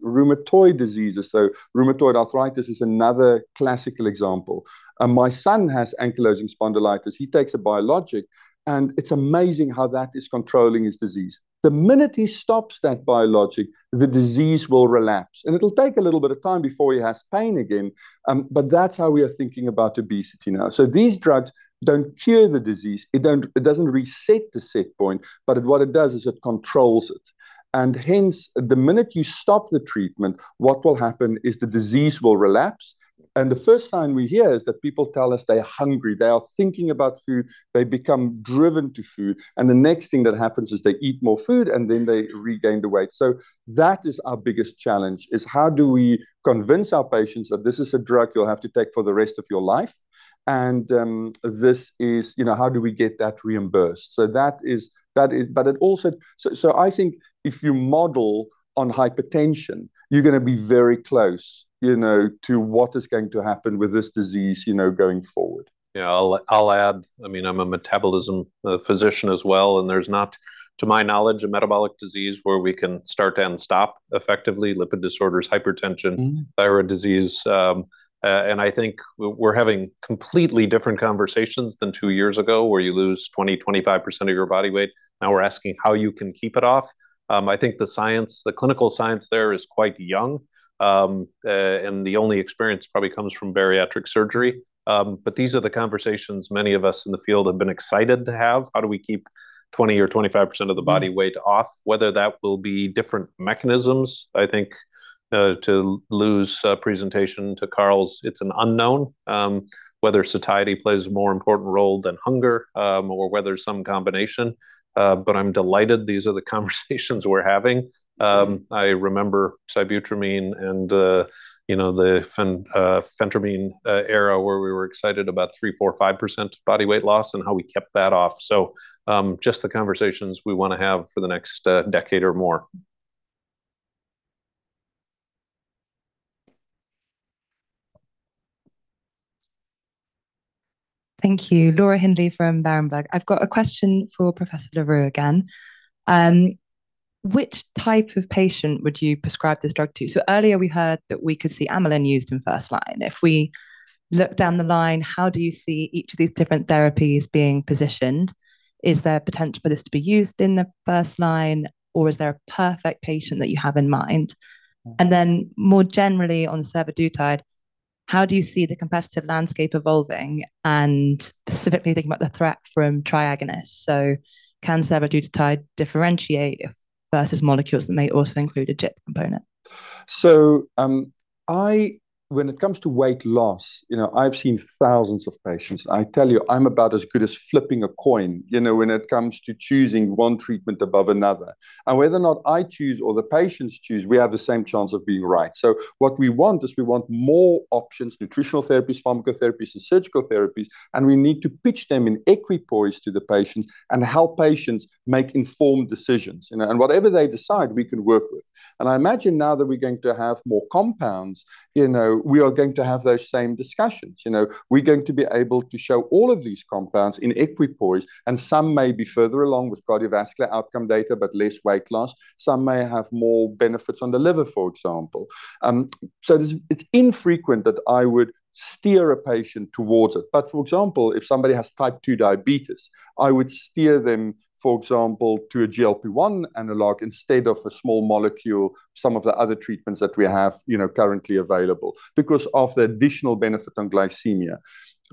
rheumatoid diseases, so rheumatoid arthritis is another classical example. And my son has ankylosing spondylitis. He takes a biologic, and it's amazing how that is controlling his disease. The minute he stops that biologic, the disease will relapse, and it'll take a little bit of time before he has pain again, but that's how we are thinking about obesity now. So these drugs don't cure the disease. It doesn't reset the set point, but what it does is it controls it. And hence, the minute you stop the treatment, what will happen is the disease will relapse. And the first sign we hear is that people tell us they are hungry, they are thinking about food, they become driven to food, and the next thing that happens is they eat more food, and then they regain the weight. So that is our biggest challenge, is how do we convince our patients that this is a drug you'll have to take for the rest of your life? This is, you know, how do we get that reimbursed? So that is, but it also, so I think if you model on hypertension, you're gonna be very close, you know, to what is going to happen with this disease, you know, going forward. Yeah, I'll add. I mean, I'm a metabolism physician as well, and there's not, to my knowledge, a metabolic disease where we can start and stop effectively lipid disorders, hypertension- Mm-hmm. -thyroid disease. And I think we're having completely different conversations than two years ago, where you lose 20, 25% of your body weight. Now we're asking how you can keep it off. I think the science, the clinical science there is quite young. And the only experience probably comes from bariatric surgery. But these are the conversations many of us in the field have been excited to have. How do we keep 20 or 25% of the body weight off? Whether that will be different mechanisms, I think, to lose, presentation to Carel's, it's an unknown, whether satiety plays a more important role than hunger, or whether some combination. But I'm delighted these are the conversations we're having. Mm-hmm. I remember sibutramine and, you know, phentermine era, where we were excited about 3, 4, 5% body weight loss and how we kept that off. So, just the conversations we wanna have for the next decade or more. Thank you. Laura Hindley from Berenberg. I've got a question for Professor Le Roux again. Which type of patient would you prescribe this drug to? So earlier, we heard that we could see amylin used in first line. If we look down the line, how do you see each of these different therapies being positioned? Is there potential for this to be used in the first line, or is there a perfect patient that you have in mind? And then, more generally, on survodutide, how do you see the competitive landscape evolving, and specifically thinking about the threat from triagonists? So can survodutide differentiate versus molecules that may also include a GIP component? So, when it comes to weight loss, you know, I've seen thousands of patients. I tell you, I'm about as good as flipping a coin, you know, when it comes to choosing one treatment above another. And whether or not I choose or the patients choose, we have the same chance of being right. So what we want is we want more options, nutritional therapies, pharmacotherapies, and surgical therapies, and we need to pitch them in equipoise to the patients and help patients make informed decisions, you know, and whatever they decide, we can work with. And I imagine now that we're going to have more compounds, you know, we are going to have those same discussions. You know, we're going to be able to show all of these compounds in equipoise, and some may be further along with cardiovascular outcome data, but less weight loss. Some may have more benefits on the liver, for example. So it's infrequent that I would steer a patient towards it. But for example, if somebody has type 2 diabetes, I would steer them, for example, to a GLP-1 analog instead of a small molecule, some of the other treatments that we have, you know, currently available, because of the additional benefit on glycemia.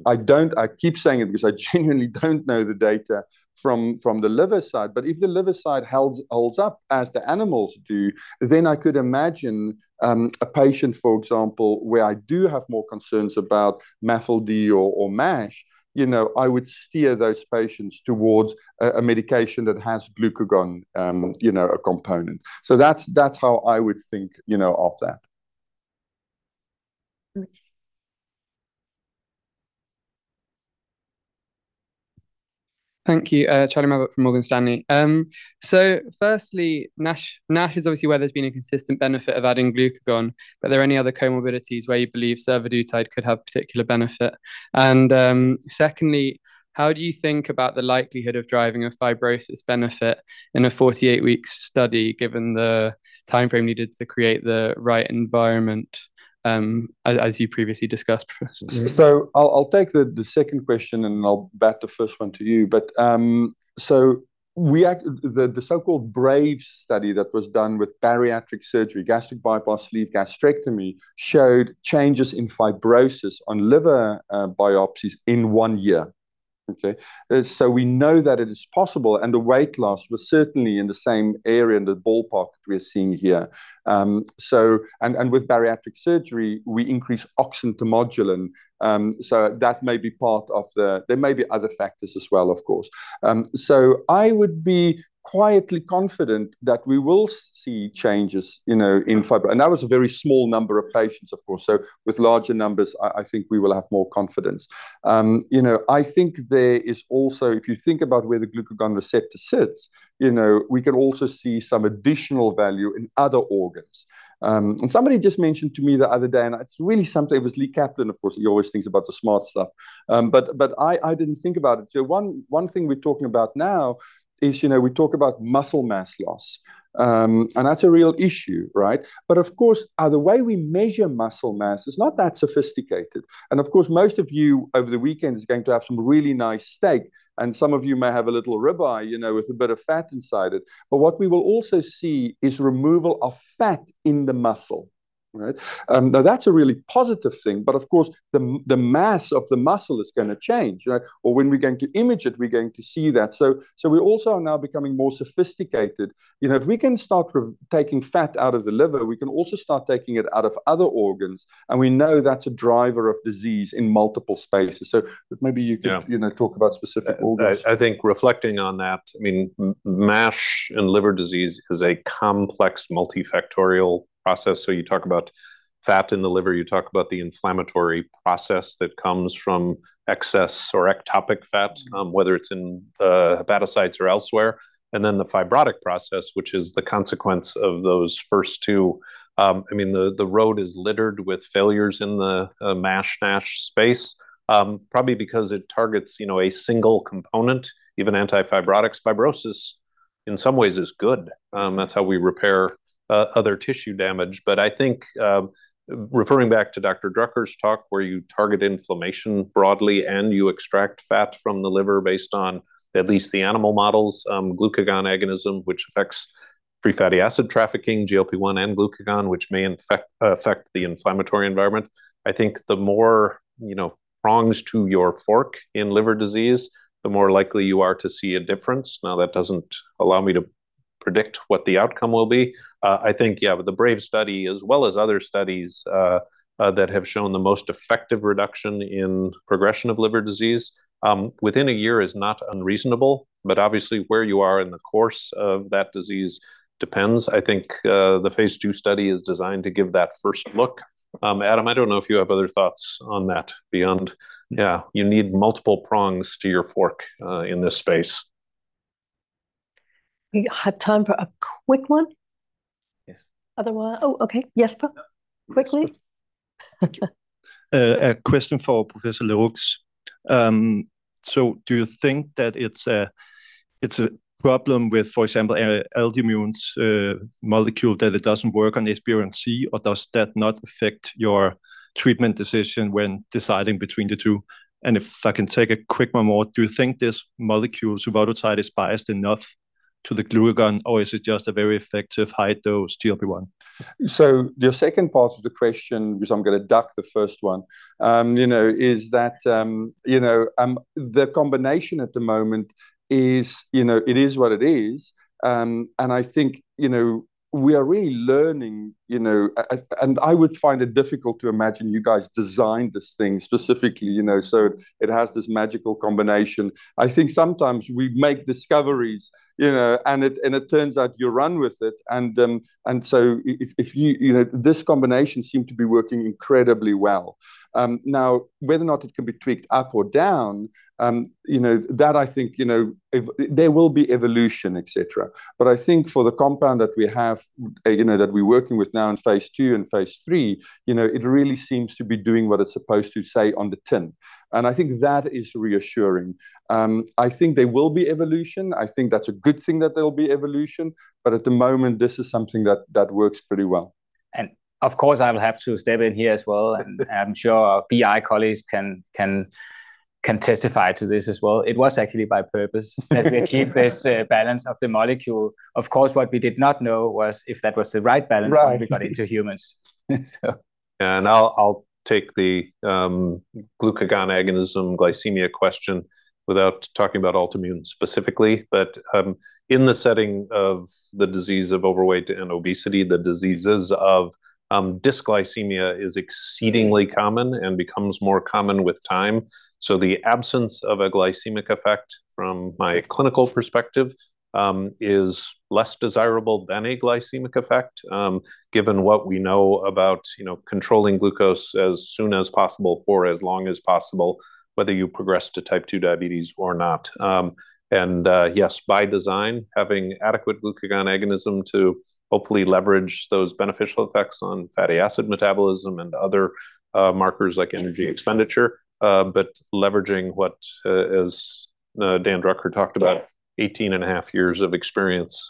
I don't. I keep saying it because I genuinely don't know the data from the liver side, but if the liver side holds up as the animals do, then I could imagine a patient, for example, where I do have more concerns about MAFLD or MASH, you know, I would steer those patients towards a medication that has glucagon, you know, a component. So that's how I would think, you know, of that. Mm-hmm. Thank you. Charlie Mabbutt from Morgan Stanley. So firstly, NASH. NASH is obviously where there's been a consistent benefit of adding glucagon, but are there any other comorbidities where you believe survodutide could have particular benefit? And, secondly, how do you think about the likelihood of driving a fibrosis benefit in a 48-week study, given the timeframe needed to create the right environment, as you previously discussed, Professor? So I'll take the second question, and I'll bat the first one to you. But so the so-called BRAVE study that was done with bariatric surgery, gastric bypass, sleeve gastrectomy, showed changes in fibrosis on liver biopsies in one year. Okay? So we know that it is possible, and the weight loss was certainly in the same area, in the ballpark that we're seeing here. And with bariatric surgery, we increase oxyntomodulin, so that may be part of the, there may be other factors as well, of course. So I would be quietly confident that we will see changes, you know, in fibro, and that was a very small number of patients, of course, so with larger numbers, I think we will have more confidence. You know, I think there is also, if you think about where the glucagon receptor sits, you know, we can also see some additional value in other organs. And somebody just mentioned to me the other day, and it's really something. It was Lee Kaplan, of course, he always thinks about the smart stuff, but I didn't think about it. So one thing we're talking about now is, you know, we talk about muscle mass loss, and that's a real issue, right? But of course, the way we measure muscle mass is not that sophisticated. And of course, most of you over the weekend is going to have some really nice steak, and some of you may have a little rib eye, you know, with a bit of fat inside it. But what we will also see is removal of fat in the muscle... Right? Now that's a really positive thing, but of course, the mass of the muscle is gonna change, you know. Or when we're going to image it, we're going to see that. So we also are now becoming more sophisticated. You know, if we can start taking fat out of the liver, we can also start taking it out of other organs, and we know that's a driver of disease in multiple spaces. So maybe you could- Yeah. You know, talk about specific organs. I think reflecting on that, I mean, MASH and liver disease is a complex multifactorial process. So you talk about fat in the liver, you talk about the inflammatory process that comes from excess or ectopic fat, whether it's in the hepatocytes or elsewhere, and then the fibrotic process, which is the consequence of those first two. I mean, the road is littered with failures in the MASH, NASH space, probably because it targets, you know, a single component, even anti-fibrotics. Fibrosis, in some ways is good. That's how we repair other tissue damage. But I think, referring back to Dr. Drucker's talk, where you target inflammation broadly and you extract fat from the liver based on at least the animal models, glucagon agonism, which affects free fatty acid trafficking, GLP-1, and glucagon, which may affect the inflammatory environment. I think the more, you know, prongs to your fork in liver disease, the more likely you are to see a difference. Now, that doesn't allow me to predict what the outcome will be. I think, yeah, the BRAVE study, as well as other studies, that have shown the most effective reduction in progression of liver disease, within a year is not unreasonable, but obviously, where you are in the course of that disease depends. I think, the phase II study is designed to give that first look. Adam, I don't know if you have other thoughts on that beyond, yeah, you need multiple prongs to your fork, in this space. We have time for a quick one? Yes. Other one. Oh, okay. Jesper, quickly. A question for Professor Le Roux. So do you think that it's a problem with, for example, Altimmune's molecule, that it doesn't work on SPARC, or does that not affect your treatment decision when deciding between the two? And if I can take a quick one more, do you think this molecule, survodutide, is biased enough to the glucagon, or is it just a very effective high-dose GLP-1? So your second part of the question, which I'm gonna duck the first one, you know, is that, you know, the combination at the moment is, you know, it is what it is. And I think, you know, we are really learning, you know. And I would find it difficult to imagine you guys designed this thing specifically, you know, so it has this magical combination. I think sometimes we make discoveries, you know, and it, and it turns out you run with it. And so if, if you know, this combination seem to be working incredibly well. Now, whether or not it can be tweaked up or down, you know, that I think, you know, there will be evolution, et cetera. But I think for the compound that we have, you know, that we're working with now in phase II and phase III, you know, it really seems to be doing what it's supposed to say on the tin, and I think that is reassuring. I think there will be evolution. I think that's a good thing that there will be evolution, but at the moment, this is something that works pretty well. And of course, I will have to step in here as well, and I'm sure our BI colleagues can testify to this as well. It was actually by purpose that we achieve this balance of the molecule. Of course, what we did not know was if that was the right balance- Right. - when we got into humans. And I'll, I'll take the glucagon agonism glycemia question without talking about Altimmune specifically. But in the setting of the disease of overweight and obesity, the diseases of dysglycemia is exceedingly common and becomes more common with time. So the absence of a glycemic effect, from my clinical perspective, is less desirable than a glycemic effect, given what we know about, you know, controlling glucose as soon as possible for as long as possible, whether you progress to type 2 diabetes or not. And yes, by design, having adequate glucagon agonism to hopefully leverage those beneficial effects on fatty acid metabolism and other markers like energy expenditure, but leveraging what, as Dan Drucker talked about, 18.5 years of experience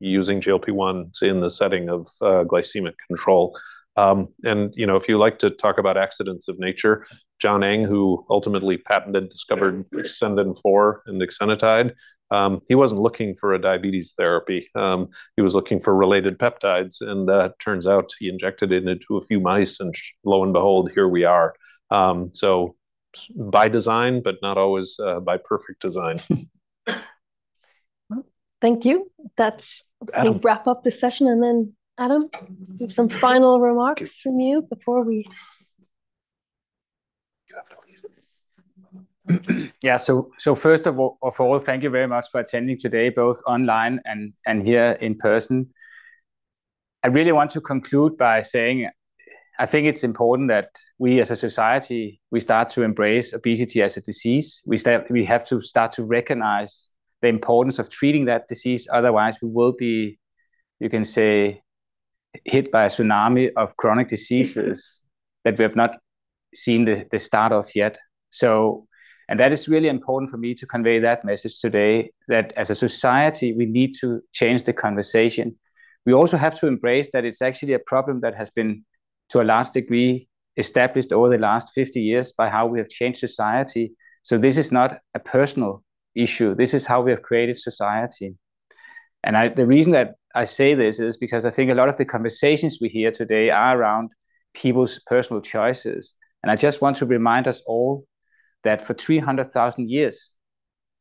using GLP-1 in the setting of glycemic control. You know, if you like to talk about accidents of nature, John Eng, who ultimately patented, discovered exendin-4 and exenatide, he wasn't looking for a diabetes therapy. He was looking for related peptides, and turns out he injected it into a few mice, and lo and behold, here we are. So by design, but not always, by perfect design. Well, thank you. That's- Adam. I think, wrap up the session, and then, Adam, some final remarks from you before we... So, first of all, thank you very much for attending today, both online and here in person. I really want to conclude by saying I think it's important that we, as a society, start to embrace obesity as a disease. We have to start to recognize the importance of treating that disease; otherwise, we will be, you can say, hit by a tsunami of chronic diseases that we have not seen the start of yet. So, that is really important for me to convey that message today, that as a society, we need to change the conversation. We also have to embrace that it's actually a problem that has been, to a large degree, established over the last 50 years by how we have changed society. So this is not a personal issue. This is how we have created society. And I, the reason that I say this is because I think a lot of the conversations we hear today are around people's personal choices. And I just want to remind us all that for 300,000 years,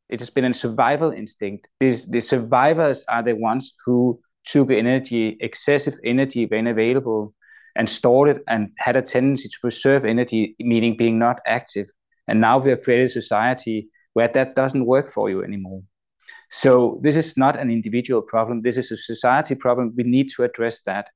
it has been a survival instinct. These, the survivors are the ones who took energy, excessive energy when available, and stored it and had a tendency to preserve energy, meaning being not active. And now we have created a society where that doesn't work for you anymore. So this is not an individual problem. This is a society problem. We need to address that,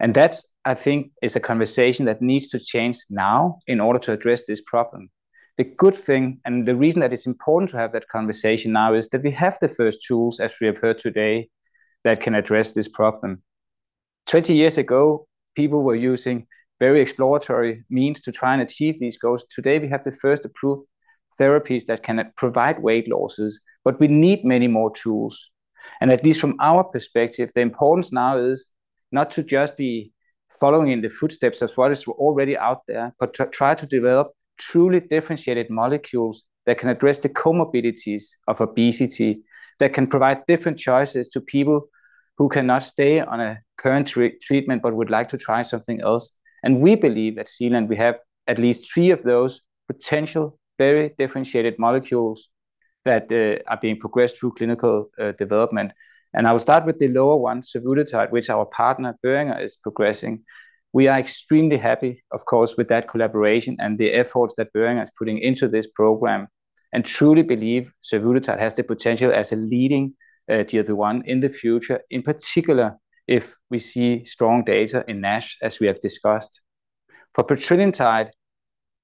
and that's, I think, is a conversation that needs to change now in order to address this problem. The good thing, and the reason that it's important to have that conversation now, is that we have the first tools, as we have heard today, that can address this problem. 20 years ago, people were using very exploratory means to try and achieve these goals. Today, we have the first approved therapies that can provide weight losses, but we need many more tools. And at least from our perspective, the importance now is not to just be following in the footsteps of what is already out there, but to try to develop truly differentiated molecules that can address the comorbidities of obesity, that can provide different choices to people who cannot stay on a current treat, treatment but would like to try something else. And we believe at Zealand we have at least three of those potential very differentiated molecules that are being progressed through clinical development. I will start with the lower one, survodutide, which our partner, Boehringer, is progressing. We are extremely happy, of course, with that collaboration and the efforts that Boehringer is putting into this program, and truly believe survodutide has the potential as a leading GLP-1 in the future. In particular, if we see strong data in NASH, as we have discussed. For petrelintide,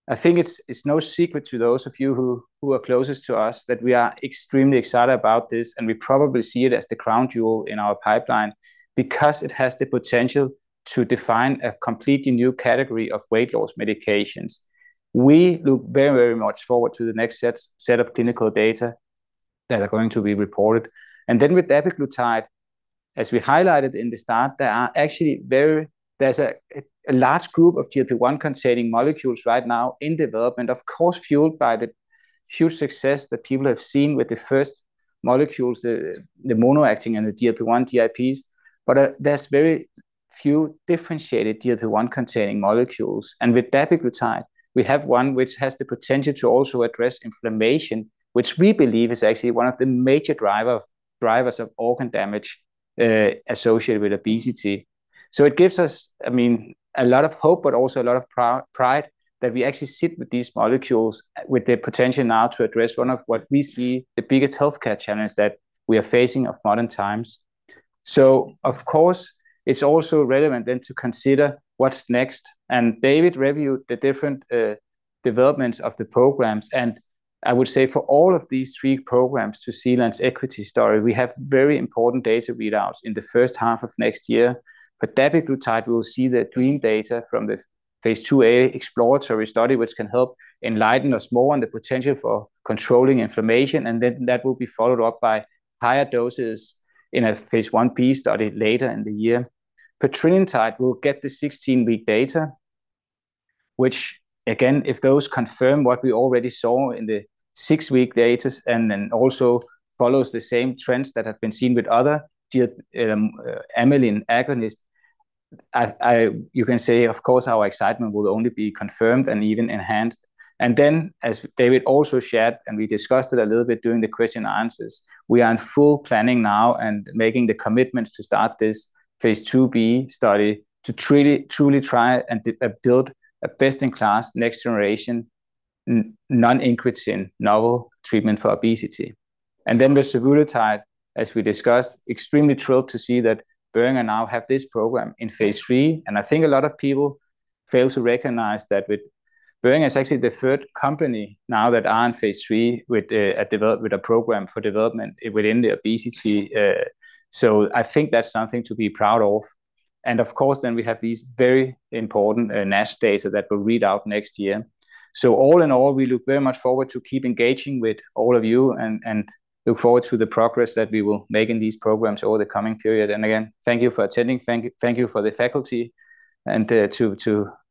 I think it's no secret to those of you who are closest to us that we are extremely excited about this, and we probably see it as the crown jewel in our pipeline because it has the potential to define a completely new category of weight loss medications. We look very, very much forward to the next set of clinical data that are going to be reported. And then with dapiglutide, as we highlighted in the start, there are actually a large group of GLP-1 containing molecules right now in development, of course, fueled by the huge success that people have seen with the first molecules, the mono-acting and the GLP-1/GIPs. But there's very few differentiated GLP-1 containing molecules, and with dapiglutide, we have one which has the potential to also address inflammation, which we believe is actually one of the major drivers of organ damage associated with obesity. So it gives us, I mean, a lot of hope, but also a lot of pride that we actually sit with these molecules, with the potential now to address one of what we see the biggest healthcare challenge that we are facing of modern times. So of course, it's also relevant then to consider what's next, and David reviewed the different developments of the programs. And I would say for all of these three programs to Zealand's equity story, we have very important data readouts in the first half of next year. But dapiglutide, we'll see the topline data from the phase IIa exploratory study, which can help enlighten us more on the potential for controlling inflammation, and then that will be followed up by higher doses in a phase Ib study later in the year. Petrelintide, we'll get the 16-week data, which again, if those confirm what we already saw in the six-week data and then also follows the same trends that have been seen with other GLP-1 amylin agonists, I—you can say, of course, our excitement will only be confirmed and even enhanced. As David also shared, and we discussed it a little bit during the question and answers, we are in full planning now and making the commitments to start this phase IIb study to truly, truly try and build a best-in-class, next-generation, non-incremental novel treatment for obesity. And then with survodutide, as we discussed, extremely thrilled to see that Boehringer now have this program in phase III, and I think a lot of people fail to recognize that with Boehringer is actually the third company now that are in phase III with a development program within the obesity, so I think that's something to be proud of. And of course, then we have these very important NASH data that will read out next year. So all in all, we look very much forward to keep engaging with all of you and look forward to the progress that we will make in these programs over the coming period. And again, thank you for attending. Thank you for the faculty and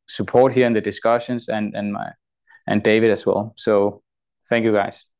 support here in the discussions and David as well. So thank you, guys.